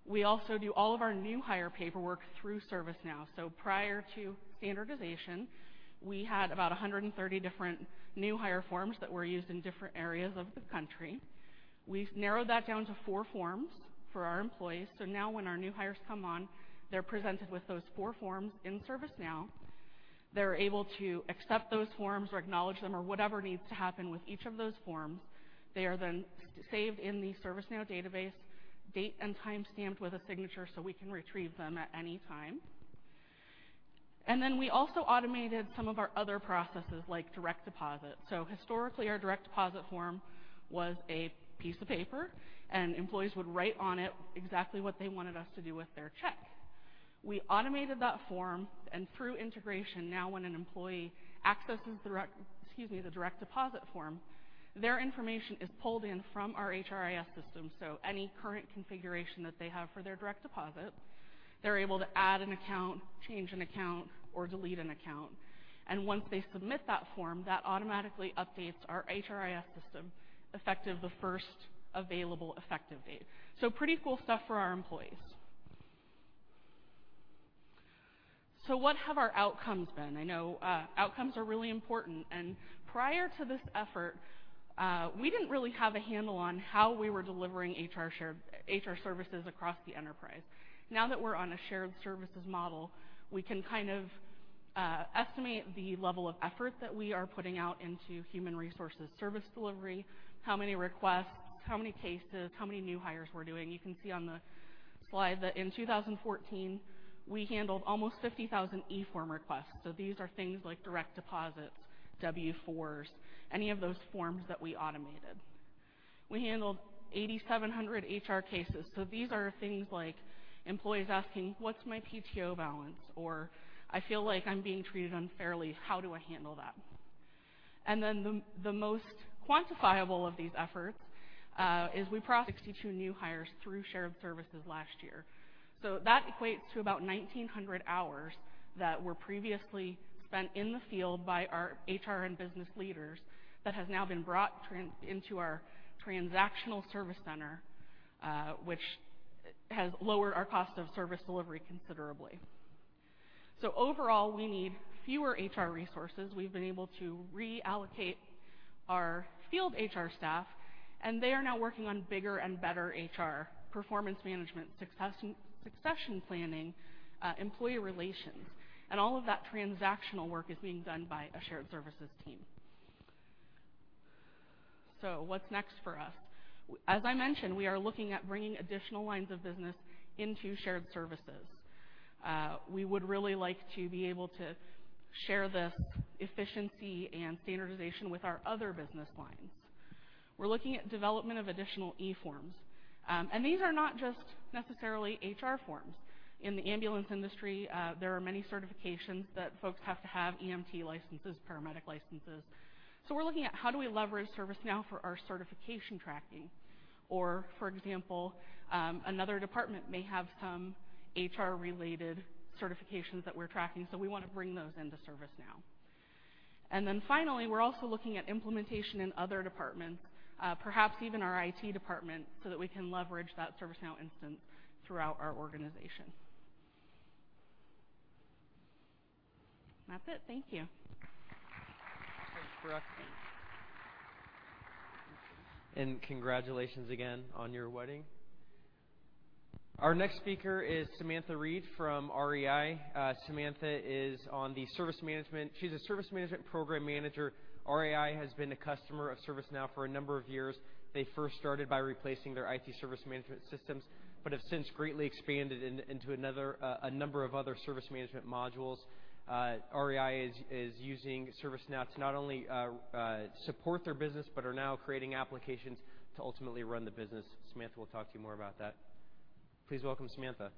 We also do all of our new hire paperwork through ServiceNow. Prior to standardization, we had about 130 different new hire forms that were used in different areas of the country. We've narrowed that down to four forms for our employees. Now when our new hires come on, they're presented with those four forms in ServiceNow. They're able to accept those forms or acknowledge them or whatever needs to happen with each of those forms. They are then saved in the ServiceNow database, date and time stamped with a signature so we can retrieve them at any time. We also automated some of our other processes, like direct deposit. Historically, our direct deposit form was a piece of paper, and employees would write on it exactly what they wanted us to do with their check. We automated that form, and through integration, now when an employee accesses the direct deposit form, their information is pulled in from our HRIS system. Any current configuration that they have for their direct deposit, they're able to add an account, change an account, or delete an account. Once they submit that form, that automatically updates our HRIS system effective the first available effective date. Pretty cool stuff for our employees. What have our outcomes been? I know outcomes are really important. Prior to this effort, we didn't really have a handle on how we were delivering HR services across the enterprise. Now that we're on a shared services model, we can kind of estimate the level of effort that we are putting out into human resources service delivery, how many requests, how many cases, how many new hires we're doing. You can see on the slide that in 2014, we handled almost 50,000 e-form requests. These are things like direct deposits, W-4s, any of those forms that we automated. We handled 8,700 HR cases. These are things like employees asking, "What's my PTO balance?" Or, "I feel like I'm being treated unfairly. How do I handle that?" The most quantifiable of these efforts, is we processed 62 new hires through shared services last year. That equates to about 1,900 hours that were previously spent in the field by our HR and business leaders that has now been brought into our transactional service center, which has lowered our cost of service delivery considerably. Overall, we need fewer HR resources. We've been able to reallocate our field HR staff, and they are now working on bigger and better HR performance management, succession planning, employee relations. All of that transactional work is being done by a shared services team. What's next for us? As I mentioned, we are looking at bringing additional lines of business into shared services. We would really like to be able to share this efficiency and standardization with our other business lines. We're looking at development of additional eForms. These are not just necessarily HR forms. In the ambulance industry, there are many certifications that folks have to have, EMT licenses, paramedic licenses. We're looking at how do we leverage ServiceNow for our certification tracking. For example, another department may have some HR-related certifications that we're tracking, so we want to bring those into ServiceNow. Finally, we're also looking at implementation in other departments, perhaps even our IT department, so that we can leverage that ServiceNow instance throughout our organization. That's it. Thank you. Thanks, Brooke. Congratulations again on your wedding. Our next speaker is Samantha Reed from REI. Samantha is a service management program manager. REI has been a customer of ServiceNow for a number of years. They first started by replacing their IT service management systems, but have since greatly expanded into a number of other service management modules. REI is using ServiceNow to not only support their business, but are now creating applications to ultimately run the business. Samantha will talk to you more about that. Please welcome Samantha.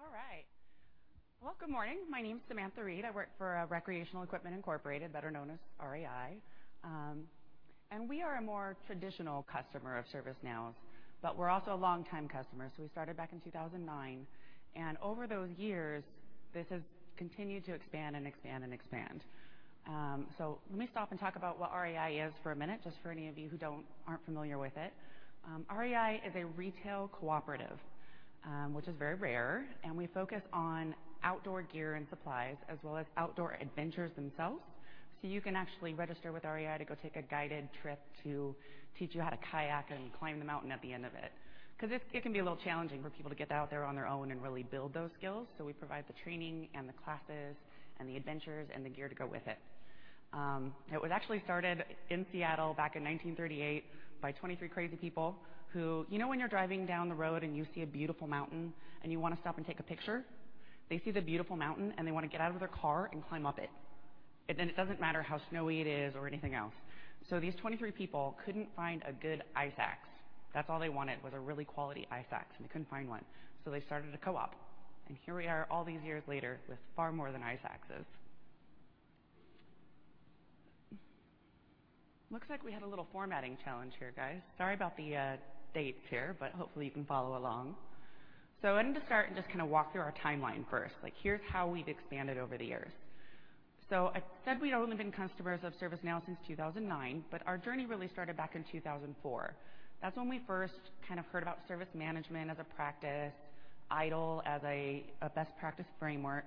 All right. Well, good morning. My name's Samantha Reed. I work for Recreational Equipment Incorporated, better known as REI. We are a more traditional customer of ServiceNow's, but we're also a long-time customer. We started back in 2009, and over those years, this has continued to expand and expand and expand. Let me stop and talk about what REI is for a minute, just for any of you who aren't familiar with it. REI is a retail cooperative, which is very rare, and we focus on outdoor gear and supplies, as well as outdoor adventures themselves. You can actually register with REI to go take a guided trip to teach you how to kayak and climb the mountain at the end of it, because it can be a little challenging for people to get out there on their own and really build those skills. We provide the training and the classes and the adventures and the gear to go with it. It was actually started in Seattle back in 1938 by 23 crazy people. You know when you're driving down the road and you see a beautiful mountain and you want to stop and take a picture? They see the beautiful mountain, and they want to get out of their car and climb up it. It doesn't matter how snowy it is or anything else. These 23 people couldn't find a good ice axe. That's all they wanted was a really quality ice axe, and they couldn't find one. They started a co-op, and here we are all these years later with far more than ice axes. Looks like we had a little formatting challenge here, guys. Sorry about the dates here, but hopefully, you can follow along. I wanted to start and just kind of walk through our timeline first. Here's how we've expanded over the years. I said we'd only been customers of ServiceNow since 2009, but our journey really started back in 2004. That's when we first kind of heard about service management as a practice, ITIL as a best practice framework,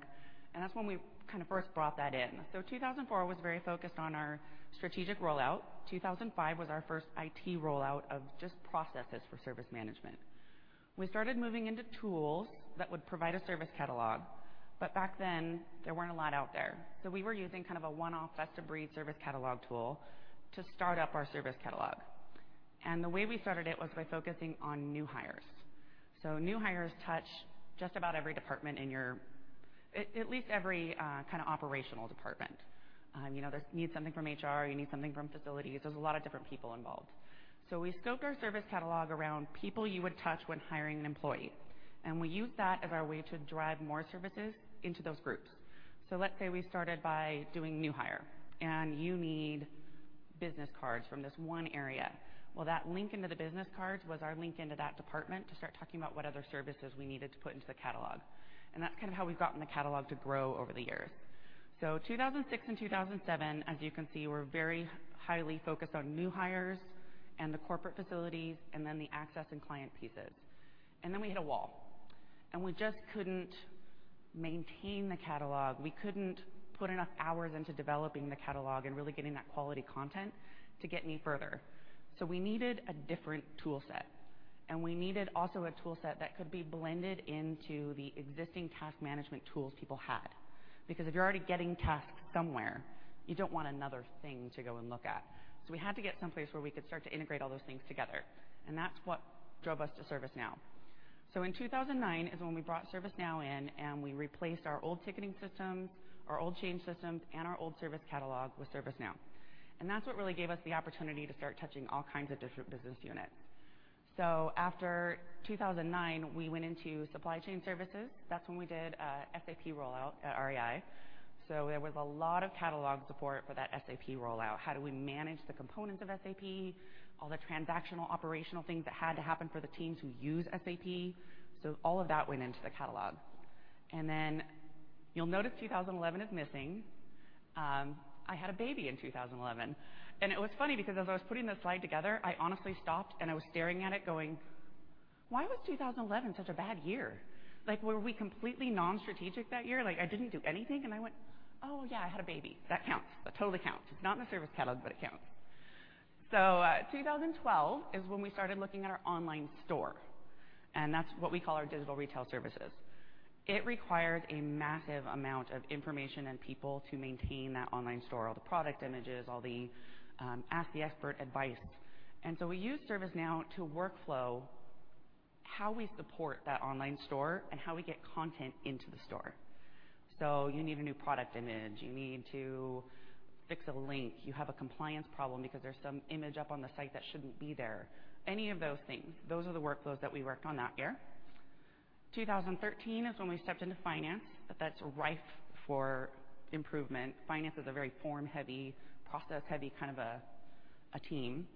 and that's when we kind of first brought that in. 2004 was very focused on our strategic rollout. 2005 was our first IT rollout of just processes for service management. We started moving into tools that would provide a service catalog, but back then, there weren't a lot out there. We were using kind of a one-off best-of-breed service catalog tool to start up our service catalog. The way we started it was by focusing on new hires. New hires touch just about every department in at least every kind of operational department. They need something from HR, you need something from facilities. There's a lot of different people involved. We scoped our service catalog around people you would touch when hiring an employee, and we used that as our way to drive more services into those groups. Let's say we started by doing new hire, and you need business cards from this one area. Well, that link into the business cards was our link into that department to start talking about what other services we needed to put into the catalog. That's kind of how we've gotten the catalog to grow over the years. 2006 and 2007, as you can see, were very highly focused on new hires and the corporate facilities, and then the access and client pieces. We hit a wall, and we just couldn't maintain the catalog. We couldn't put enough hours into developing the catalog and really getting that quality content to get any further. We needed a different tool set, and we needed also a tool set that could be blended into the existing task management tools people had. Because if you're already getting tasks somewhere, you don't want another thing to go and look at. We had to get someplace where we could start to integrate all those things together, and that's what drove us to ServiceNow. In 2009 is when we brought ServiceNow in and we replaced our old ticketing systems, our old change systems, and our old service catalog with ServiceNow. That's what really gave us the opportunity to start touching all kinds of different business units. After 2009, we went into supply chain services. That's when we did a SAP rollout at REI. There was a lot of catalog support for that SAP rollout. How do we manage the components of SAP, all the transactional operational things that had to happen for the teams who use SAP. All of that went into the catalog. Then you'll notice 2011 is missing I had a baby in 2011. It was funny because as I was putting this slide together, I honestly stopped and I was staring at it going, "Why was 2011 such a bad year? Were we completely non-strategic that year? I didn't do anything?" I went, "Oh, yeah, I had a baby. That counts. That totally counts. It's not in the service catalog, but it counts." 2012 is when we started looking at our online store, and that's what we call our digital retail services. It required a massive amount of information and people to maintain that online store, all the product images, all the ask-the-expert advice. We used ServiceNow to workflow how we support that online store and how we get content into the store. You need a new product image. You need to fix a link. You have a compliance problem because there's some image up on the site that shouldn't be there. Any of those things. Those are the workflows that we worked on that year. 2013 is when we stepped into finance, but that's rife for improvement. Finance is a very form-heavy, process-heavy kind of a team.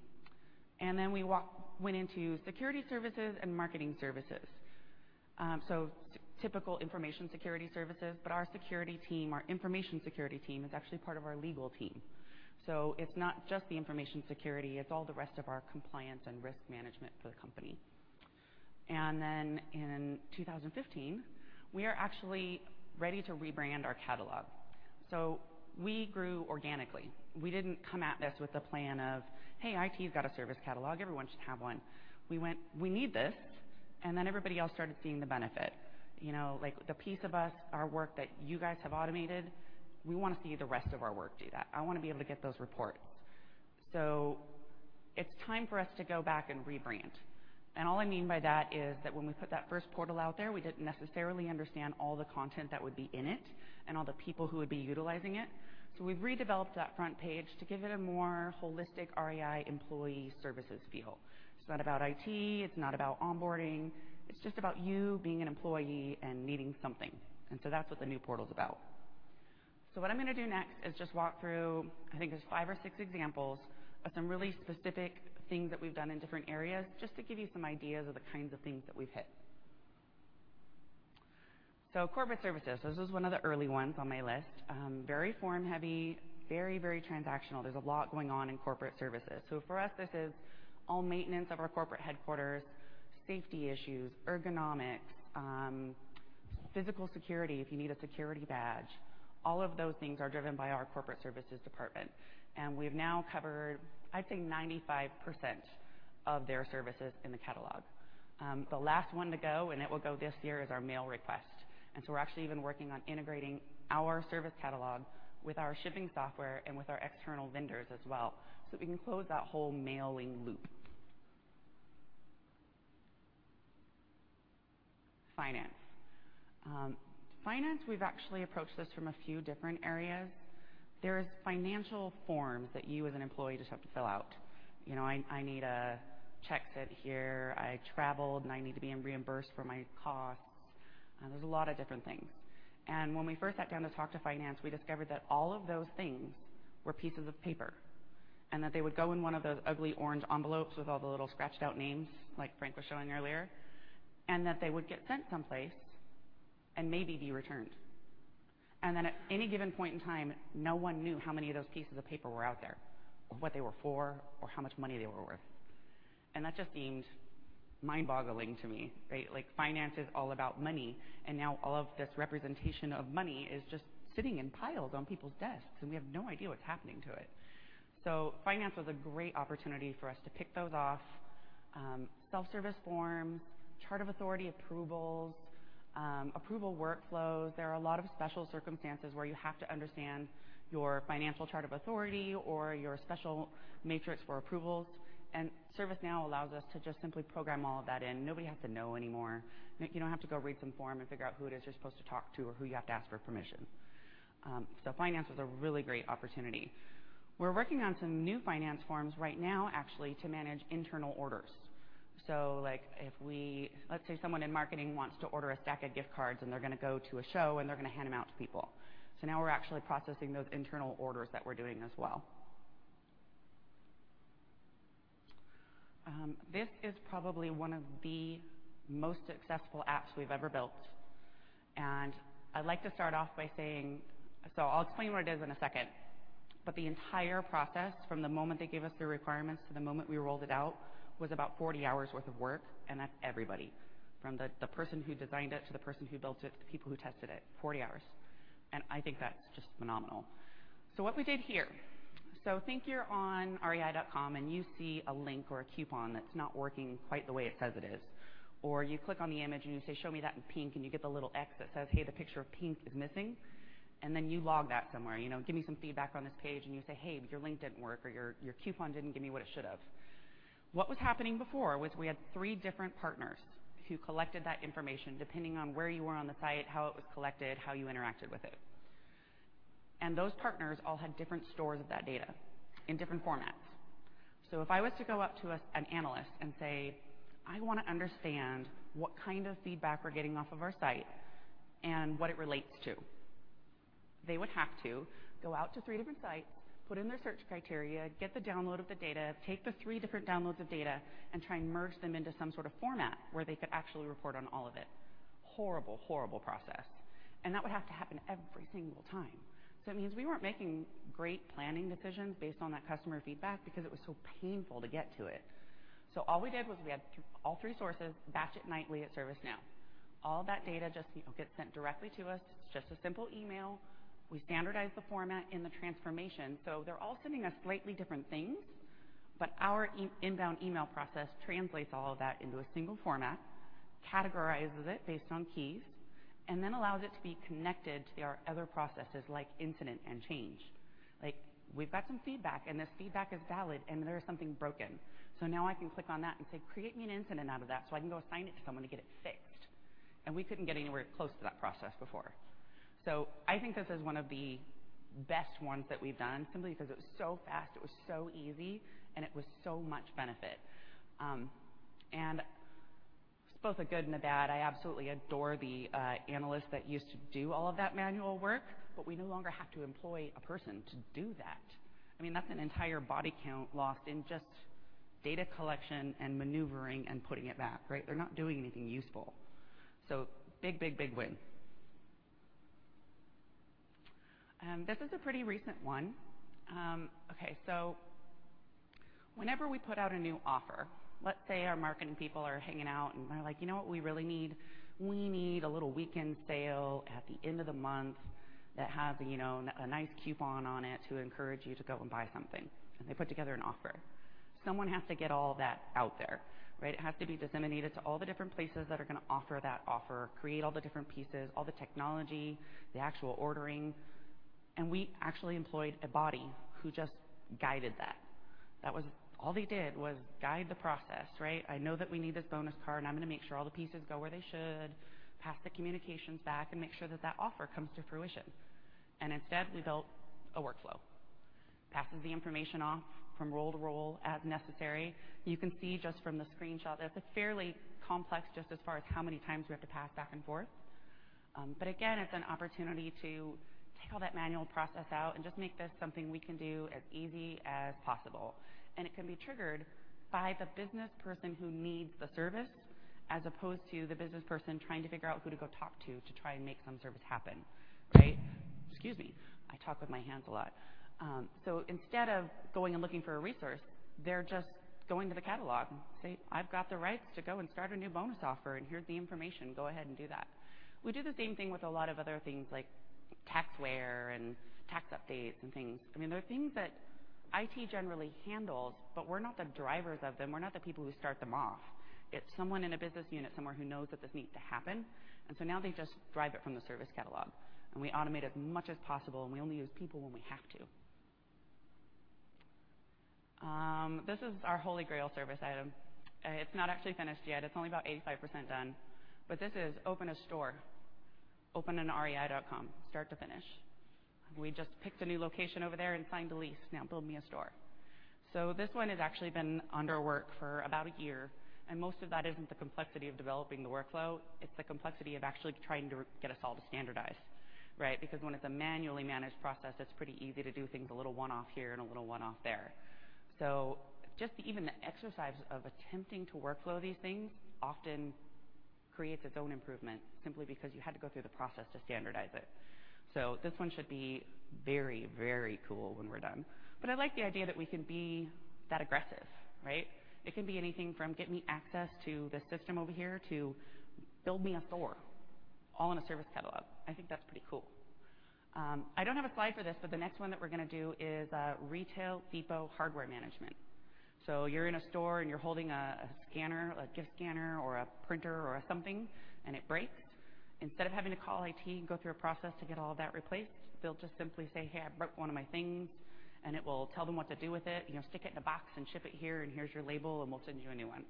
Then we went into security services and marketing services. Typical information security services, but our security team, our information security team, is actually part of our legal team. It's not just the information security, it's all the rest of our compliance and risk management for the company. In 2015, we are actually ready to rebrand our catalog. We grew organically. We didn't come at this with the plan of, "Hey, IT has got a service catalog. Everyone should have one." We went, "We need this," then everybody else started seeing the benefit. Like, "The piece of our work that you guys have automated, we want to see the rest of our work do that. I want to be able to get those reports." It's time for us to go back and rebrand. All I mean by that is that when we put that first portal out there, we didn't necessarily understand all the content that would be in it and all the people who would be utilizing it. We've redeveloped that front page to give it a more holistic REI employee services feel. It's not about IT, it's not about onboarding, it's just about you being an employee and needing something. That's what the new portal's about. What I'm going to do next is just walk through, I think there's five or six examples of some really specific things that we've done in different areas, just to give you some ideas of the kinds of things that we've hit. Corporate services. This was one of the early ones on my list. Very form-heavy, very transactional. There's a lot going on in corporate services. For us, this is all maintenance of our corporate headquarters, safety issues, ergonomics, physical security, if you need a security badge. All of those things are driven by our corporate services department. We've now covered, I'd say, 95% of their services in the catalog. The last one to go, and it will go this year, is our mail request. We're actually even working on integrating our service catalog with our shipping software and with our external vendors as well, so we can close that whole mailing loop. Finance. Finance, we've actually approached this from a few different areas. There's financial forms that you as an employee just have to fill out. "I need a check sent here. I traveled, and I need to be reimbursed for my costs." There's a lot of different things. When we first sat down to talk to finance, we discovered that all of those things were pieces of paper, and that they would go in one of those ugly orange envelopes with all the little scratched out names, like Frank was showing earlier, and that they would get sent someplace and maybe be returned. At any given point in time, no one knew how many of those pieces of paper were out there, or what they were for, or how much money they were worth. That just seemed mind-boggling to me, right? Finance is all about money, and now all of this representation of money is just sitting in piles on people's desks, and we have no idea what's happening to it. Finance was a great opportunity for us to pick those off. Self-service forms, chart of authority approvals, approval workflows. There are a lot of special circumstances where you have to understand your financial chart of authority or your special matrix for approvals, and ServiceNow allows us to just simply program all of that in. Nobody has to know anymore. You don't have to go read some form and figure out who it is you're supposed to talk to or who you have to ask for permission. Finance was a really great opportunity. We're working on some new finance forms right now, actually, to manage internal orders. Let's say someone in marketing wants to order a stack of gift cards, and they're going to go to a show, and they're going to hand them out to people. Now we're actually processing those internal orders that we're doing as well. This is probably one of the most successful apps we've ever built. I'd like to start off by saying-- I'll explain what it is in a second, but the entire process, from the moment they gave us the requirements to the moment we rolled it out, was about 40 hours worth of work, and that's everybody. From the person who designed it, to the person who built it, to the people who tested it, 40 hours. I think that's just phenomenal. What we did here. Think you're on rei.com, you see a link or a coupon that's not working quite the way it says it is, you click on the image and you say, "Show me that in pink," and you get the little X that says, "Hey, the picture of pink is missing." You log that somewhere, "Give me some feedback on this page," and you say, "Hey, your link didn't work," or, "Your coupon didn't give me what it should have." What was happening before was we had 3 different partners who collected that information, depending on where you were on the site, how it was collected, how you interacted with it. Those partners all had different stores of that data in different formats. If I was to go up to an analyst and say, "I want to understand what kind of feedback we're getting off of our site and what it relates to," they would have to go out to 3 different sites, put in their search criteria, get the download of the data, take the 3 different downloads of data, and try and merge them into some sort of format where they could actually report on all of it. Horrible process. That would have to happen every single time. It means we weren't making great planning decisions based on that customer feedback because it was so painful to get to it. All we did was we took all 3 sources, batched it nightly at ServiceNow. All that data just gets sent directly to us. It's just a simple email. We standardize the format and the transformation. They're all sending us slightly different things, our inbound email process translates all of that into a single format, categorizes it based on keys, allows it to be connected to our other processes like incident and change. We've got some feedback, this feedback is valid, there is something broken. Now I can click on that and say, "Create me an incident out of that so I can go assign it to someone to get it fixed." We couldn't get anywhere close to that process before. I think this is one of the best ones that we've done simply because it was so fast, it was so easy, and it was so much benefit. It's both a good and a bad. I absolutely adore the analysts that used to do all of that manual work, we no longer have to employ a person to do that. That's an entire body count lost in just data collection and maneuvering and putting it back. They're not doing anything useful. Big win. This is a pretty recent one. Whenever we put out a new offer, let's say our marketing people are hanging out and they're like, "You know what we really need? We need a little weekend sale at the end of the month that has a nice coupon on it to encourage you to go and buy something." They put together an offer. Someone has to get all that out there. It has to be disseminated to all the different places that are going to offer that offer, create all the different pieces, all the technology, the actual ordering. We actually employed a body who just guided that. That was all they did, was guide the process. "I know that we need this bonus card, and I'm going to make sure all the pieces go where they should, pass the communications back, and make sure that that offer comes to fruition." Instead, we built a workflow. Passes the information off from role to role as necessary. You can see just from the screenshot that it's fairly complex just as far as how many times we have to pass back and forth. Again, it's an opportunity to take all that manual process out and just make this something we can do as easy as possible. It can be triggered by the business person who needs the service, as opposed to the business person trying to figure out who to go talk to try and make some service happen. Excuse me. I talk with my hands a lot. Instead of going and looking for a resource, they're just going to the catalog and say, "I've got the rights to go and start a new bonus offer, and here's the information. Go ahead and do that." We do the same thing with a lot of other things like taxware and tax updates and things. There are things that IT generally handles, but we're not the drivers of them. We're not the people who start them off. It's someone in a business unit somewhere who knows that this needs to happen, now they just drive it from the service catalog, we automate as much as possible, we only use people when we have to. This is our Holy Grail service item. It's not actually finished yet. It's only about 85% done. This is open a store, open an rei.com, start to finish. We just picked a new location over there and signed a lease. Now build me a store. This one has actually been under work for about a year, most of that isn't the complexity of developing the workflow, it's the complexity of actually trying to get us all to standardize. When it's a manually managed process, it's pretty easy to do things a little one-off here and a little one-off there. Just even the exercise of attempting to workflow these things often creates its own improvement simply because you had to go through the process to standardize it. This one should be very cool when we're done. I like the idea that we can be that aggressive. It can be anything from get me access to this system over here to build me a store, all in a service catalog. I think that's pretty cool. I don't have a slide for this, the next one that we're going to do is retail depot hardware management. You're in a store, you're holding a scanner, a gift scanner or a printer or something, it breaks. Instead of having to call IT and go through a process to get all of that replaced, they'll just simply say, "Hey, I broke one of my things," and it will tell them what to do with it. "Stick it in a box and ship it here, and here's your label, and we'll send you a new one."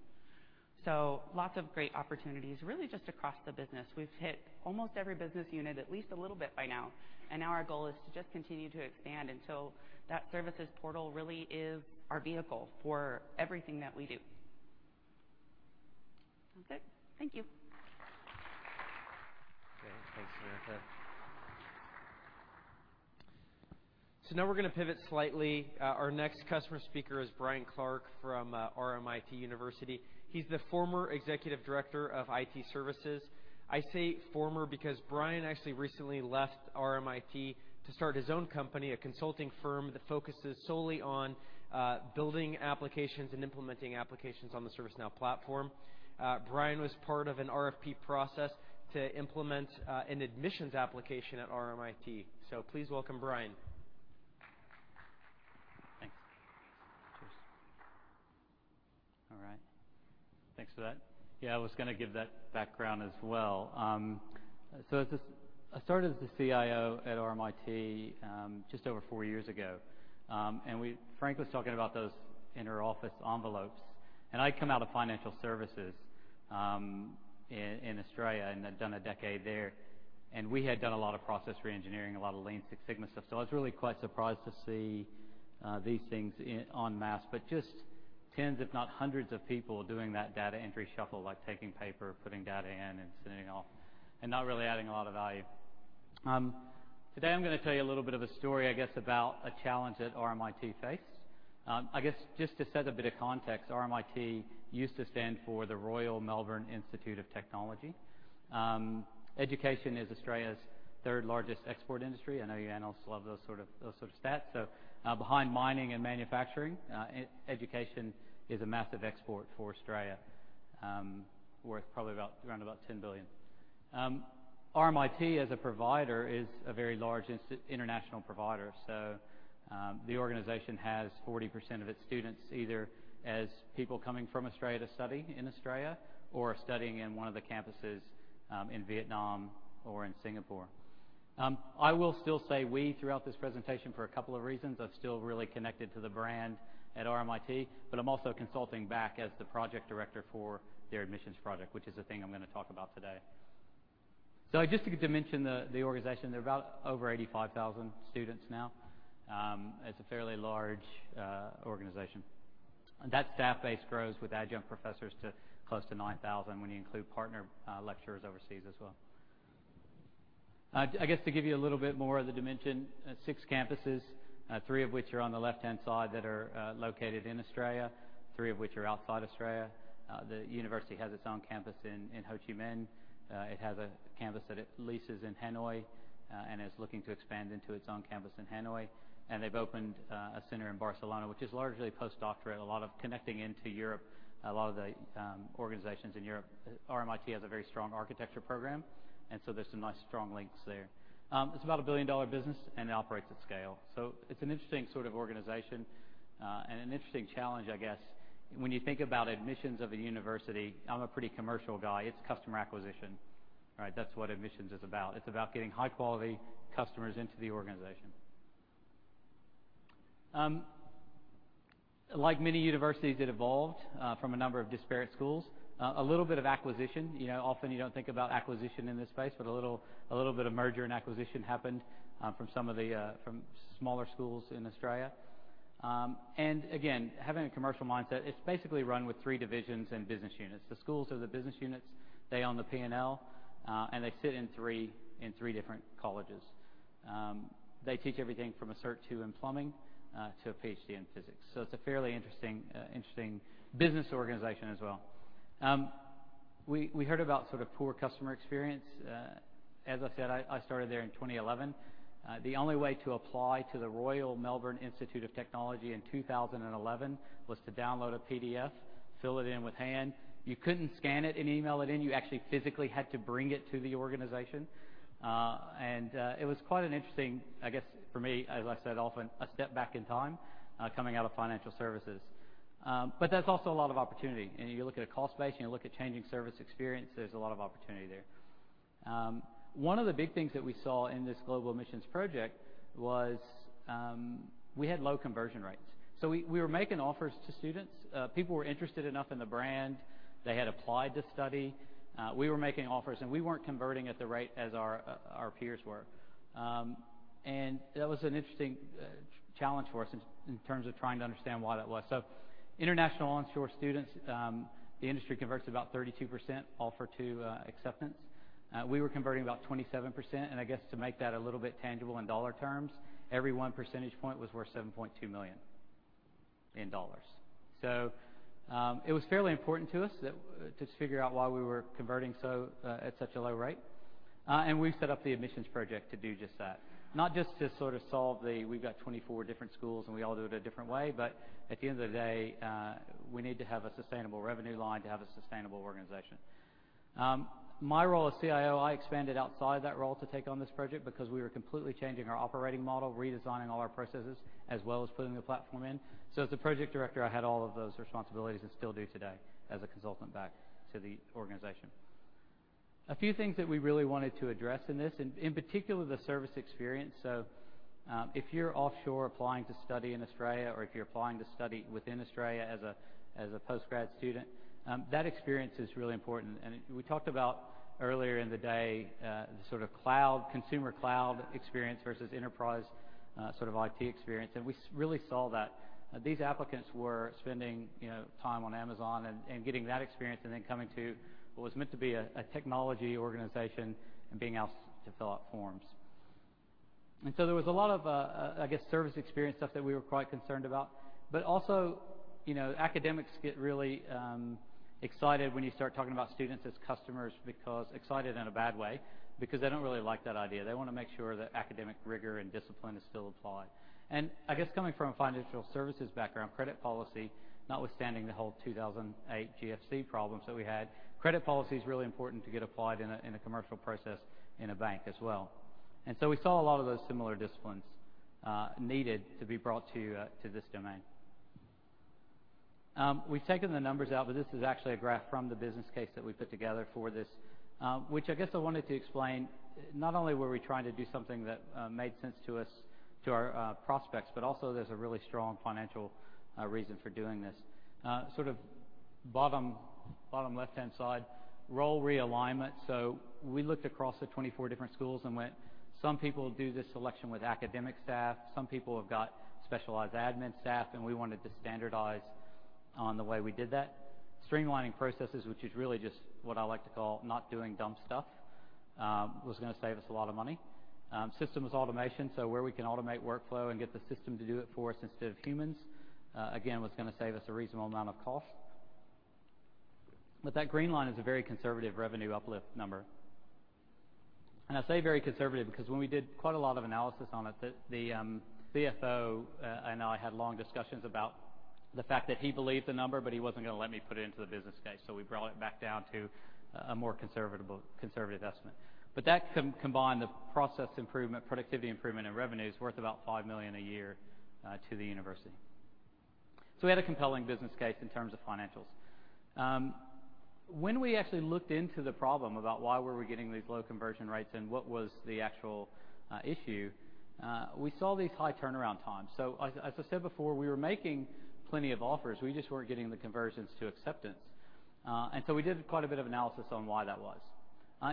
Lots of great opportunities, really just across the business. We've hit almost every business unit at least a little bit by now. Now our goal is to just continue to expand until that services portal really is our vehicle for everything that we do. That's it. Thank you. Okay. Thanks, Samantha. Now we're going to pivot slightly. Our next customer speaker is Brian Clark from RMIT University. He's the former executive director of IT services. I say former because Brian actually recently left RMIT to start his own company, a consulting firm that focuses solely on building applications and implementing applications on the ServiceNow platform. Brian was part of an RFP process to implement an admissions application at RMIT. Please welcome Brian. Thanks. Cheers. All right. Thanks for that. Yeah, I was going to give that background as well. I started as the CIO at RMIT just over four years ago. Frank was talking about those interoffice envelopes, and I come out of financial services in Australia and had done a decade there, and we had done a lot of process re-engineering, a lot of Lean Six Sigma stuff. I was really quite surprised to see these things en masse. Just tens, if not hundreds, of people doing that data entry shuffle, like taking paper, putting data in, and sending it off, and not really adding a lot of value. Today, I'm going to tell you a little bit of a story, I guess, about a challenge that RMIT faced. I guess, just to set a bit of context, RMIT used to stand for the Royal Melbourne Institute of Technology. Education is Australia's third-largest export industry. I know you analysts love those sort of stats. Behind mining and manufacturing, education is a massive export for Australia, worth probably around about $10 billion. RMIT, as a provider, is a very large international provider. The organization has 40% of its students, either as people coming from Australia to study in Australia or studying in one of the campuses in Vietnam or in Singapore. I will still say we throughout this presentation for a couple of reasons. I've still really connected to the brand at RMIT, but I'm also consulting back as the project director for their admissions project, which is the thing I'm going to talk about today. Just to mention the organization, they're about over 85,000 students now. It's a fairly large organization. That staff base grows with adjunct professors to close to 9,000 when you include partner lecturers overseas as well. I guess to give you a little bit more of the dimension, six campuses, three of which are on the left-hand side that are located in Australia, three of which are outside Australia. The university has its own campus in Ho Chi Minh. It has a campus that it leases in Hanoi and is looking to expand into its own campus in Hanoi. They've opened a center in Barcelona, which is largely postdoctorate, a lot of connecting into Europe, a lot of the organizations in Europe. RMIT has a very strong architecture program, there's some nice strong links there. It's about a billion-dollar business, and it operates at scale. It's an interesting sort of organization and an interesting challenge, I guess. When you think about admissions of a university, I'm a pretty commercial guy. It's customer acquisition, right? That's what admissions is about. It's about getting high-quality customers into the organization. Like many universities, it evolved from a number of disparate schools. A little bit of acquisition. Often you don't think about acquisition in this space, but a little bit of merger and acquisition happened from some of the smaller schools in Australia. Again, having a commercial mindset, it's basically run with three divisions and business units. The schools are the business units. They own the P&L, and they sit in three different colleges. They teach everything from a Cert II in plumbing to a PhD in physics. It's a fairly interesting business organization as well. We heard about sort of poor customer experience. As I said, I started there in 2011. The only way to apply to the Royal Melbourne Institute of Technology in 2011 was to download a PDF, fill it in with hand. You couldn't scan it and email it in. You actually physically had to bring it to the organization. It was quite an interesting, I guess, for me, as I said, often a step back in time coming out of financial services. There's also a lot of opportunity, and you look at a call space, and you look at changing service experience, there's a lot of opportunity there. One of the big things that we saw in this global admissions project was we had low conversion rates. We were making offers to students. People were interested enough in the brand. They had applied to study. We were making offers, and we weren't converting at the rate as our peers were. That was an interesting challenge for us in terms of trying to understand why that was. International onshore students, the industry converts about 32% offer to acceptance. We were converting about 27%, and I guess to make that a little bit tangible in dollar terms, every one percentage point was worth $7.2 million. It was fairly important to us to figure out why we were converting at such a low rate, and we set up the admissions project to do just that. Not just to sort of solve the, we've got 24 different schools, we all do it a different way, but at the end of the day, we need to have a sustainable revenue line to have a sustainable organization. My role as CIO, I expanded outside that role to take on this project because we were completely changing our operating model, redesigning all our processes, as well as putting the platform in. As the project director, I had all of those responsibilities and still do today as a consultant back to the organization. A few things that we really wanted to address in this, in particular, the service experience. If you're offshore applying to study in Australia or if you're applying to study within Australia as a post-grad student, that experience is really important. We talked about earlier in the day, the sort of consumer cloud experience versus enterprise sort of IT experience, and we really saw that. These applicants were spending time on Amazon and getting that experience and then coming to what was meant to be a technology organization and being asked to fill out forms. There was a lot of, I guess, service experience stuff that we were quite concerned about. Also, academics get really excited when you start talking about students as customers because excited in a bad way, because they don't really like that idea. They want to make sure that academic rigor and discipline is still applied. I guess coming from a financial services background, credit policy, notwithstanding the whole 2008 GFC problems that we had, credit policy is really important to get applied in a commercial process in a bank as well. We saw a lot of those similar disciplines needed to be brought to this domain. We've taken the numbers out, but this is actually a graph from the business case that we put together for this, which I guess I wanted to explain, not only were we trying to do something that made sense to us, to our prospects, there's a really strong financial reason for doing this. Sort of bottom left-hand side, role realignment. We looked across the 24 different schools and went, some people do this selection with academic staff, some people have got specialized admin staff, and we wanted to standardize on the way we did that. Streamlining processes, which is really just what I like to call not doing dumb stuff, was going to save us a lot of money. Systems automation, where we can automate workflow and get the system to do it for us instead of humans, again, was going to save us a reasonable amount of cost. That green line is a very conservative revenue uplift number. I say very conservative because when we did quite a lot of analysis on it, the CFO and I had long discussions about the fact that he believed the number, he wasn't going to let me put it into the business case. We brought it back down to a more conservative estimate. That combined the process improvement, productivity improvement, and revenue is worth about $5 million a year to the university. We had a compelling business case in terms of financials. When we actually looked into the problem about why were we getting these low conversion rates and what was the actual issue, we saw these high turnaround times. As I said before, we were making plenty of offers, we just weren't getting the conversions to acceptance. We did quite a bit of analysis on why that was.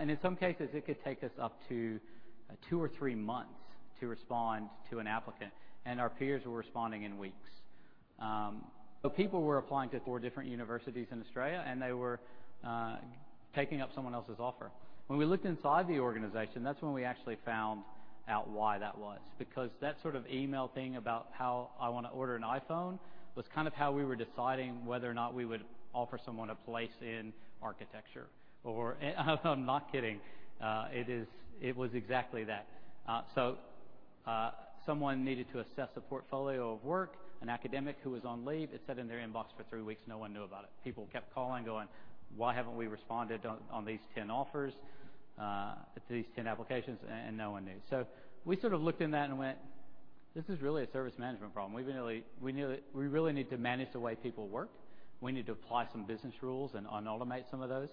In some cases, it could take us up to two or three months to respond to an applicant, and our peers were responding in weeks. People were applying to four different universities in Australia, and they were taking up someone else's offer. When we looked inside the organization, that's when we actually found out why that was, because that sort of email thing about how I want to order an iPhone was kind of how we were deciding whether or not we would offer someone a place in architecture. I'm not kidding. It was exactly that. Someone needed to assess a portfolio of work. An academic who was on leave, it sat in their inbox for three weeks, no one knew about it. People kept calling, going, "Why haven't we responded on these 10 offers, these 10 applications?" No one knew. We sort of looked in that and went, "This is really a service management problem. We really need to manage the way people work. We need to apply some business rules and automate some of those.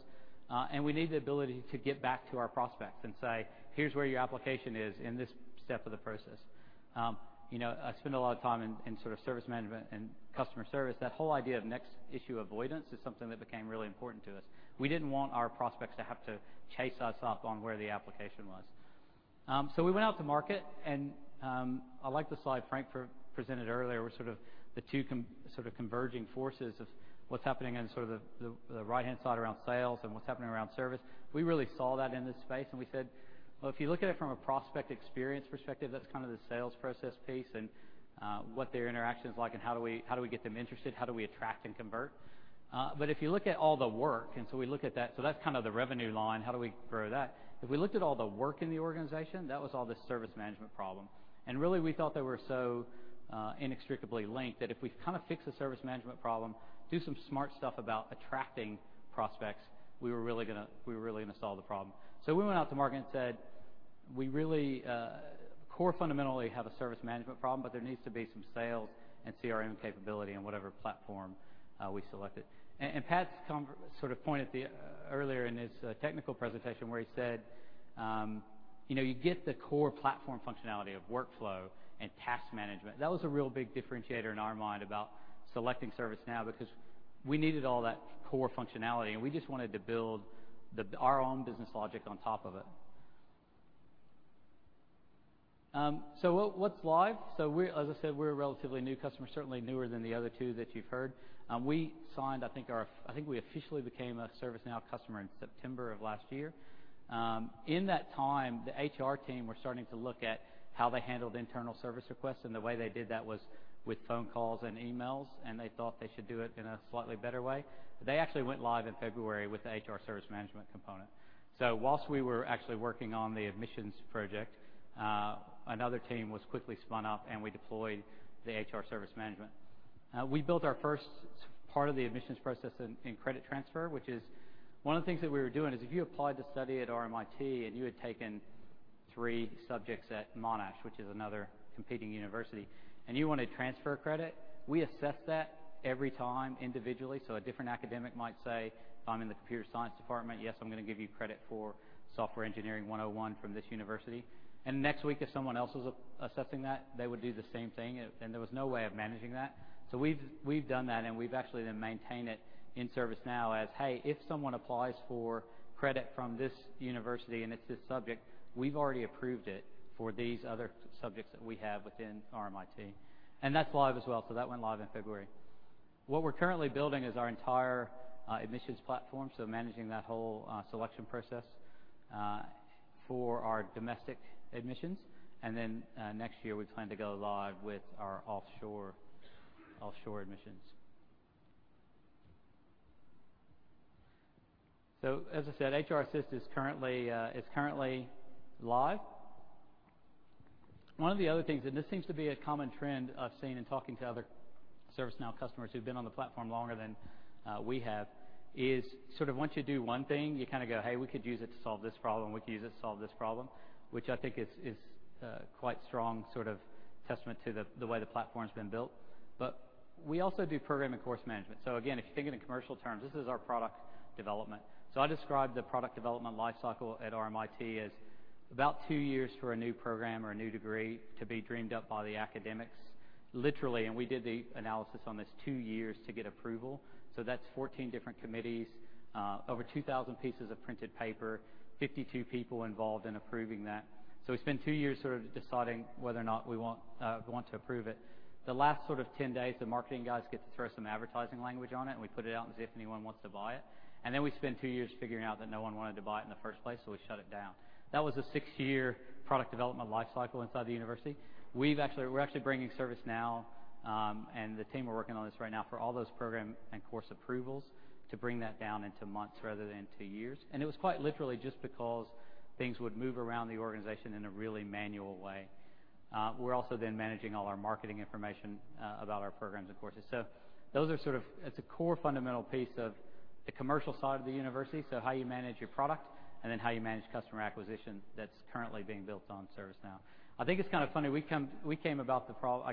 We need the ability to get back to our prospects and say, 'Here's where your application is in this step of the process.'" I spend a lot of time in sort of service management and customer service. That whole idea of next issue avoidance is something that became really important to us. We didn't want our prospects to have to chase us up on where the application was. We went out to market, and I like the slide Frank presented earlier, with sort of the two converging forces of what's happening in the right-hand side around sales and what's happening around service. We really saw that in this space, we said, "Well, if you look at it from a prospect experience perspective, that's kind of the sales process piece and what their interaction's like and how do we get them interested, how do we attract and convert?" If you look at all the work, we look at that's kind of the revenue line, how do we grow that? If we looked at all the work in the organization, that was all the service management problem. Really, we felt they were so inextricably linked that if we kind of fix the service management problem, do some smart stuff about attracting prospects, we were really going to solve the problem. We went out to market and said we really core fundamentally have a service management problem, there needs to be some sales and CRM capability on whatever platform we selected. Pat sort of pointed earlier in his technical presentation where he said you get the core platform functionality of workflow and task management. That was a real big differentiator in our mind about selecting ServiceNow because we needed all that core functionality, and we just wanted to build our own business logic on top of it. What's live? As I said, we're a relatively new customer, certainly newer than the other two that you've heard. I think we officially became a ServiceNow customer in September of last year. In that time, the HR team were starting to look at how they handled internal service requests, the way they did that was with phone calls and emails, they thought they should do it in a slightly better way. They actually went live in February with the HR service management component. Whilst we were actually working on the admissions project, another team was quickly spun up, we deployed the HR service management. We built our first part of the admissions process in credit transfer, which is one of the things that we were doing is if you applied to study at RMIT and you had taken three subjects at Monash, which is another competing university, you want to transfer credit, we assess that every time individually. A different academic might say, "I'm in the computer science department. Yes, I'm going to give you credit for software engineering 101 from this university." Next week, if someone else was assessing that, they would do the same thing, there was no way of managing that. We've done that, we've actually then maintained it in ServiceNow as, hey, if someone applies for credit from this university and it's this subject, we've already approved it for these other subjects that we have within RMIT. That's live as well. That went live in February. What we're currently building is our entire admissions platform, managing that whole selection process for our domestic admissions. Then next year, we plan to go live with our offshore admissions. As I said, HR Assist is currently live. One of the other things, this seems to be a common trend I've seen in talking to other ServiceNow customers who've been on the platform longer than we have, is once you do one thing, you kind of go, "Hey, we could use it to solve this problem, we could use it to solve this problem," which I think is quite strong testament to the way the platform's been built. We also do program and course management. Again, if you think it in commercial terms, this is our product development. I describe the product development life cycle at RMIT as about two years for a new program or a new degree to be dreamed up by the academics Literally, we did the analysis on this two years to get approval. That's 14 different committees, over 2,000 pieces of printed paper, 52 people involved in approving that. We spent two years sort of deciding whether or not we want to approve it. The last sort of 10 days, the marketing guys get to throw some advertising language on it, and we put it out and see if anyone wants to buy it. We spend two years figuring out that no one wanted to buy it in the first place, so we shut it down. That was a six-year product development life cycle inside the university. We're actually bringing ServiceNow, and the team are working on this right now for all those program and course approvals to bring that down into months rather than two years. It was quite literally just because things would move around the organization in a really manual way. We're also then managing all our marketing information about our programs and courses. Those are sort of a core fundamental piece of the commercial side of the university. How you manage your product, and then how you manage customer acquisition that's currently being built on ServiceNow. I think it's kind of funny. I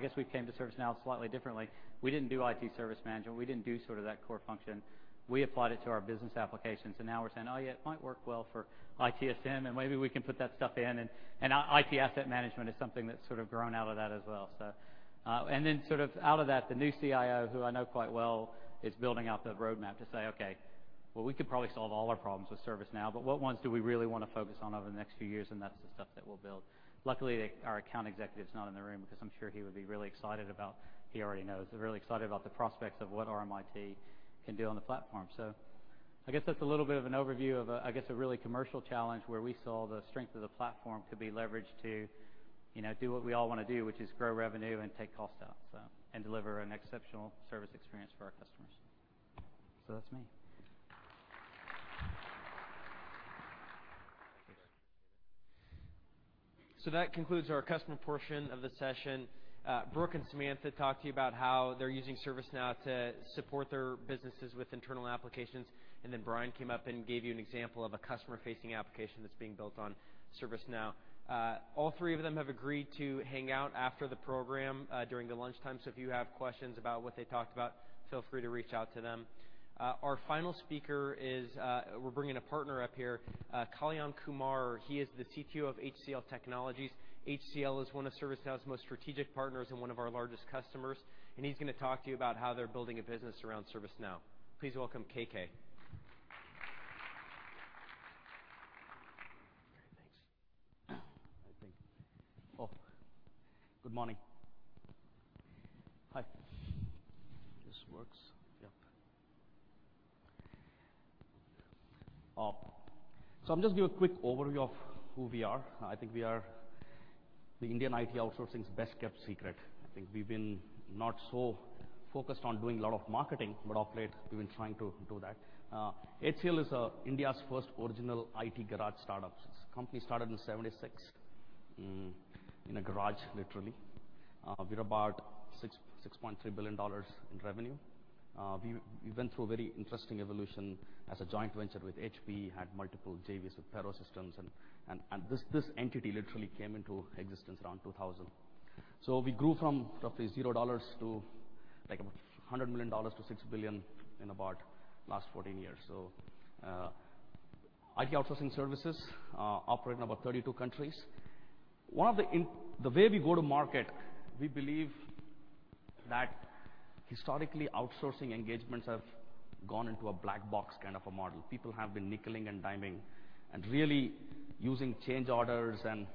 guess we came to ServiceNow slightly differently. We didn't do IT service management. We didn't do sort of that core function. We applied it to our business applications, and now we're saying, "Oh, yeah, it might work well for ITSM, and maybe we can put that stuff in." IT asset management is something that's sort of grown out of that as well. Sort of out of that, the new CIO, who I know quite well, is building out the roadmap to say, "Okay. We could probably solve all our problems with ServiceNow, but what ones do we really want to focus on over the next few years?" That's the stuff that we'll build. Luckily, our account executive's not in the room because I'm sure he would be really excited about he already knows. They're really excited about the prospects of what RMIT can do on the platform. I guess that's a little bit of an overview of, I guess, a really commercial challenge, where we saw the strength of the platform could be leveraged to do what we all want to do, which is grow revenue and take cost out, and deliver an exceptional service experience for our customers. That's me. That concludes our customer portion of the session. Brooke and Samantha talked to you about how they're using ServiceNow to support their businesses with internal applications, and then Brian came up and gave you an example of a customer-facing application that's being built on ServiceNow. All three of them have agreed to hang out after the program, during the lunchtime. If you have questions about what they talked about, feel free to reach out to them. Our final speaker we're bringing a partner up here, Kalyan Kumar. He is the CTO of HCL Technologies. HCL is one of ServiceNow's most strategic partners and one of our largest customers, and he's going to talk to you about how they're building a business around ServiceNow. Please welcome KK. Great, thanks. Good morning. Hi. This works? Yep. I'll just give a quick overview of who we are. I think we are the Indian IT outsourcing's best-kept secret. I think we've been not so focused on doing a lot of marketing, but of late, we've been trying to do that. HCL is India's first original IT garage startup. Company started in 1976, in a garage, literally. We're about $6.3 billion in revenue. We went through a very interesting evolution as a joint venture with HP, had multiple JVs with Perot Systems, and this entity literally came into existence around 2000. We grew from roughly $0 to, like, about $100 million to $6 billion in about the last 14 years. IT outsourcing services operate in about 32 countries. The way we go to market, we believe that historically, outsourcing engagements have gone into a black box kind of a model. People have been nickeling and diming and really using change orders and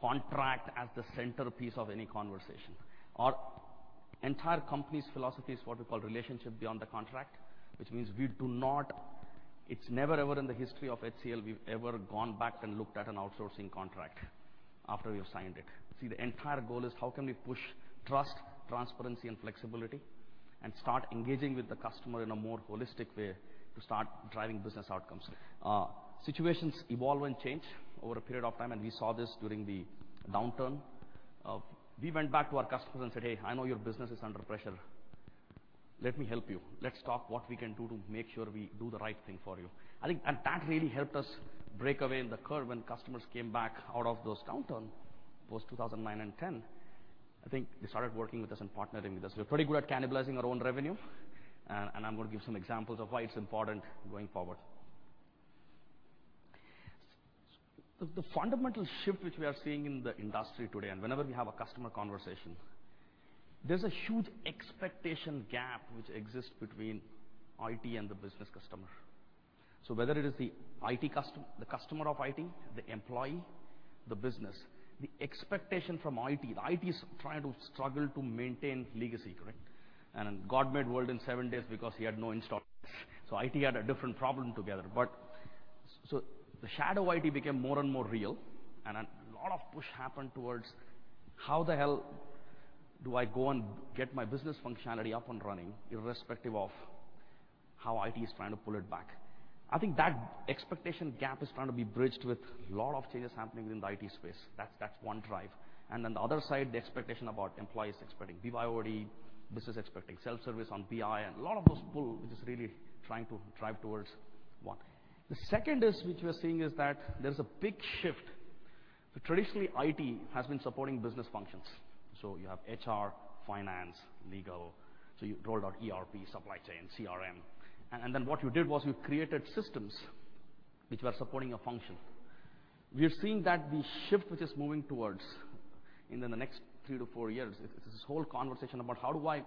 contract as the centerpiece of any conversation. Our entire company's philosophy is what we call relationship beyond the contract, which means it's never, ever in the history of HCL we've ever gone back and looked at an outsourcing contract after we have signed it. The entire goal is how can we push trust, transparency, and flexibility and start engaging with the customer in a more holistic way to start driving business outcomes. Situations evolve and change over a period of time, and we saw this during the downturn. We went back to our customers and said, "Hey, I know your business is under pressure. Let me help you. Let's talk what we can do to make sure we do the right thing for you." That really helped us break away the curve when customers came back out of those downturn, post 2009 and 2010. They started working with us and partnering with us. We're pretty good at cannibalizing our own revenue, I'm going to give some examples of why it's important going forward. The fundamental shift which we are seeing in the industry today, whenever we have a customer conversation, there's a huge expectation gap which exists between IT and the business customer. Whether it is the customer of IT, the employee, the business, the expectation from IT is trying to struggle to maintain legacy, correct? God made world in seven days because he had no installs. IT had a different problem together. The shadow IT became more and more real, a lot of push happened towards how the hell do I go and get my business functionality up and running irrespective of how IT is trying to pull it back. That expectation gap is trying to be bridged with lot of changes happening within the IT space. That's one drive. The other side, the expectation about employees expecting BYOD, business expecting self-service on BI, a lot of those pull, which is really trying to drive towards one. The second is, which we are seeing is that there's a big shift, traditionally, IT has been supporting business functions. You have HR, finance, legal, you rolled out ERP, supply chain, CRM. What you did was you created systems which were supporting a function. We're seeing that the shift which is moving towards in the next three to four years, it's this whole conversation about how do I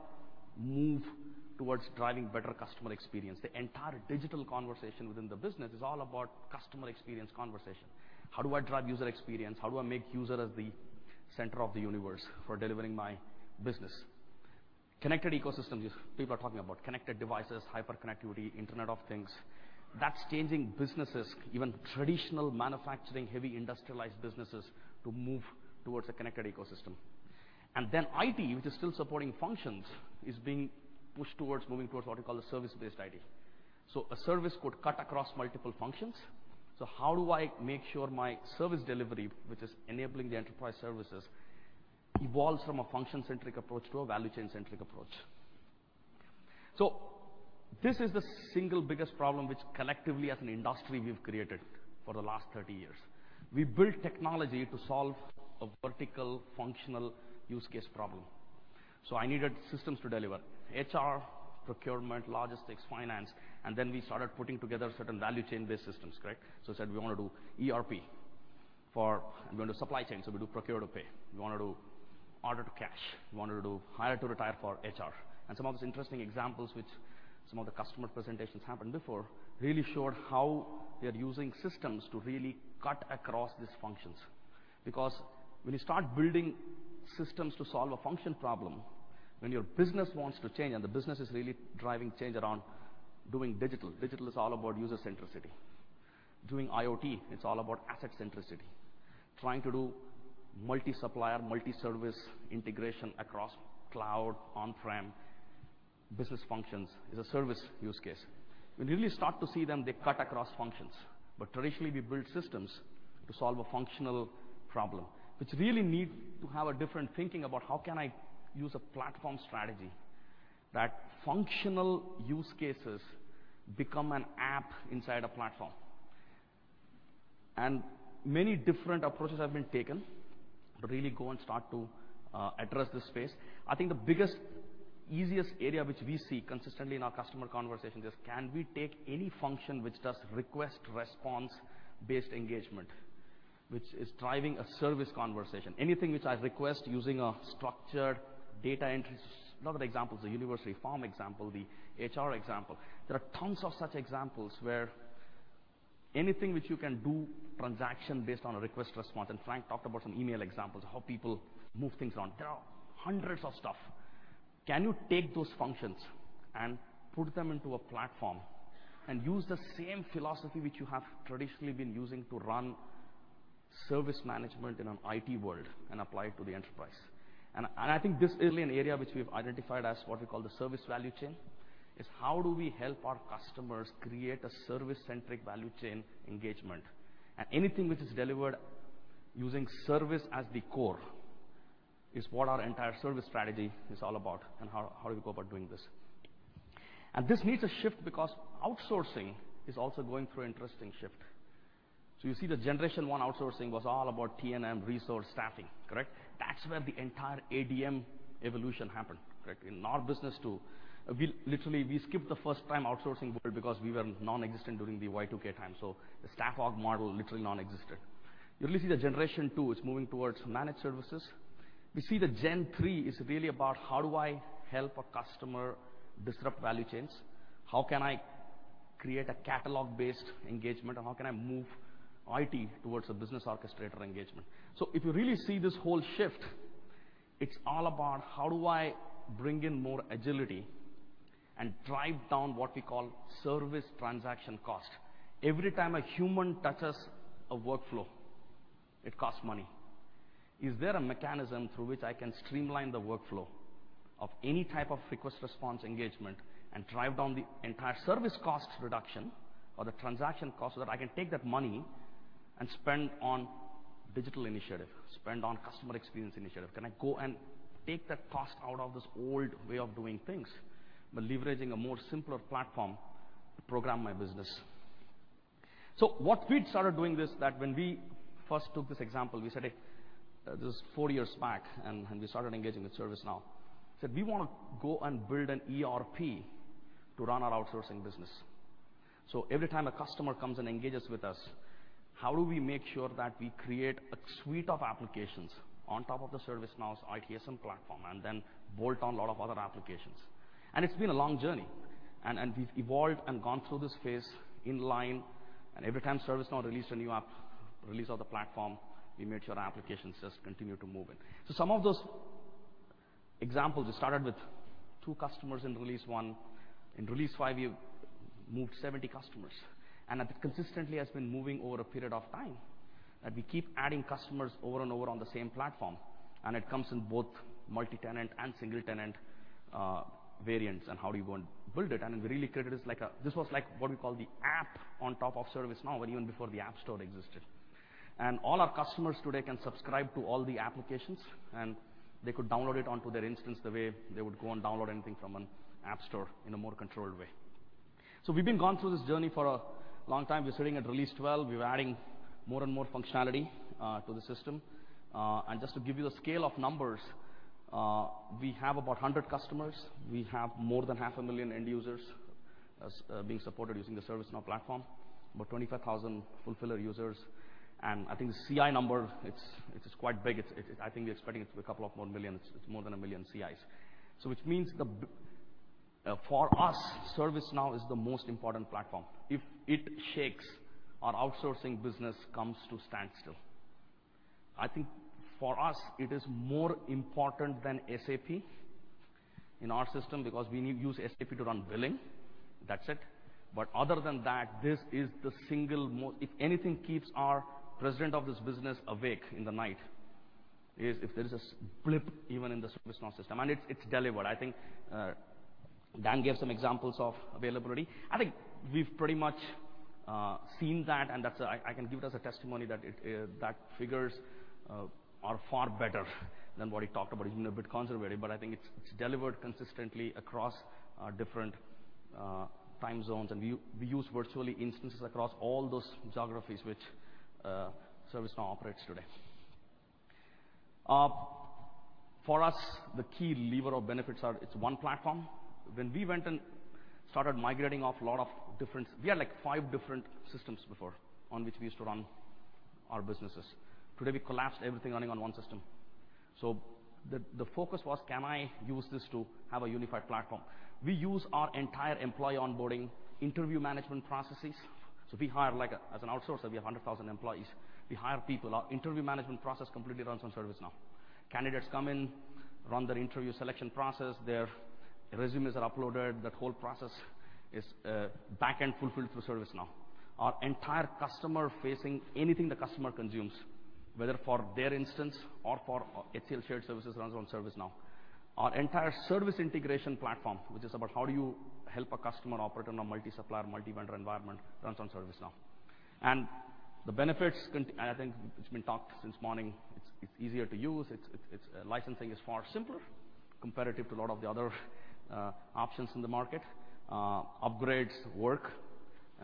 move towards driving better customer experience. The entire digital conversation within the business is all about customer experience conversation. How do I drive user experience? How do I make user as the center of the universe for delivering my business? Connected ecosystems, people are talking about connected devices, hyperconnectivity, Internet of Things. That's changing businesses, even traditional manufacturing, heavy industrialized businesses, to move towards a connected ecosystem. IT, which is still supporting functions, is being pushed towards moving towards what we call a service-based IT. A service could cut across multiple functions. How do I make sure my service delivery, which is enabling the enterprise services, evolves from a function-centric approach to a value chain-centric approach? This is the single biggest problem which collectively as an industry we've created for the last 30 years. We built technology to solve a vertical functional use case problem. I needed systems to deliver HR, procurement, logistics, finance, we started putting together certain value chain based systems. Correct? We said we want to do ERP for-- we're going to supply chain, we do procure to pay. We want to do order to cash. We want to do hire to retire for HR. Some of these interesting examples which some of the customer presentations happened before really showed how they're using systems to really cut across these functions. Because when you start building systems to solve a function problem, when your business wants to change, the business is really driving change around doing digital. Digital is all about user centricity. Doing IoT, it's all about asset centricity. Trying to do multi-supplier, multi-service integration across cloud, on-prem business functions is a service use case. When you really start to see them, they cut across functions. Traditionally, we build systems to solve a functional problem, which really need to have a different thinking about how can I use a platform strategy that functional use cases become an app inside a platform. Many different approaches have been taken to really go and start to address this space. I think the biggest, easiest area which we see consistently in our customer conversations is can we take any function which does request response based engagement, which is driving a service conversation, anything which I request using a structured data entry. Lot of the examples, the university farm example, the HR example. There are tons of such examples where anything which you can do transaction based on a request response, Frank talked about some email examples of how people move things on. There are hundreds of stuff. Can you take those functions and put them into a platform and use the same philosophy which you have traditionally been using to run service management in an IT world and apply it to the enterprise? I think this is really an area which we've identified as what we call the service value chain, is how do we help our customers create a service centric value chain engagement. Anything which is delivered using service as the core is what our entire service strategy is all about, how do we go about doing this. This needs a shift because outsourcing is also going through interesting shift. You see the generation one outsourcing was all about T&M resource staffing. Correct? That's where the entire ADM evolution happened. Correct? In our business too, literally, we skipped the first time outsourcing world because we were non-existent during the Y2K time, so the staff org model literally non-existed. You really see the generation two is moving towards managed services. We see the generation three is really about how do I help a customer disrupt value chains? How can I create a catalog-based engagement, and how can I move IT towards a business orchestrator engagement? If you really see this whole shift, it's all about how do I bring in more agility and drive down what we call service transaction cost. Every time a human touches a workflow, it costs money. Is there a mechanism through which I can streamline the workflow of any type of request response engagement and drive down the entire service cost reduction or the transaction cost, so that I can take that money and spend on digital initiative, spend on customer experience initiative? Can I go and take that cost out of this old way of doing things by leveraging a more simpler platform to program my business? What we'd started doing this, that when we first took this example, we said, this is 4 years back, and we started engaging with ServiceNow. Said we want to go and build an ERP to run our outsourcing business. Every time a customer comes and engages with us, how do we make sure that we create a suite of applications on top of the ServiceNow ITSM platform and then bolt on a lot of other applications? It's been a long journey, and we've evolved and gone through this phase in line, and every time ServiceNow release a new app, release of the platform, we make sure our application says continue to move in. Some of those examples, it started with two customers in release 1. In release 5, we've moved 70 customers. That consistently has been moving over a period of time, that we keep adding customers over and over on the same platform, and it comes in both multi-tenant and single-tenant variants. How do you go and build it? We really created this like a this was like what we call the app on top of ServiceNow, when even before the App Store existed. All our customers today can subscribe to all the applications, and they could download it onto their instance the way they would go and download anything from an App Store in a more controlled way. We've been going through this journey for a long time. We're sitting at release 12. We're adding more and more functionality to the system. Just to give you the scale of numbers, we have about 100 customers. We have more than half a million end users As being supported using the ServiceNow platform. About 25,000 fulfiller users. I think the CI number, it's quite big. I think we're expecting it to be a couple of more millions. It's more than a million CIs. Which means, for us, ServiceNow is the most important platform. If it shakes, our outsourcing business comes to standstill. I think for us, it is more important than SAP in our system because we use SAP to run billing. That's it. Other than that, if anything keeps our president of this business awake in the night, it is if there's a blip even in the ServiceNow system, and it's delivered. I think Dan gave some examples of availability. I think we've pretty much seen that, and I can give it as a testimony that figures are far better than what he talked about, even a bit conservative, but I think it's delivered consistently across different time zones. We use virtually instances across all those geographies which ServiceNow operates today. For us, the key lever of benefits are, it's one platform. When we went and started migrating off, we had five different systems before, on which we used to run our businesses. Today, we collapsed everything running on one system. The focus was, can I use this to have a unified platform? We use our entire employee onboarding, interview management processes. We hire, as an outsourcer, we have 100,000 employees. We hire people. Our interview management process completely runs on ServiceNow. Candidates come in, run their interview selection process, their resumes are uploaded. That whole process is backend fulfilled through ServiceNow. Our entire customer-facing, anything the customer consumes, whether for their instance or for HCL shared services, runs on ServiceNow. Our entire service integration platform, which is about how do you help a customer operate on a multi-supplier, multi-vendor environment, runs on ServiceNow. The benefits, I think it's been talked since morning, it's easier to use. Its licensing is far simpler comparative to a lot of the other options in the market. Upgrades work,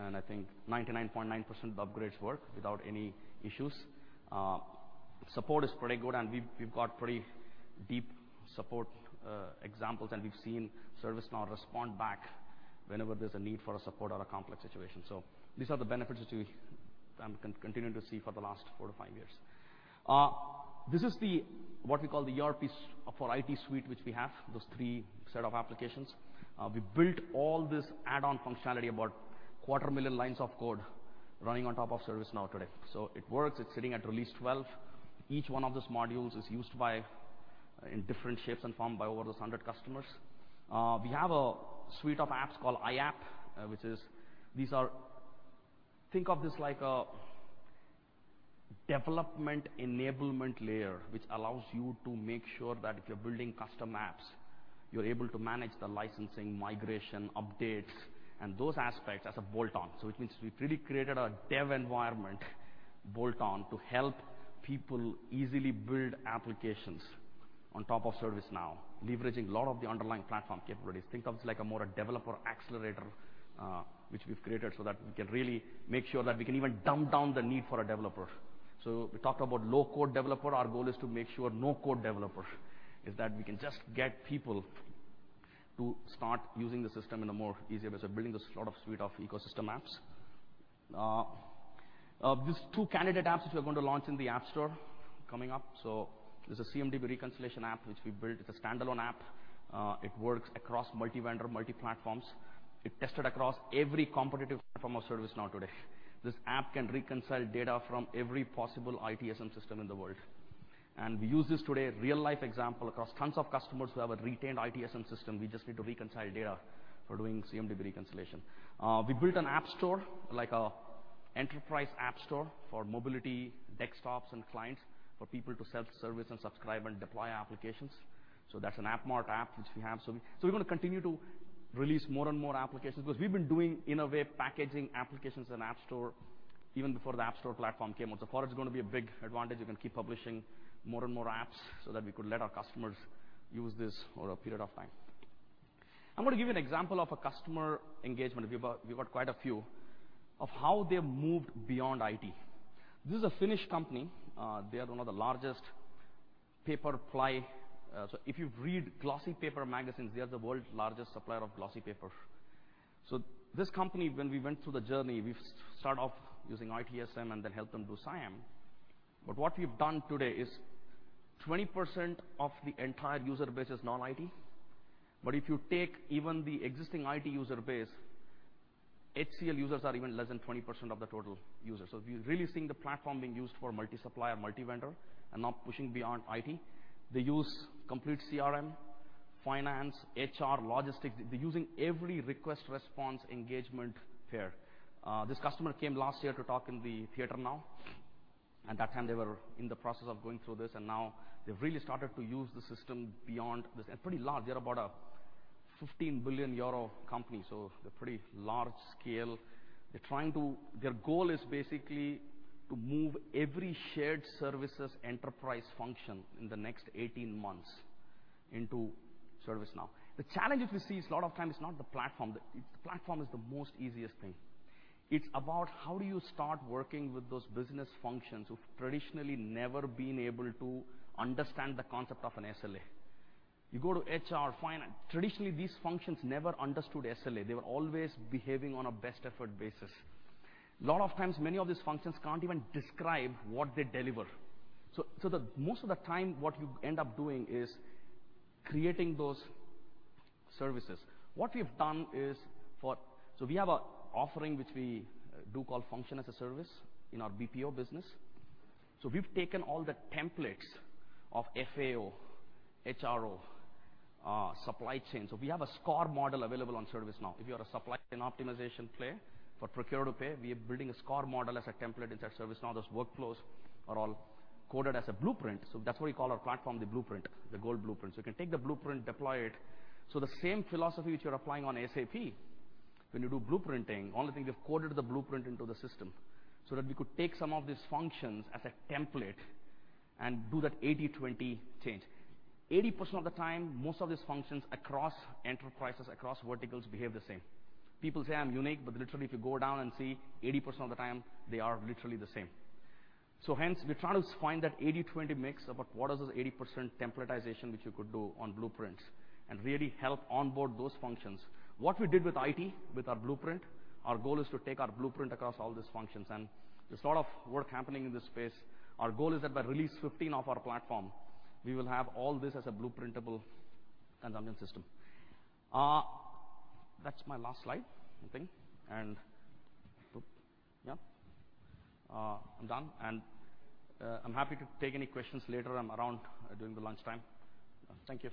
I think 99.9% of upgrades work without any issues. Support is pretty good, we've got pretty deep support examples, we've seen ServiceNow respond back whenever there's a need for a support or a complex situation. These are the benefits which we continue to see for the last four to five years. This is what we call the ERP for IT suite, which we have, those three set of applications. We built all this add-on functionality, about quarter million lines of code, running on top of ServiceNow today. It works. It's sitting at release 12. Each one of those modules is used in different shapes and form by over those 100 customers. We have a suite of apps called iApp. Think of this like a development enablement layer, which allows you to make sure that if you're building custom apps, you're able to manage the licensing, migration, updates, and those aspects as a bolt-on. It means we've really created a dev environment bolt-on to help people easily build applications on top of ServiceNow, leveraging a lot of the underlying platform capabilities. Think of it like a more developer accelerator, which we've created so that we can really make sure that we can even dumb down the need for a developer. We talked about low-code developer. Our goal is to make sure no-code developer, is that we can just get people to start using the system in a more easier way. Building this sort of suite of ecosystem apps. These two candidate apps which we're going to launch in the App Store, coming up. There's a CMDB reconciliation app which we built. It's a standalone app. It works across multi-vendor, multi-platforms. We've tested across every competitive platform of ServiceNow today. This app can reconcile data from every possible ITSM system in the world. We use this today, a real-life example, across tons of customers who have a retained ITSM system. We just need to reconcile data for doing CMDB reconciliation. We built an app store, like a enterprise app store for mobility, desktops, and clients, for people to self-service and subscribe and deploy applications. That's an AppMart app which we have. We're going to continue to release more and more applications, because we've been doing, in a way, packaging applications in app store even before the app store platform came out. For us, it's going to be a big advantage. We can keep publishing more and more apps, so that we could let our customers use this for a period of time. I'm going to give you an example of a customer engagement. We've got quite a few, of how they moved beyond IT. This is a Finnish company. They are one of the largest paper ply. If you read glossy paper magazines, they are the world's largest supplier of glossy paper. This company, when we went through the journey, we've started off using ITSM and then helped them do SIEM. What we've done today is 20% of the entire user base is non-IT. If you take even the existing IT user base, HCL users are even less than 20% of the total users. We're really seeing the platform being used for multi-supplier, multi-vendor, and now pushing beyond IT. They use complete CRM, finance, HR, logistics. They're using every request-response engagement pair. This customer came last year to talk in the TheaterNow. At that time, they were in the process of going through this, and now they've really started to use the system beyond this. Pretty large. They're about a €15 billion company, they're pretty large scale. Their goal is basically to move every shared services enterprise function in the next 18 months into ServiceNow. The challenge which we see is a lot of time it's not the platform. The platform is the most easiest thing. It's about how do you start working with those business functions who've traditionally never been able to understand the concept of an SLA? You go to HR, finance. Traditionally, these functions never understood SLA. They were always behaving on a best effort basis. A lot of times, many of these functions can't even describe what they deliver. Most of the time, what you end up doing is creating those services. We have an offering which we do call function as a service in our BPO business. We've taken all the templates of FAO, HRO, supply chain. We have a SCOR model available on ServiceNow. If you are a supply chain optimization player for procure-to-pay, we are building a SCOR model as a template into ServiceNow. Those workflows are all coded as a blueprint. That's what we call our platform, the blueprint, the gold blueprint. You can take the blueprint, deploy it. The same philosophy which you're applying on SAP when you do blueprinting, only thing you've coded the blueprint into the system so that we could take some of these functions as a template and do that 80/20 change. 80% of the time, most of these functions across enterprises, across verticals, behave the same. People say, "I'm unique," but literally, if you go down and see 80% of the time, they are literally the same. Hence, we're trying to find that 80/20 mix about what is this 80% templatization which you could do on blueprints and really help onboard those functions. What we did with IT, with our blueprint, our goal is to take our blueprint across all these functions and the sort of work happening in this space. Our goal is that by release 15 of our platform, we will have all this as a blueprintable consumption system. That's my last slide, I think. Yeah, I'm done, and I'm happy to take any questions later. I'm around during the lunchtime. Thank you.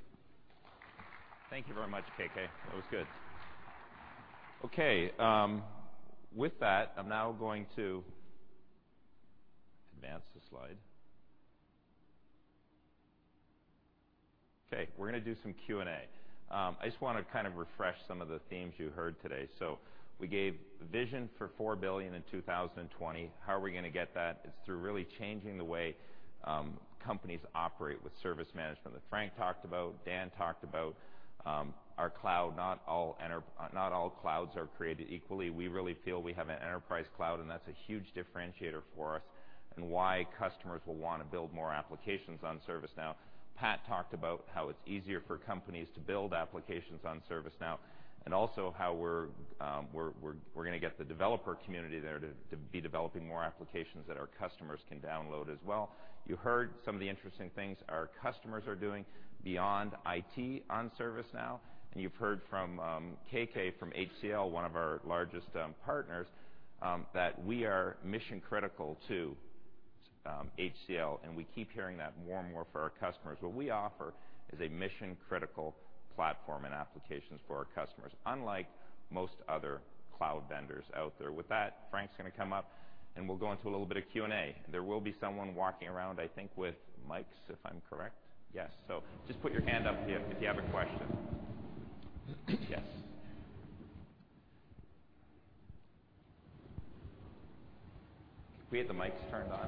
Thank you very much, KK. That was good. With that, I'm now going to advance the slide. We're going to do some Q&A. I just want to kind of refresh some of the themes you heard today. We gave vision for $4 billion in 2020. How are we going to get that? It's through really changing the way companies operate with service management that Frank talked about, Dan talked about. Our cloud, not all clouds are created equally. We really feel we have an enterprise cloud, and that's a huge differentiator for us and why customers will want to build more applications on ServiceNow. Pat talked about how it's easier for companies to build applications on ServiceNow and also how we're going to get the developer community there to be developing more applications that our customers can download as well. You heard some of the interesting things our customers are doing beyond IT on ServiceNow. You've heard from KK from HCL, one of our largest partners, that we are mission-critical to HCL. We keep hearing that more and more for our customers. What we offer is a mission-critical platform and applications for our customers, unlike most other cloud vendors out there. With that, Frank's going to come up, and we'll go into a little bit of Q&A. There will be someone walking around, I think, with mics, if I'm correct. Yes. Can we get the mics turned on?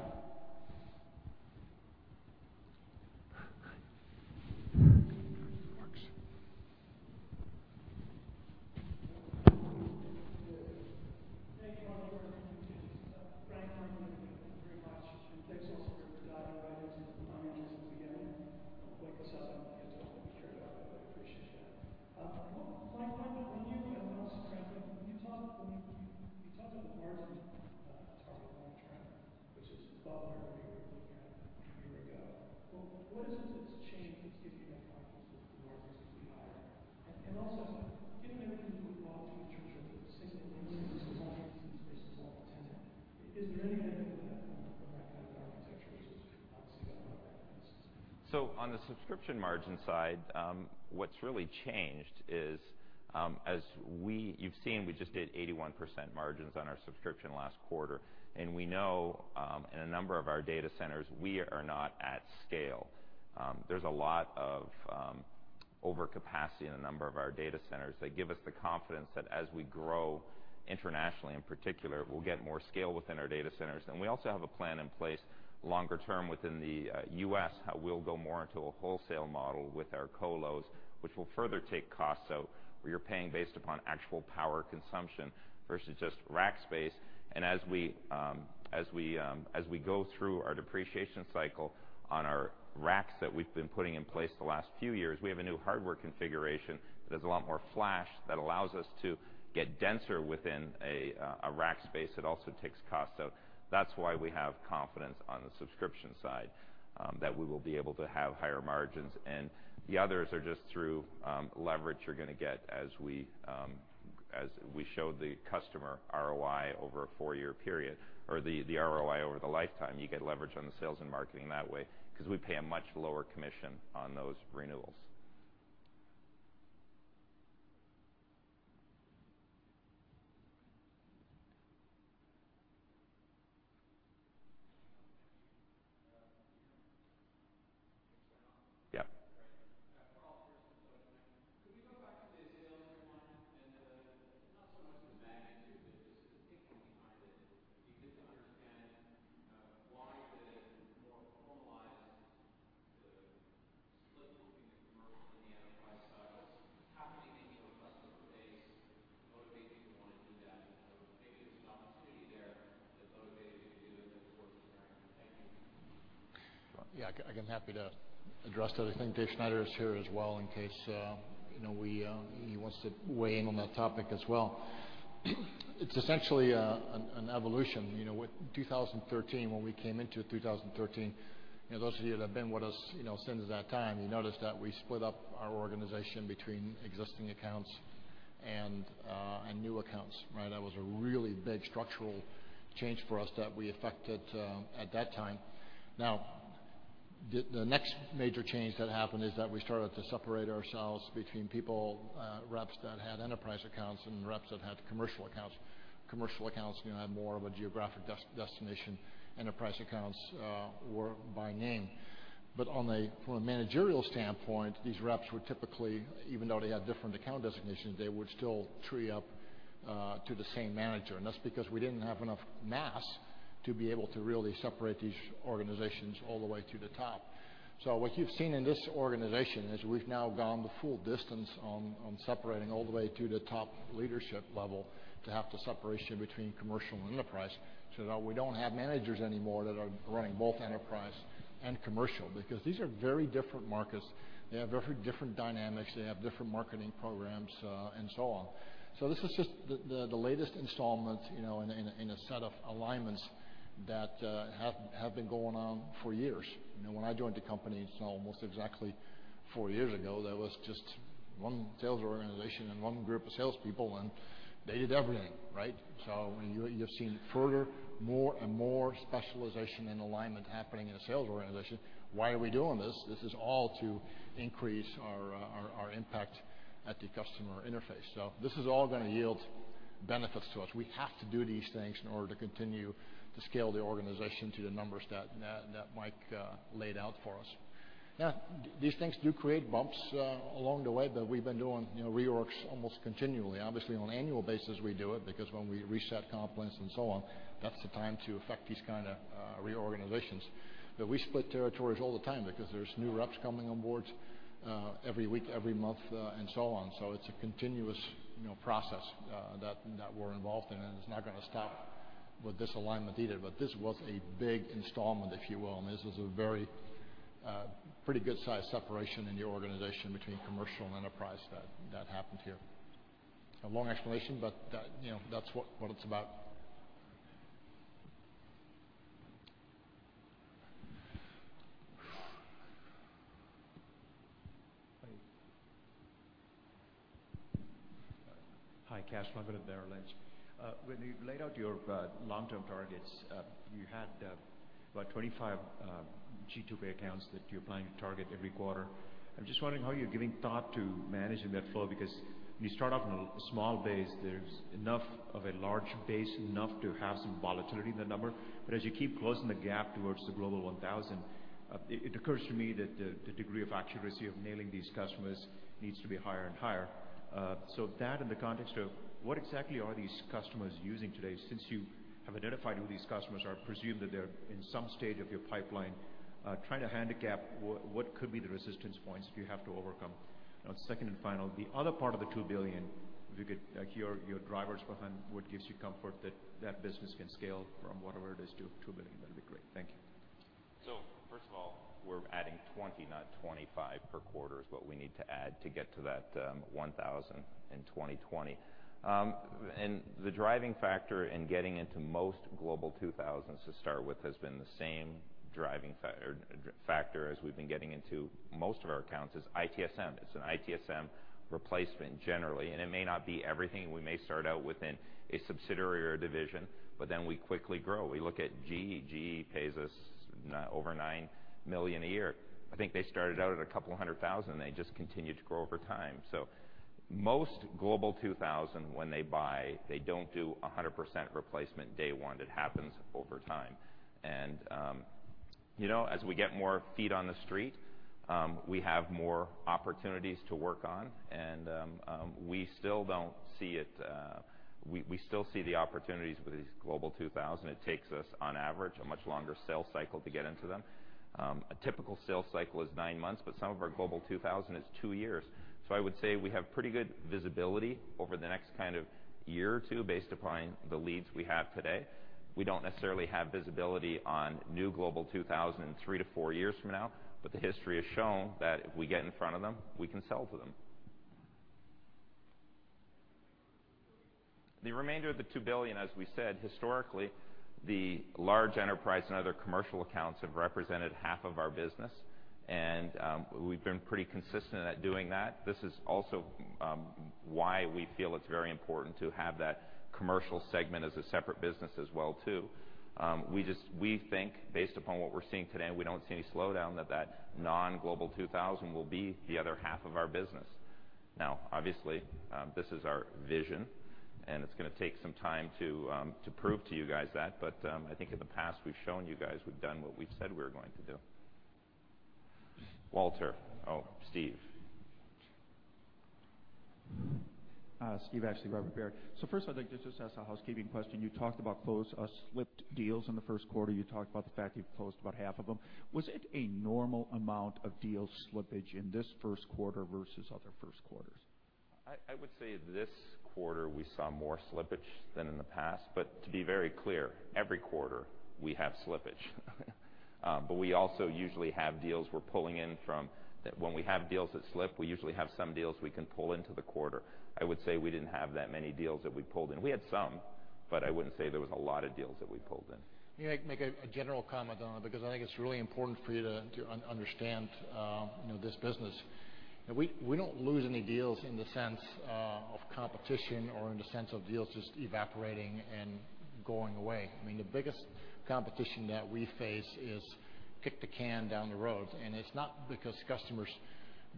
longer term within the U.S., how we'll go more into a wholesale model with our colos, which will further take costs out, where you're paying based upon actual power consumption versus just rack space. As we go through our depreciation cycle on our racks that we've been putting in place the last few years, we have a new hardware configuration that has a lot more flash that allows us to get denser within a rack space. It also takes cost out. That's why we have confidence on the subscription side, that we will be able to have higher margins. The others are just through leverage you're going to get as we show the customer ROI over a four-year period or the ROI over the lifetime. You get leverage on the sales and marketing that way because we pay a much lower commission on those renewals. Yeah. All right. A follow-up question. Could we go back to the sales one and not so much the magnitude, but just how can you make your customer base motivate people to want to do that? Maybe there's an opportunity there that motivated you to do it that's worth sharing. Thank you. Yeah, I'm happy to address that. I think David Schneider is here as well in case he wants to weigh in on that topic as well. It's essentially an evolution. 2013, when we came into 2013, those of you that have been with us since that time, you noticed that we split up our organization between existing accounts and new accounts, right? That was a really big structural change for us that we affected at that time. The next major change that happened is that we started to separate ourselves between people, reps that had enterprise accounts and reps that had commercial accounts. Commercial accounts had more of a geographic destination. Enterprise accounts were by name. From a managerial standpoint, these reps would typically, even though they had different account designations, they would still tree up to the same manager, and that's because we didn't have enough mass to be able to really separate these organizations all the way to the top. What you've seen in this organization is we've now gone the full distance on separating all the way to the top leadership level to have the separation between commercial and enterprise, so that we don't have managers anymore that are running both enterprise and commercial, because these are very different markets. They have very different dynamics. They have different marketing programs, and so on. This is just the latest installment in a set of alignments that have been going on for years. When I joined the company, it's now almost exactly four years ago, there was just one sales organization and one group of salespeople, and they did everything, right? You've seen further, more and more specialization and alignment happening in the sales organization. Why are we doing this? This is all to increase our impact at the customer interface. This is all going to yield benefits to us. We have to do these things in order to continue to scale the organization to the numbers that Mike laid out for us. Yeah. These things do create bumps along the way, we've been doing reorgs almost continually. Obviously, on an annual basis, we do it, because when we reset comp plans and so on, that's the time to affect these kind of reorganizations. We split territories all the time because there's new reps coming on board every week, every month, and so on. It's a continuous process that we're involved in, and it's not going to stop with this alignment either. This was a big installment, if you will. This was a very pretty good-sized separation in the organization between commercial and enterprise that happened here. A long explanation, but that's what it's about. Hi. Hi, Kash. I'm with Merrill Lynch. When you laid out your long-term targets, you had about 25 G2000 accounts that you're planning to target every quarter. I'm just wondering how you're giving thought to managing that flow, because when you start off on a small base, there's enough of a large base, enough to have some volatility in the number. As you keep closing the gap towards the Global 1000, it occurs to me that the degree of accuracy of nailing these customers needs to be higher and higher. That in the context of what exactly are these customers using today, since you have identified who these customers are, presumed that they're in some stage of your pipeline, trying to handicap what could be the resistance points you have to overcome. Second and final, the other part of the $2 billion, if you could hear your drivers behind what gives you comfort that that business can scale from whatever it is to $2 billion, that'd be great. Thank you. First of all, we're adding 20, not 25 per quarter, is what we need to add to get to that 1,000 in 2020. The driving factor in getting into most Global 2000s to start with has been the same driving factor as we've been getting into most of our accounts, is ITSM. It's an ITSM replacement generally, and it may not be everything. We may start out within a subsidiary or division, but then we quickly grow. We look at GE. GE pays us over $9 million a year. I think they started out at a couple of $100 thousand. They just continued to grow over time. Most Global 2000, when they buy, they don't do 100% replacement day one. It happens over time. As we get more feet on the street, we have more opportunities to work on, and we still see the opportunities with these Global 2000. It takes us, on average, a much longer sales cycle to get into them. A typical sales cycle is nine months, but some of our Global 2000 is two years. I would say we have pretty good visibility over the next year or two based upon the leads we have today. We don't necessarily have visibility on new Global 2000 three to four years from now, but the history has shown that if we get in front of them, we can sell to them. The remainder of the $2 billion, as we said historically, the large enterprise and other commercial accounts have represented half of our business, and we've been pretty consistent at doing that. This is also why we feel it's very important to have that commercial segment as a separate business as well, too. We think based upon what we're seeing today, and we don't see any slowdown, that that non-Global 2000 will be the other half of our business. Obviously, this is our vision, and it's going to take some time to prove to you guys that, but I think in the past, we've shown you guys we've done what we've said we were going to do. Walter. Steve. Steven Ashley, Robert W. Baird. First, I'd like just to ask a housekeeping question. You talked about those slipped deals in the first quarter. You talked about the fact you've closed about half of them. Was it a normal amount of deal slippage in this first quarter versus other first quarters? I would say this quarter we saw more slippage than in the past. To be very clear, every quarter we have slippage. We also usually have deals we're pulling in. When we have deals that slip, we usually have some deals we can pull into the quarter. I would say we didn't have that many deals that we pulled in. We had some, but I wouldn't say there was a lot of deals that we pulled in. Let me make a general comment on it, because I think it's really important for you to understand this business. We don't lose any deals in the sense of competition or in the sense of deals just evaporating and going away. The biggest competition that we face is kick the can down the road. It's not because customers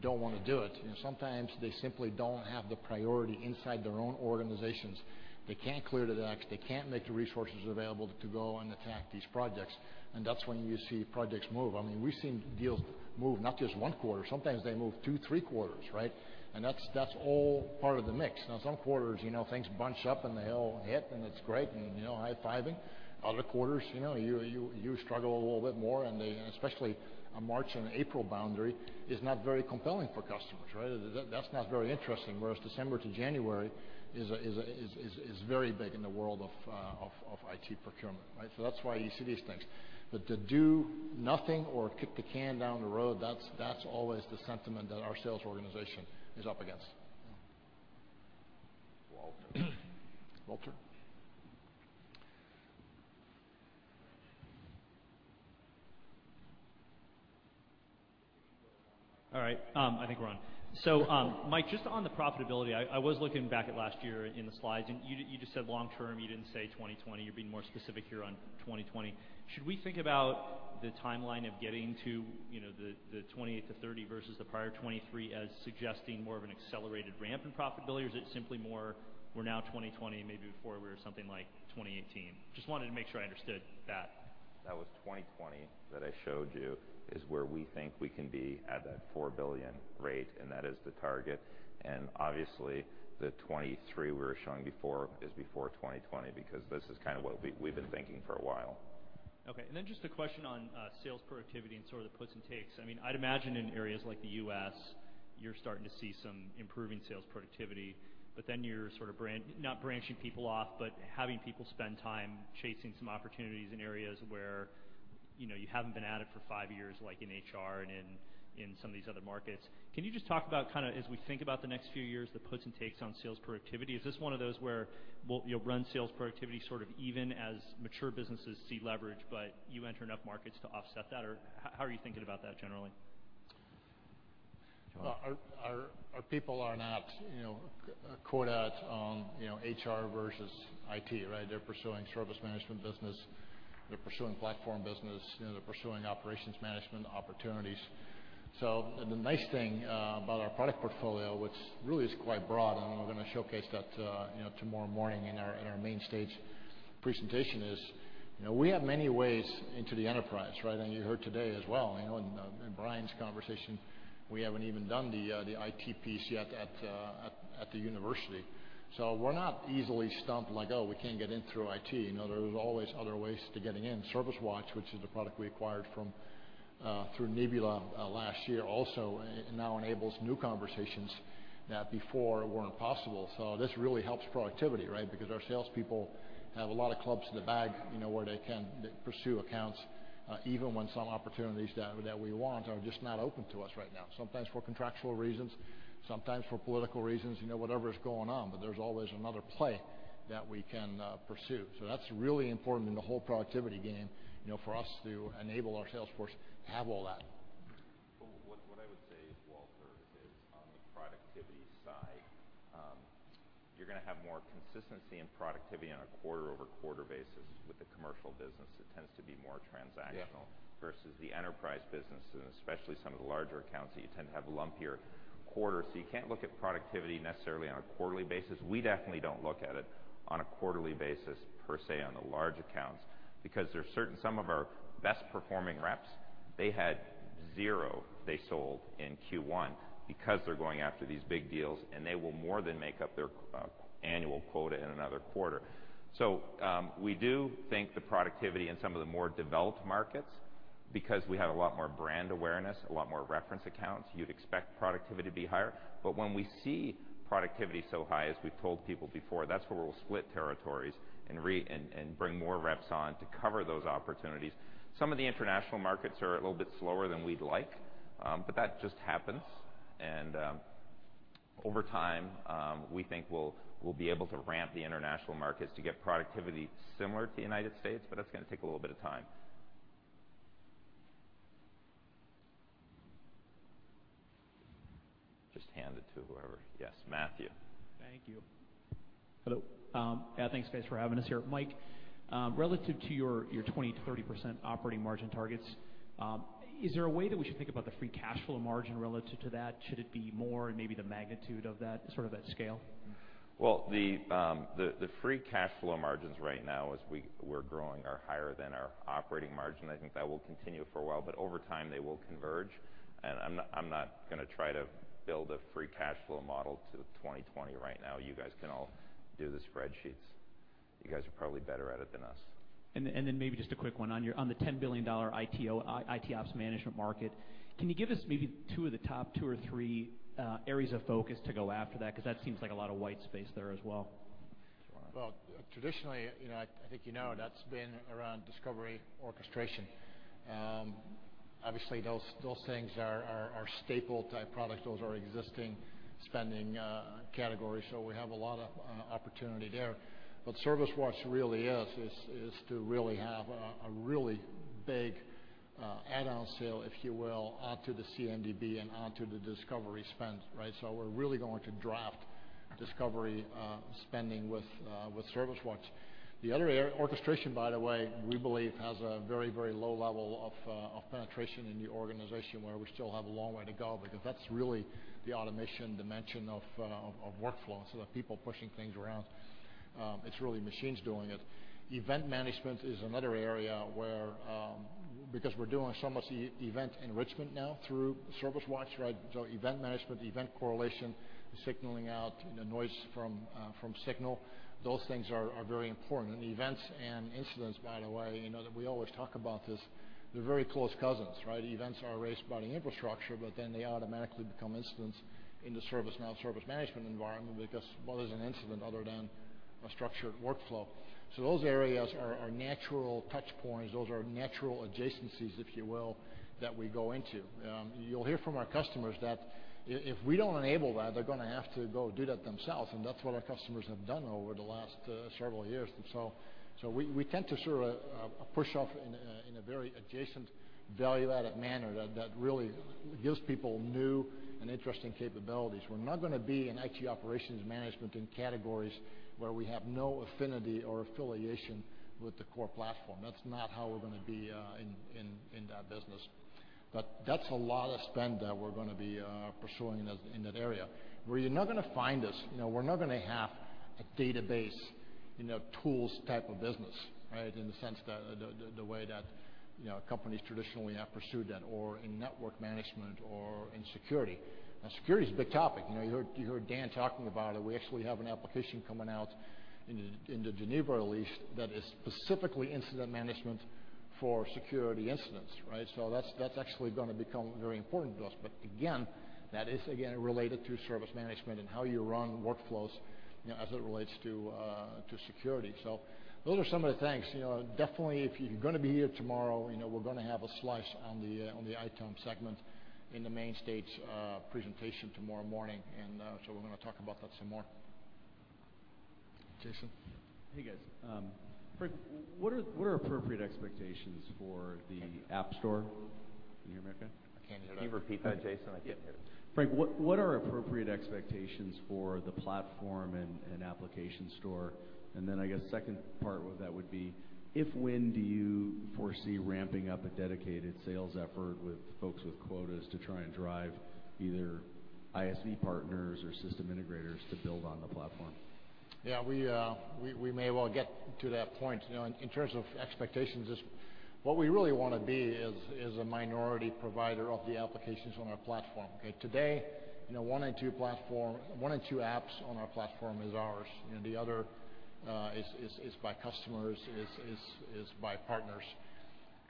don't want to do it. Sometimes they simply don't have the priority inside their own organizations. They can't clear the decks. They can't make the resources available to go and attack these projects, and that's when you see projects move. We've seen deals move, not just one quarter. Sometimes they move two, three quarters, right? That's all part of the mix. Some quarters, things bunch up and they all hit, and it's great, and high-fiving. Other quarters, you struggle a little bit more. Especially a March and April boundary is not very compelling for customers, right? That's not very interesting. Whereas December to January is very big in the world of IT procurement, right? That's why you see these things. To do nothing or kick the can down the road, that's always the sentiment that our sales organization is up against. Walter. Walter. All right. I think we're on. Mike, just on the profitability, I was looking back at last year in the slides. You just said long term, you didn't say 2020. You're being more specific here on 2020. Should we think about the timeline of getting to the 28%-30% versus the prior 23% as suggesting more of an accelerated ramp in profitability, or is it simply more we're now 2020, maybe before we were something like 2018? Just wanted to make sure I understood that. That was 2020 that I showed you is where we think we can be at that $4 billion rate. That is the target. Obviously, the 23% we were showing before is before 2020, because this is kind of what we've been thinking for a while. Just a question on sales productivity and sort of the puts and takes. I'd imagine in areas like the U.S., you're starting to see some improving sales productivity, but then you're sort of, not branching people off, but having people spend time chasing some opportunities in areas where you haven't been at it for 5 years, like in HR and in some of these other markets. Can you just talk about kind of as we think about the next few years, the puts and takes on sales productivity? Is this one of those where you'll run sales productivity sort of even as mature businesses see leverage, but you enter enough markets to offset that? How are you thinking about that generally? Our people are not caught at HR versus IT, right? They're pursuing service management business. They're pursuing platform business. They're pursuing operations management opportunities. The nice thing about our product portfolio, which really is quite broad, and we're going to showcase that tomorrow morning in our main stage presentation, is we have many ways into the enterprise, right? You heard today as well in Brian's conversation, we haven't even done the IT piece yet at the university. We're not easily stumped, like, "Oh, we can't get in through IT." There's always other ways to getting in. ServiceWatch, which is a product we acquired through Neebula last year also, now enables new conversations that before weren't possible. This really helps productivity, right? Our salespeople have a lot of clubs in the bag, where they can pursue accounts even when some opportunities that we want are just not open to us right now. Sometimes for contractual reasons, sometimes for political reasons, whatever's going on, but there's always another play that we can pursue. That's really important in the whole productivity game, for us to enable our sales force to have all that. What I would say, Walter, is on the productivity side, you're going to have more consistency in productivity on a quarter-over-quarter basis with the commercial business. It tends to be more transactional- Yeah versus the enterprise business, especially some of the larger accounts that you tend to have lumpier quarters. You can't look at productivity necessarily on a quarterly basis. We definitely don't look at it on a quarterly basis, per se, on the large accounts, because some of our best performing reps, they had zero they sold in Q1 because they're going after these big deals, they will more than make up their annual quota in another quarter. We do think the productivity in some of the more developed markets, because we have a lot more brand awareness, a lot more reference accounts, you'd expect productivity to be higher. When we see productivity so high, as we've told people before, that's where we'll split territories and bring more reps on to cover those opportunities. Some of the international markets are a little bit slower than we'd like. That just happens, over time, we think we'll be able to ramp the international markets to get productivity similar to the United States, that's going to take a little bit of time. Just hand it to whoever. Yes, Matthew. Thank you. Hello. Thanks, guys, for having us here. Mike, relative to your 20%-30% operating margin targets, is there a way that we should think about the free cash flow margin relative to that? Should it be more, maybe the magnitude of that sort of that scale? Well, the free cash flow margins right now as we're growing are higher than our operating margin. I think that will continue for a while, over time, they will converge, I'm not going to try to build a free cash flow model to 2020 right now. You guys can all do the spreadsheets. You guys are probably better at it than us. Maybe just a quick one on the $10 billion ITO, IT Ops management market. Can you give us maybe two of the top two or three areas of focus to go after that? Because that seems like a lot of white space there as well. Well, traditionally, I think you know that's been around Discovery orchestration. Obviously, those things are staple-type products. Those are existing spending categories. We have a lot of opportunity there. What ServiceNow really is to really have a really big add-on sale, if you will, onto the CMDB and onto the Discovery spend. We're really going to draft Discovery spending with ServiceWatch. The other area, orchestration, by the way, we believe has a very, very low level of penetration in the organization where we still have a long way to go because that's really the automation dimension of workflow. Instead of people pushing things around, it's really machines doing it. Event management is another area where, because we're doing so much event enrichment now through ServiceWatch, event management, event correlation, signaling out the noise from signal, those things are very important. Events and incidents, by the way, you know that we always talk about this, they're very close cousins. Events are raised by the infrastructure, but then they automatically become incidents in the ServiceNow service management environment because what is an incident other than a structured workflow? Those areas are natural touchpoints. Those are natural adjacencies, if you will, that we go into. You'll hear from our customers that if we don't enable that, they're going to have to go do that themselves, and that's what our customers have done over the last several years. We tend to sort of push off in a very adjacent value-added manner that really gives people new and interesting capabilities. We're not going to be in IT Operations Management in categories where we have no affinity or affiliation with the core platform. That's not how we're going to be in that business. That's a lot of spend that we're going to be pursuing in that area. Where you're not going to find us, we're not going to have a database tools type of business. In the sense that the way that companies traditionally have pursued that or in network management or in security. Security is a big topic. You heard Dan talking about it. We actually have an application coming out in the Geneva release that is specifically incident management for security incidents. That's actually going to become very important to us. Again, that is again related to service management and how you run workflows as it relates to security. Those are some of the things. Definitely, if you're going to be here tomorrow, we're going to have a slice on the ITOM segment in the main stage presentation tomorrow morning. We're going to talk about that some more. Jason? Hey, guys. Frank, what are appropriate expectations for the ServiceNow Store? Can you hear me, okay? I can't hear that. Can you repeat that, Jason? I can't hear. Frank, what are appropriate expectations for the platform and application store? Then I guess second part of that would be, if/when do you foresee ramping up a dedicated sales effort with folks with quotas to try and drive either ISV partners or system integrators to build on the platform? Yeah, we may well get to that point. In terms of expectations, what we really want to be is a minority provider of the applications on our platform. Today, one in two apps on our platform is ours. The other is by customers, is by partners.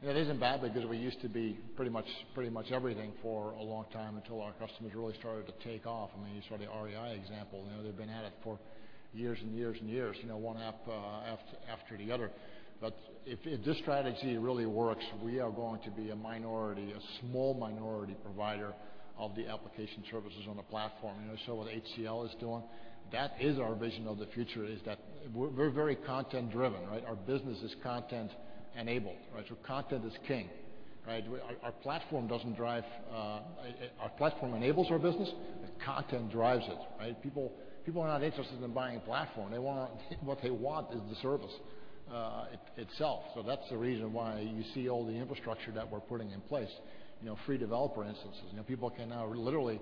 That isn't bad because we used to be pretty much everything for a long time until our customers really started to take off. You saw the REI example. They've been at it for years and years and years, one app after the other. If this strategy really works, we are going to be a minority, a small minority provider of the application services on the platform. What HCL is doing, that is our vision of the future, is that we're very content-driven. Our business is content-enabled. Content is king. Our platform enables our business, but content drives it. People are not interested in buying a platform. What they want is the service itself. That's the reason why you see all the infrastructure that we're putting in place. Free developer instances. People can now literally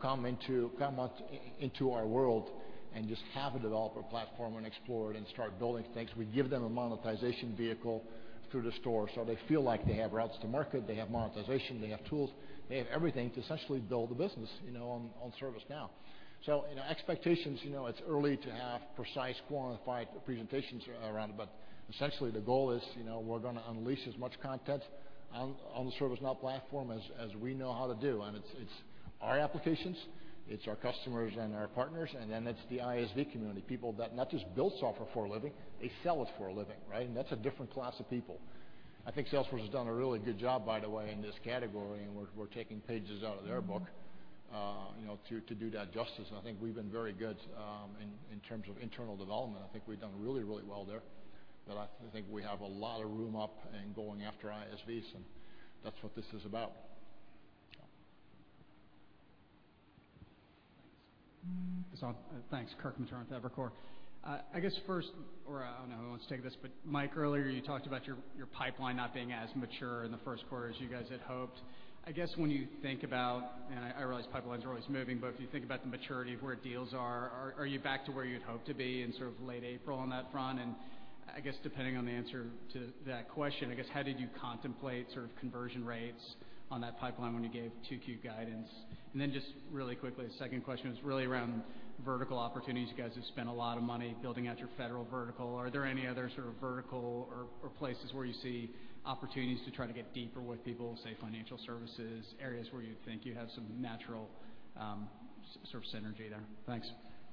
come into our world and just have a developer platform and explore it and start building things. We give them a monetization vehicle through the store, so they feel like they have routes to market, they have monetization, they have tools. They have everything to essentially build a business on ServiceNow. Expectations, it's early to have precise quantified presentations around it, but essentially the goal is we're going to unleash as much content on the ServiceNow platform as we know how to do. It's our applications, it's our customers and our partners, then it's the ISV community, people that not just build software for a living, they sell it for a living. That's a different class of people. I think Salesforce has done a really good job, by the way, in this category, we're taking pages out of their book to do that justice, I think we've been very good in terms of internal development. I think we've done really, really well there. I think we have a lot of room up and going after ISVs, that's what this is about. Thanks. Thanks. Kirk Materne with Evercore. I don't know who wants to take this, Mike, earlier you talked about your pipeline not being as mature in the first quarter as you guys had hoped. When you think about, and I realize pipelines are always moving, if you think about the maturity of where deals are you back to where you'd hoped to be in sort of late April on that front and Depending on the answer to that question, how did you contemplate sort of conversion rates on that pipeline when you gave 2Q guidance? Just really quickly, the second question is really around vertical opportunities. You guys have spent a lot of money building out your Federal vertical. Are there any other sort of vertical or places where you see opportunities to try to get deeper with people, say, financial services, areas where you think you have some natural sort of synergy there? Thanks.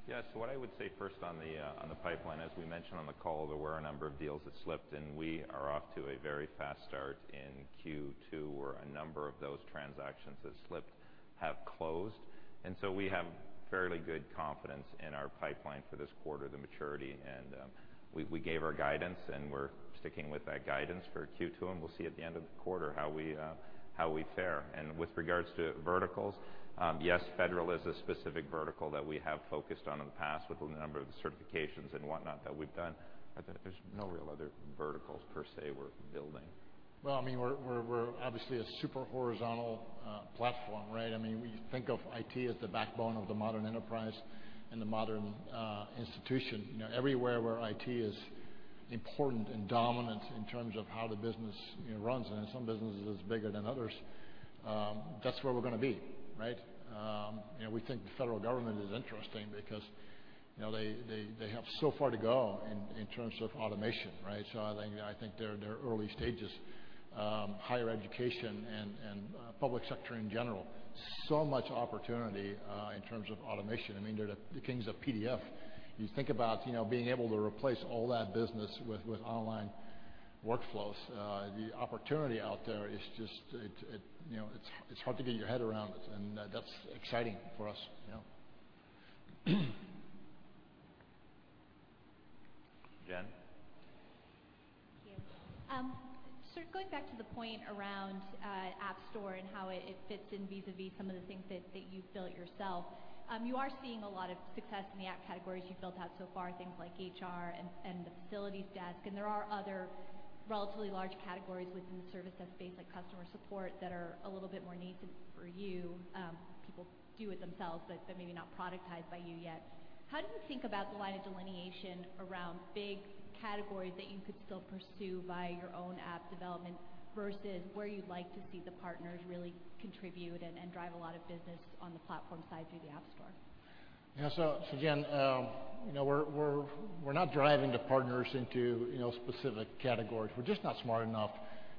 Yes, what I would say first on the pipeline, as we mentioned on the call, there were a number of deals that slipped, and we are off to a very fast start in Q2, where a number of those transactions that slipped have closed. So we have fairly good confidence in our pipeline for this quarter, the maturity. We gave our guidance and we're sticking with that guidance for Q2, and we'll see at the end of the quarter how we fare. With regards to verticals, yes, Federal is a specific vertical that we have focused on in the past with a number of the certifications and whatnot that we've done. I think there's no real other verticals per se we're building. We're obviously a super horizontal platform, right? We think of IT as the backbone of the modern enterprise and the modern institution. Everywhere where IT is important and dominant in terms of how the business runs, and in some businesses it's bigger than others, that's where we're going to be, right? We think the Federal government is interesting because they have so far to go in terms of automation, right? I think they're early stages. Higher education and public sector in general, so much opportunity in terms of automation. They're the kings of PDF. You think about being able to replace all that business with online workflows. The opportunity out there, it's hard to get your head around it, and that's exciting for us. Yeah. Jen. Thank you. Going back to the point around app store and how it fits in vis-à-vis some of the things that you built yourself. You are seeing a lot of success in the app categories you've built out so far, things like HR and the facilities desk, and there are other relatively large categories within the service desk space, like customer support, that are a little bit more native for you. People do it themselves, but maybe not productized by you yet. How do you think about the line of delineation around big categories that you could still pursue via your own app development versus where you'd like to see the partners really contribute and drive a lot of business on the platform side through the app store? Yeah. Jen, we're not driving the partners into specific categories. We're just not smart enough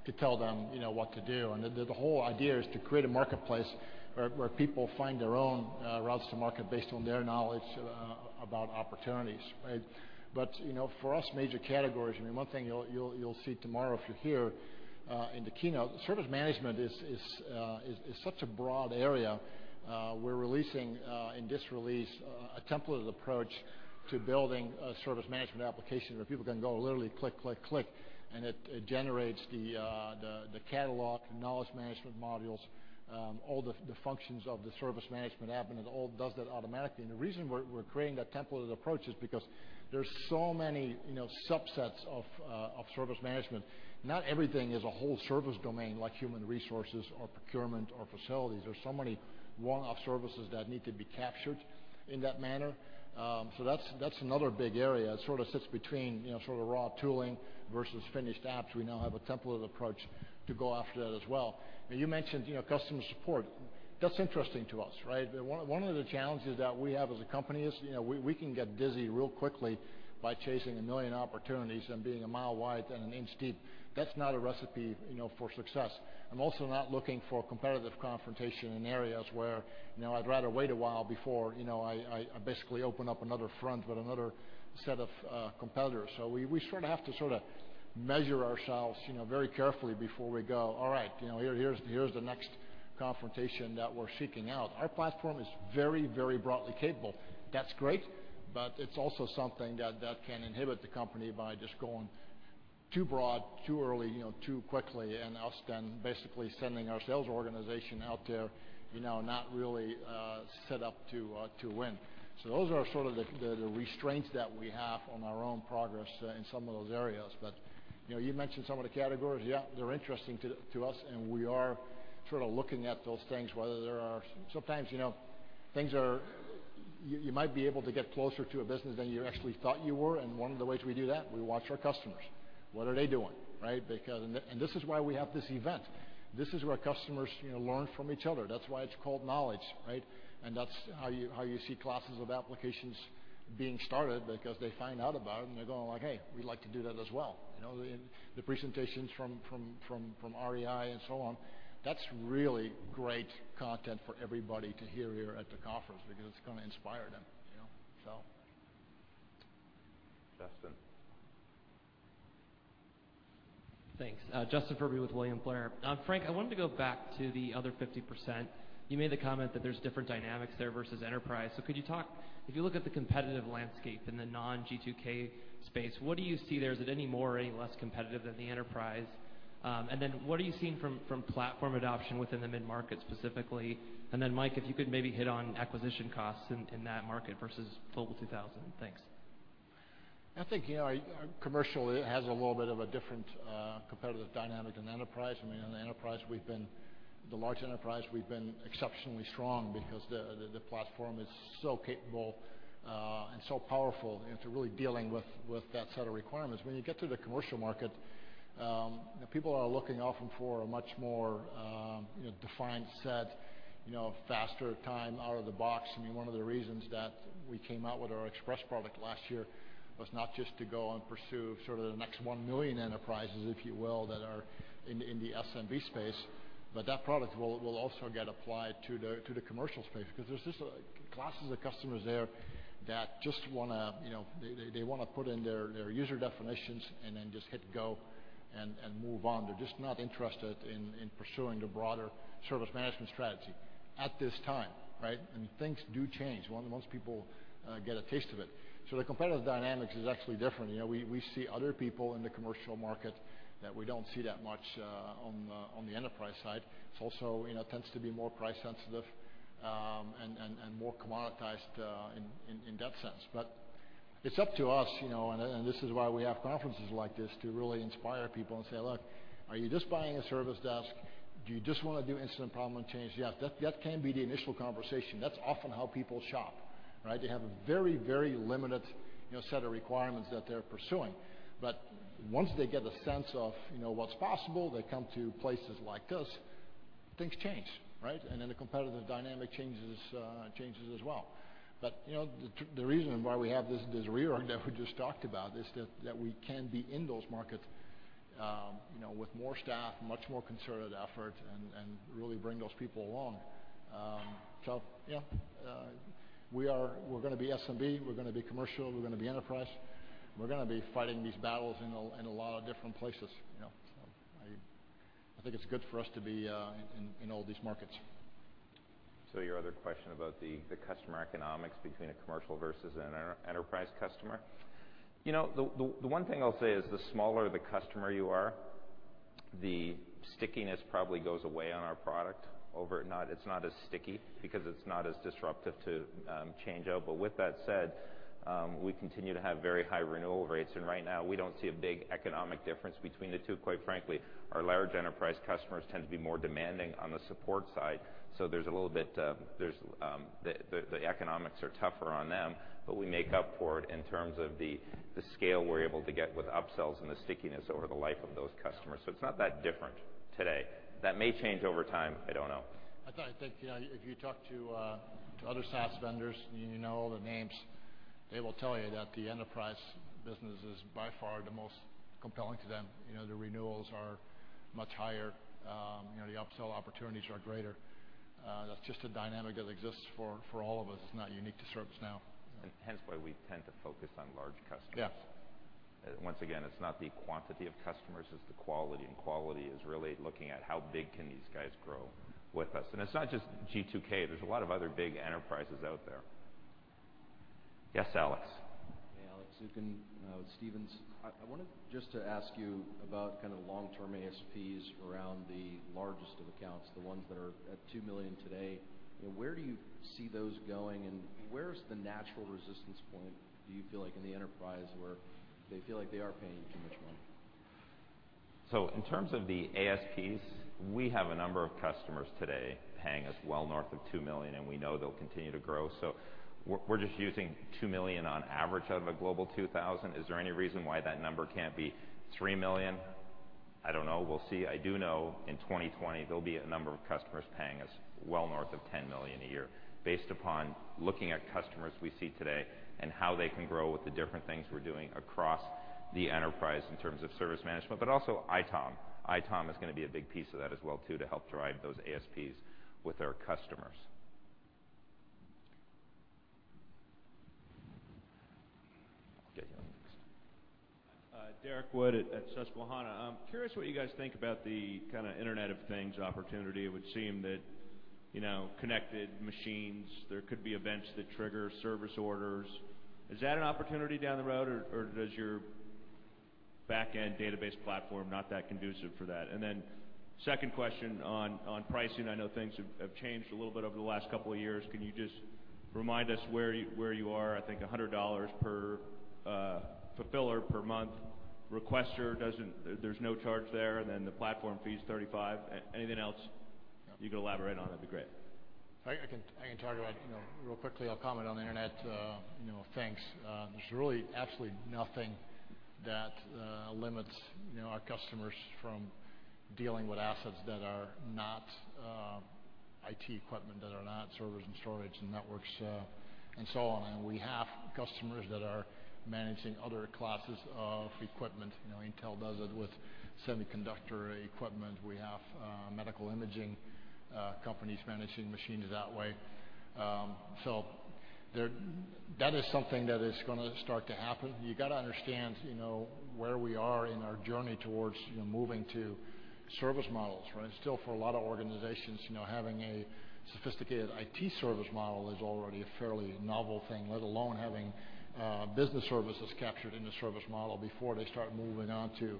to tell them what to do, the whole idea is to create a marketplace where people find their own routes to market based on their knowledge about opportunities, right? For us, major categories, one thing you'll see tomorrow if you're here in the keynote, service management is such a broad area. We're releasing in this release a templated approach to building a service management application where people can go literally click, click, and it generates the catalog and knowledge management modules, all the functions of the service management app, and it all does that automatically. The reason we're creating that templated approach is because there's so many subsets of service management. Not everything is a whole service domain like human resources or procurement or facilities. There's so many one-off services that need to be captured in that manner. That's another big area. It sort of sits between raw tooling versus finished apps. We now have a templated approach to go after that as well. You mentioned customer support. That's interesting to us, right? One of the challenges that we have as a company is we can get dizzy real quickly by chasing a million opportunities and being a mile wide and an inch deep. That's not a recipe for success. I'm also not looking for competitive confrontation in areas where I'd rather wait a while before I basically open up another front with another set of competitors. We have to sort of measure ourselves very carefully before we go, "All right. Here's the next confrontation that we're seeking out." Our platform is very broadly capable. That's great, it's also something that can inhibit the company by just going too broad, too early, too quickly, and us then basically sending our sales organization out there not really set up to win. Those are sort of the restraints that we have on our own progress in some of those areas. You mentioned some of the categories. Yeah, they're interesting to us, and we are sort of looking at those things, sometimes things are, you might be able to get closer to a business than you actually thought you were, and one of the ways we do that, we watch our customers. What are they doing, right? This is why we have this event. This is where customers learn from each other. That's why it's called Knowledge, right? That's how you see classes of applications being started because they find out about it and they're going like, "Hey, we'd like to do that as well." The presentations from REI and so on, that's really great content for everybody to hear here at the conference because it's going to inspire them. Justin. Thanks. Justin Furby with William Blair. Frank, I wanted to go back to the other 50%. You made the comment that there's different dynamics there versus enterprise. Could you talk, if you look at the competitive landscape in the non-G2K space, what do you see there? Is it any more or any less competitive than the enterprise? Then what are you seeing from platform adoption within the mid-market specifically? Then Mike, if you could maybe hit on acquisition costs in that market versus Global 2000. Thanks. I think commercial has a little bit of a different competitive dynamic than enterprise. In the large enterprise, we've been exceptionally strong because the platform is so capable and so powerful to really dealing with that set of requirements. When you get to the commercial market, people are looking often for a much more defined set, faster time out of the box. One of the reasons that we came out with our Express product last year was not just to go and pursue sort of the next 1 million enterprises, if you will, that are in the SMB space. That product will also get applied to the commercial space, because there's just classes of customers there that just want to put in their user definitions and then just hit go and move on. They're just not interested in pursuing the broader service management strategy at this time. Things do change once people get a taste of it. The competitive dynamics is actually different. We see other people in the commercial market that we don't see that much on the enterprise side. It also tends to be more price sensitive and more commoditized in that sense. It's up to us, and this is why we have conferences like this to really inspire people and say, "Look, are you just buying a service desk? Do you just want to do incident problem and change?" Yes, that can be the initial conversation. That's often how people shop. They have a very limited set of requirements that they're pursuing. Once they get a sense of what's possible, they come to places like this, things change. Then the competitive dynamic changes as well. The reason why we have this reorg that we just talked about is that we can be in those markets with more staff, much more concerted effort, and really bring those people along. Yeah, we're going to be SMB, we're going to be commercial, we're going to be enterprise, and we're going to be fighting these battles in a lot of different places. I think it's good for us to be in all these markets. Your other question about the customer economics between a commercial versus an enterprise customer. The one thing I'll say is the smaller the customer you are, the stickiness probably goes away on our product. It's not as sticky because it's not as disruptive to change out. With that said, we continue to have very high renewal rates, and right now we don't see a big economic difference between the two, quite frankly. Our large enterprise customers tend to be more demanding on the support side, so the economics are tougher on them. We make up for it in terms of the scale we're able to get with upsells and the stickiness over the life of those customers. It's not that different today. That may change over time, I don't know. I think if you talk to other SaaS vendors, and you know the names, they will tell you that the enterprise business is by far the most compelling to them. The renewals are much higher. The upsell opportunities are greater. That's just a dynamic that exists for all of us. It's not unique to ServiceNow. Hence why we tend to focus on large customers. Yes. Once again, it's not the quantity of customers, it's the quality, and quality is really looking at how big can these guys grow with us. It's not just G2K. There's a lot of other big enterprises out there. Yes, Alex. Hey, Alex Zukin with Stephens. I wanted just to ask you about kind of the long-term ASPs around the largest of accounts, the ones that are at $2 million today. Where do you see those going, and where is the natural resistance point, do you feel like in the enterprise where they feel like they are paying too much money? In terms of the ASPs, we have a number of customers today paying us well north of $2 million, and we know they'll continue to grow. We're just using $2 million on average out of a Global 2000. Is there any reason why that number can't be $3 million? I don't know. We'll see. I do know in 2020, there'll be a number of customers paying us well north of $10 million a year based upon looking at customers we see today and how they can grow with the different things we're doing across the enterprise in terms of service management, but also ITOM. ITOM is going to be a big piece of that as well too, to help drive those ASPs with our customers. Okay. Derrick Wood at Susquehanna. I'm curious what you guys think about the kind of Internet of Things opportunity. It would seem that connected machines, there could be events that trigger service orders. Is that an opportunity down the road, or is your back-end database platform not that conducive for that? Second question on pricing. I know things have changed a little bit over the last couple of years. Can you just remind us where you are? I think $100 per fulfiller per month. Requester, there's no charge there. The platform fee is $35. Anything else you can elaborate on, that'd be great. I can talk about it. Real quickly, I'll comment on the Internet of Things. There's really absolutely nothing that limits our customers from dealing with assets that are not IT equipment, that are not servers and storage and networks and so on. We have customers that are managing other classes of equipment. Intel does it with semiconductor equipment. We have medical imaging companies managing machines that way. That is something that is going to start to happen. You got to understand where we are in our journey towards moving to service models. Still, for a lot of organizations, having a sophisticated IT service model is already a fairly novel thing, let alone having business services captured in the service model before they start moving on to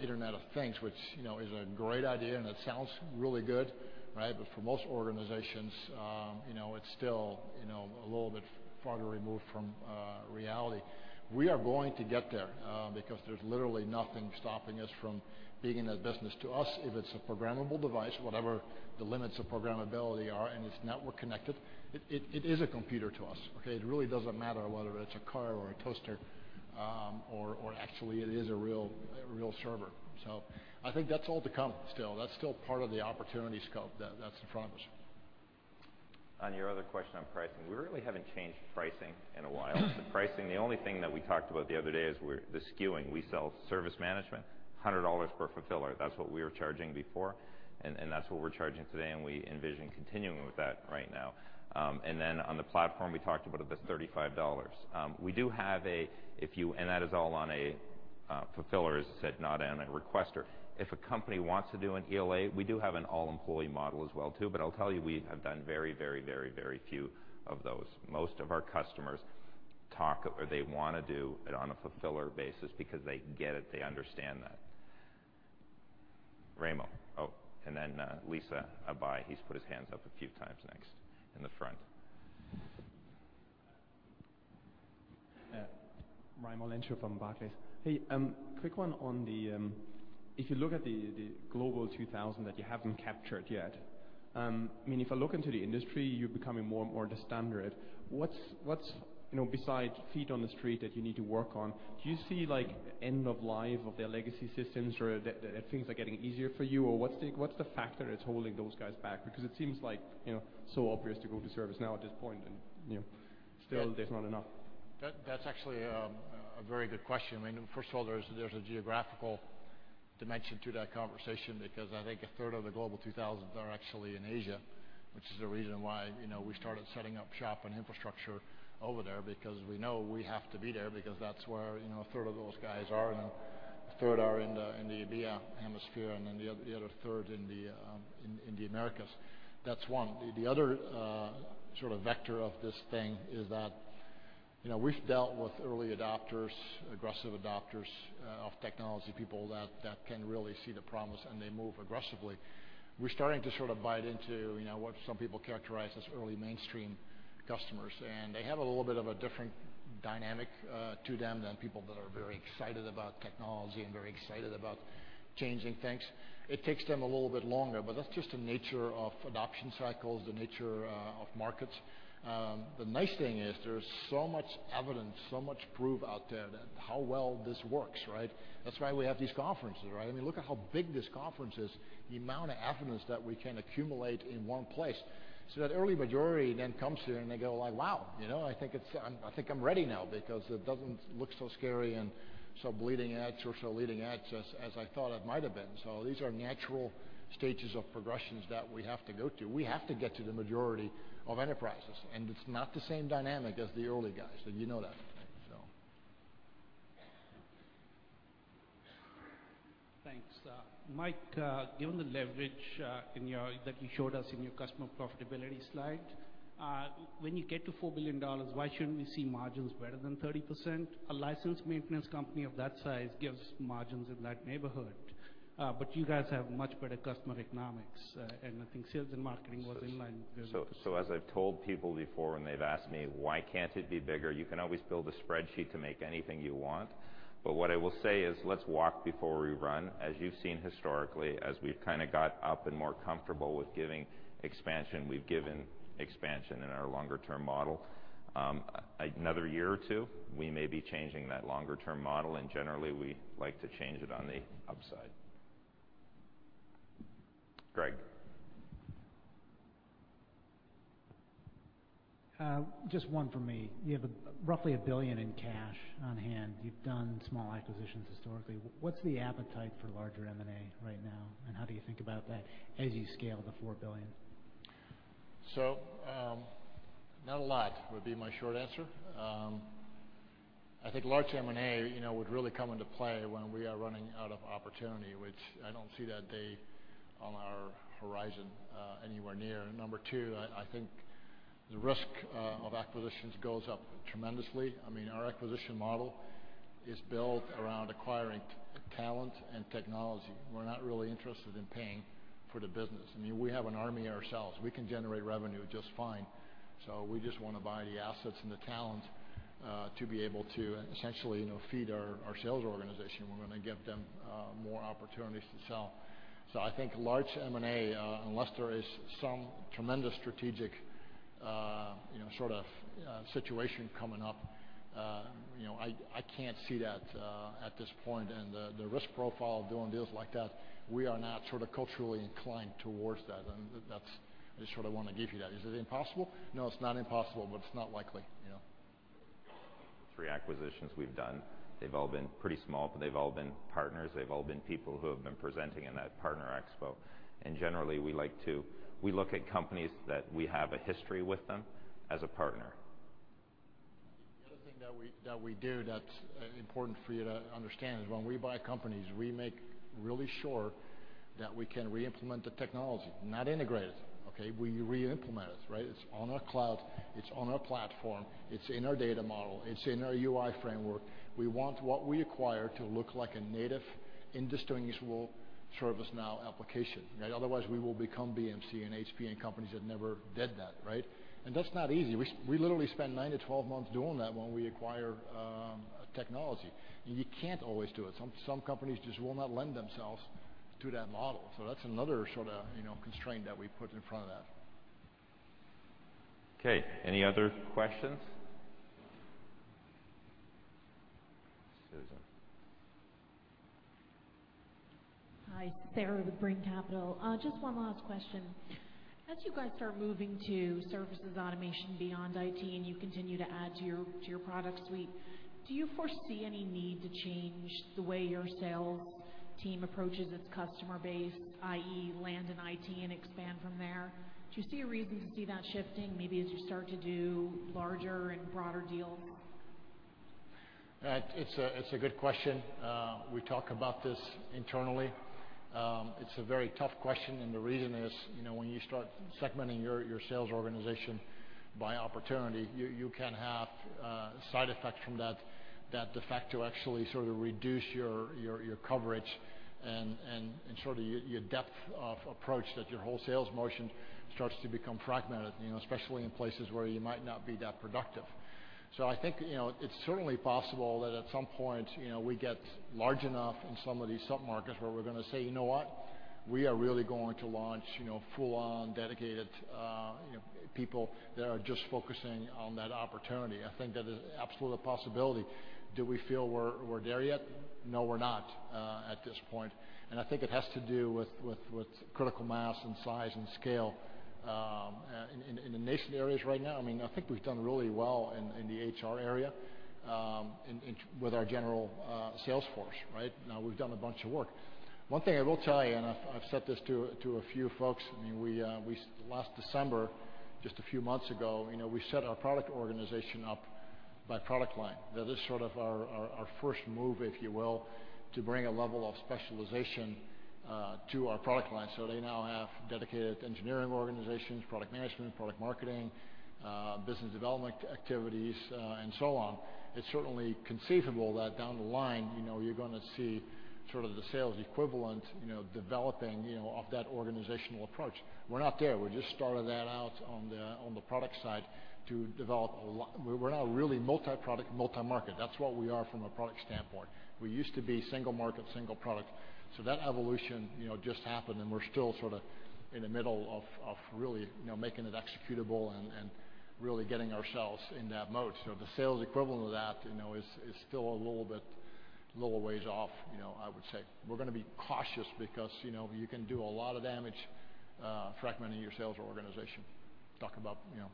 Internet of Things, which is a great idea and it sounds really good. For most organizations, it's still a little bit farther removed from reality. We are going to get there because there's literally nothing stopping us from being in that business. To us, if it's a programmable device, whatever the limits of programmability are, and it's network connected, it is a computer to us. It really doesn't matter whether it's a car or a toaster, or actually it is a real server. I think that's all to come still. That's still part of the opportunity scope that's in front of us. On your other question on pricing, we really haven't changed pricing in a while. The only thing that we talked about the other day is the skewing. We sell service management, $100 per fulfiller. That's what we were charging before, and that's what we're charging today, and we envision continuing with that right now. Then on the platform, we talked about it, that's $35. That is all on a fulfiller, as I said, not on a requester. If a company wants to do an ELA, we do have an all-employee model as well too. I'll tell you, we have done very few of those. Most of our customers talk, or they want to do it on a fulfiller basis because they get it. They understand that. Raimo. Then Lisa Abai, he's put his hands up a few times, next, in the front. Raimo Lenschow from Barclays. If you look at the Global 2000 that you haven't captured yet, if I look into the industry, you're becoming more and more the standard. What's beside feet on the street that you need to work on? Do you see end of life of their legacy systems, or that things are getting easier for you? What's the factor that's holding those guys back? It seems so obvious to go to ServiceNow at this point, and still there's not enough. That's actually a very good question. First of all, there's a geographical dimension to that conversation because I think a third of the Global 2000 are actually in Asia, which is the reason why we started setting up shop and infrastructure over there. Because we know we have to be there, because that's where a third of those guys are, and a third are in the EMEIA hemisphere, and then the other third in the Americas. That's one. The other sort of vector of this thing is that we've dealt with early adopters, aggressive adopters of technology, people that can really see the promise, and they move aggressively. We're starting to sort of bite into what some people characterize as early mainstream customers. They have a little bit of a different dynamic to them than people that are very excited about technology and very excited about changing things. It takes them a little bit longer, That's just the nature of adoption cycles, the nature of markets. The nice thing is there's so much evidence, so much proof out there that how well this works, right? That's why we have these conferences, right? Look at how big this conference is. The amount of evidence that we can accumulate in one place. That early majority then comes here, and they go like, "Wow, I think I'm ready now," because it doesn't look so scary and so bleeding edge or so leading edge as I thought it might've been. These are natural stages of progressions that we have to go to. We have to get to the majority of enterprises, and it's not the same dynamic as the early guys, and you know that. Thanks. Mike, given the leverage that you showed us in your customer profitability slide, when you get to $4 billion, why shouldn't we see margins better than 30%? A license maintenance company of that size gives margins in that neighborhood. You guys have much better customer economics, and I think sales and marketing was in line with- As I've told people before, when they've asked me, "Why can't it be bigger?" You can always build a spreadsheet to make anything you want. What I will say is let's walk before we run. As you've seen historically, as we've kind of got up and more comfortable with giving expansion, we've given expansion in our longer-term model. Another year or two, we may be changing that longer-term model, and generally, we like to change it on the upside. Greg. Just one from me. You have roughly $1 billion in cash on hand. You've done small acquisitions historically. What's the appetite for larger M&A right now, and how do you think about that as you scale to $4 billion? Not a lot would be my short answer. I think large M&A would really come into play when we are running out of opportunity, which I don't see that day on our horizon, anywhere near. Number two, I think the risk of acquisitions goes up tremendously. Our acquisition model is built around acquiring talent and technology. We're not really interested in paying for the business. We have an army ourselves. We can generate revenue just fine. We just want to buy the assets and the talent to be able to essentially feed our sales organization. We're going to give them more opportunities to sell. I think large M&A, unless there is some tremendous strategic sort of situation coming up, I can't see that at this point. The risk profile of doing deals like that, we are not sort of culturally inclined towards that, and I just sort of want to give you that. Is it impossible? No, it's not impossible, but it's not likely. The three acquisitions we've done, they've all been pretty small, but they've all been partners. They've all been people who have been presenting in that partner expo. Generally, we look at companies that we have a history with them as a partner. The other thing that we do that's important for you to understand is when we buy companies, we make really sure that we can re-implement the technology. Not integrate it, okay? We re-implement it, right? It's on our cloud, it's on our platform, it's in our data model. It's in our UI framework. We want what we acquire to look like a native, indistinguishable ServiceNow application. Otherwise, we will become BMC and HP and companies that never did that, right? That's not easy. We literally spend nine to 12 months doing that when we acquire technology. You can't always do it. Some companies just will not lend themselves to that model. That's another sort of constraint that we put in front of that. Okay, any other questions? Hi, Sarah with Bring Capital. Just one last question. As you guys start moving to services automation beyond IT, and you continue to add to your product suite, do you foresee any need to change the way your sales team approaches its customer base, i.e., land in IT and expand from there? Do you see a reason to see that shifting, maybe as you start to do larger and broader deals? It's a good question. We talk about this internally. It's a very tough question, and the reason is when you start segmenting your sales organization by opportunity, you can have side effects from that the fact you actually sort of reduce your coverage and sort of your depth of approach, that your whole sales motion starts to become fragmented, especially in places where you might not be that productive. I think it's certainly possible that at some point, we get large enough in some of these sub-markets where we're going to say, "You know what? We are really going to launch full-on dedicated people that are just focusing on that opportunity." I think that is absolutely a possibility. Do we feel we're there yet? No, we're not at this point. I think it has to do with critical mass and size and scale. In the niche areas right now, I think we've done really well in the HR area with our general sales force, right? We've done a bunch of work. One thing I will tell you, and I've said this to a few folks, last December, just a few months ago, we set our product organization up by product line. That is sort of our first move, if you will, to bring a level of specialization to our product line. They now have dedicated engineering organizations, product management, product marketing, business development activities, and so on. It's certainly conceivable that down the line, you're going to see sort of the sales equivalent developing off that organizational approach. We're not there. We just started that out on the product side to develop a lot. We're now really multi-product, multi-market. That's what we are from a product standpoint. We used to be single market, single product. That evolution just happened, and we're still sort of in the middle of really making it executable and really getting ourselves in that mode. The sales equivalent of that is still a little ways off, I would say. We're going to be cautious because you can do a lot of damage fragmenting your sales organization. Talk about productivity issues.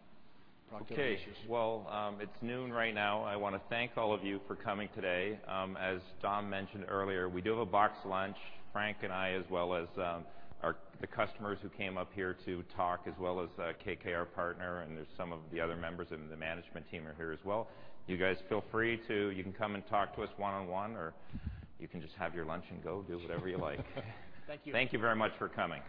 Okay. Well, it's noon right now. I want to thank all of you for coming today. As Tom mentioned earlier, we do have a boxed lunch. Frank and I, as well as the customers who came up here to talk, as well as KKR partner, and there's some of the other members of the management team are here as well. You guys feel free to, you can come and talk to us one-on-one, or you can just have your lunch and go, do whatever you like. Thank you. Thank you very much for coming.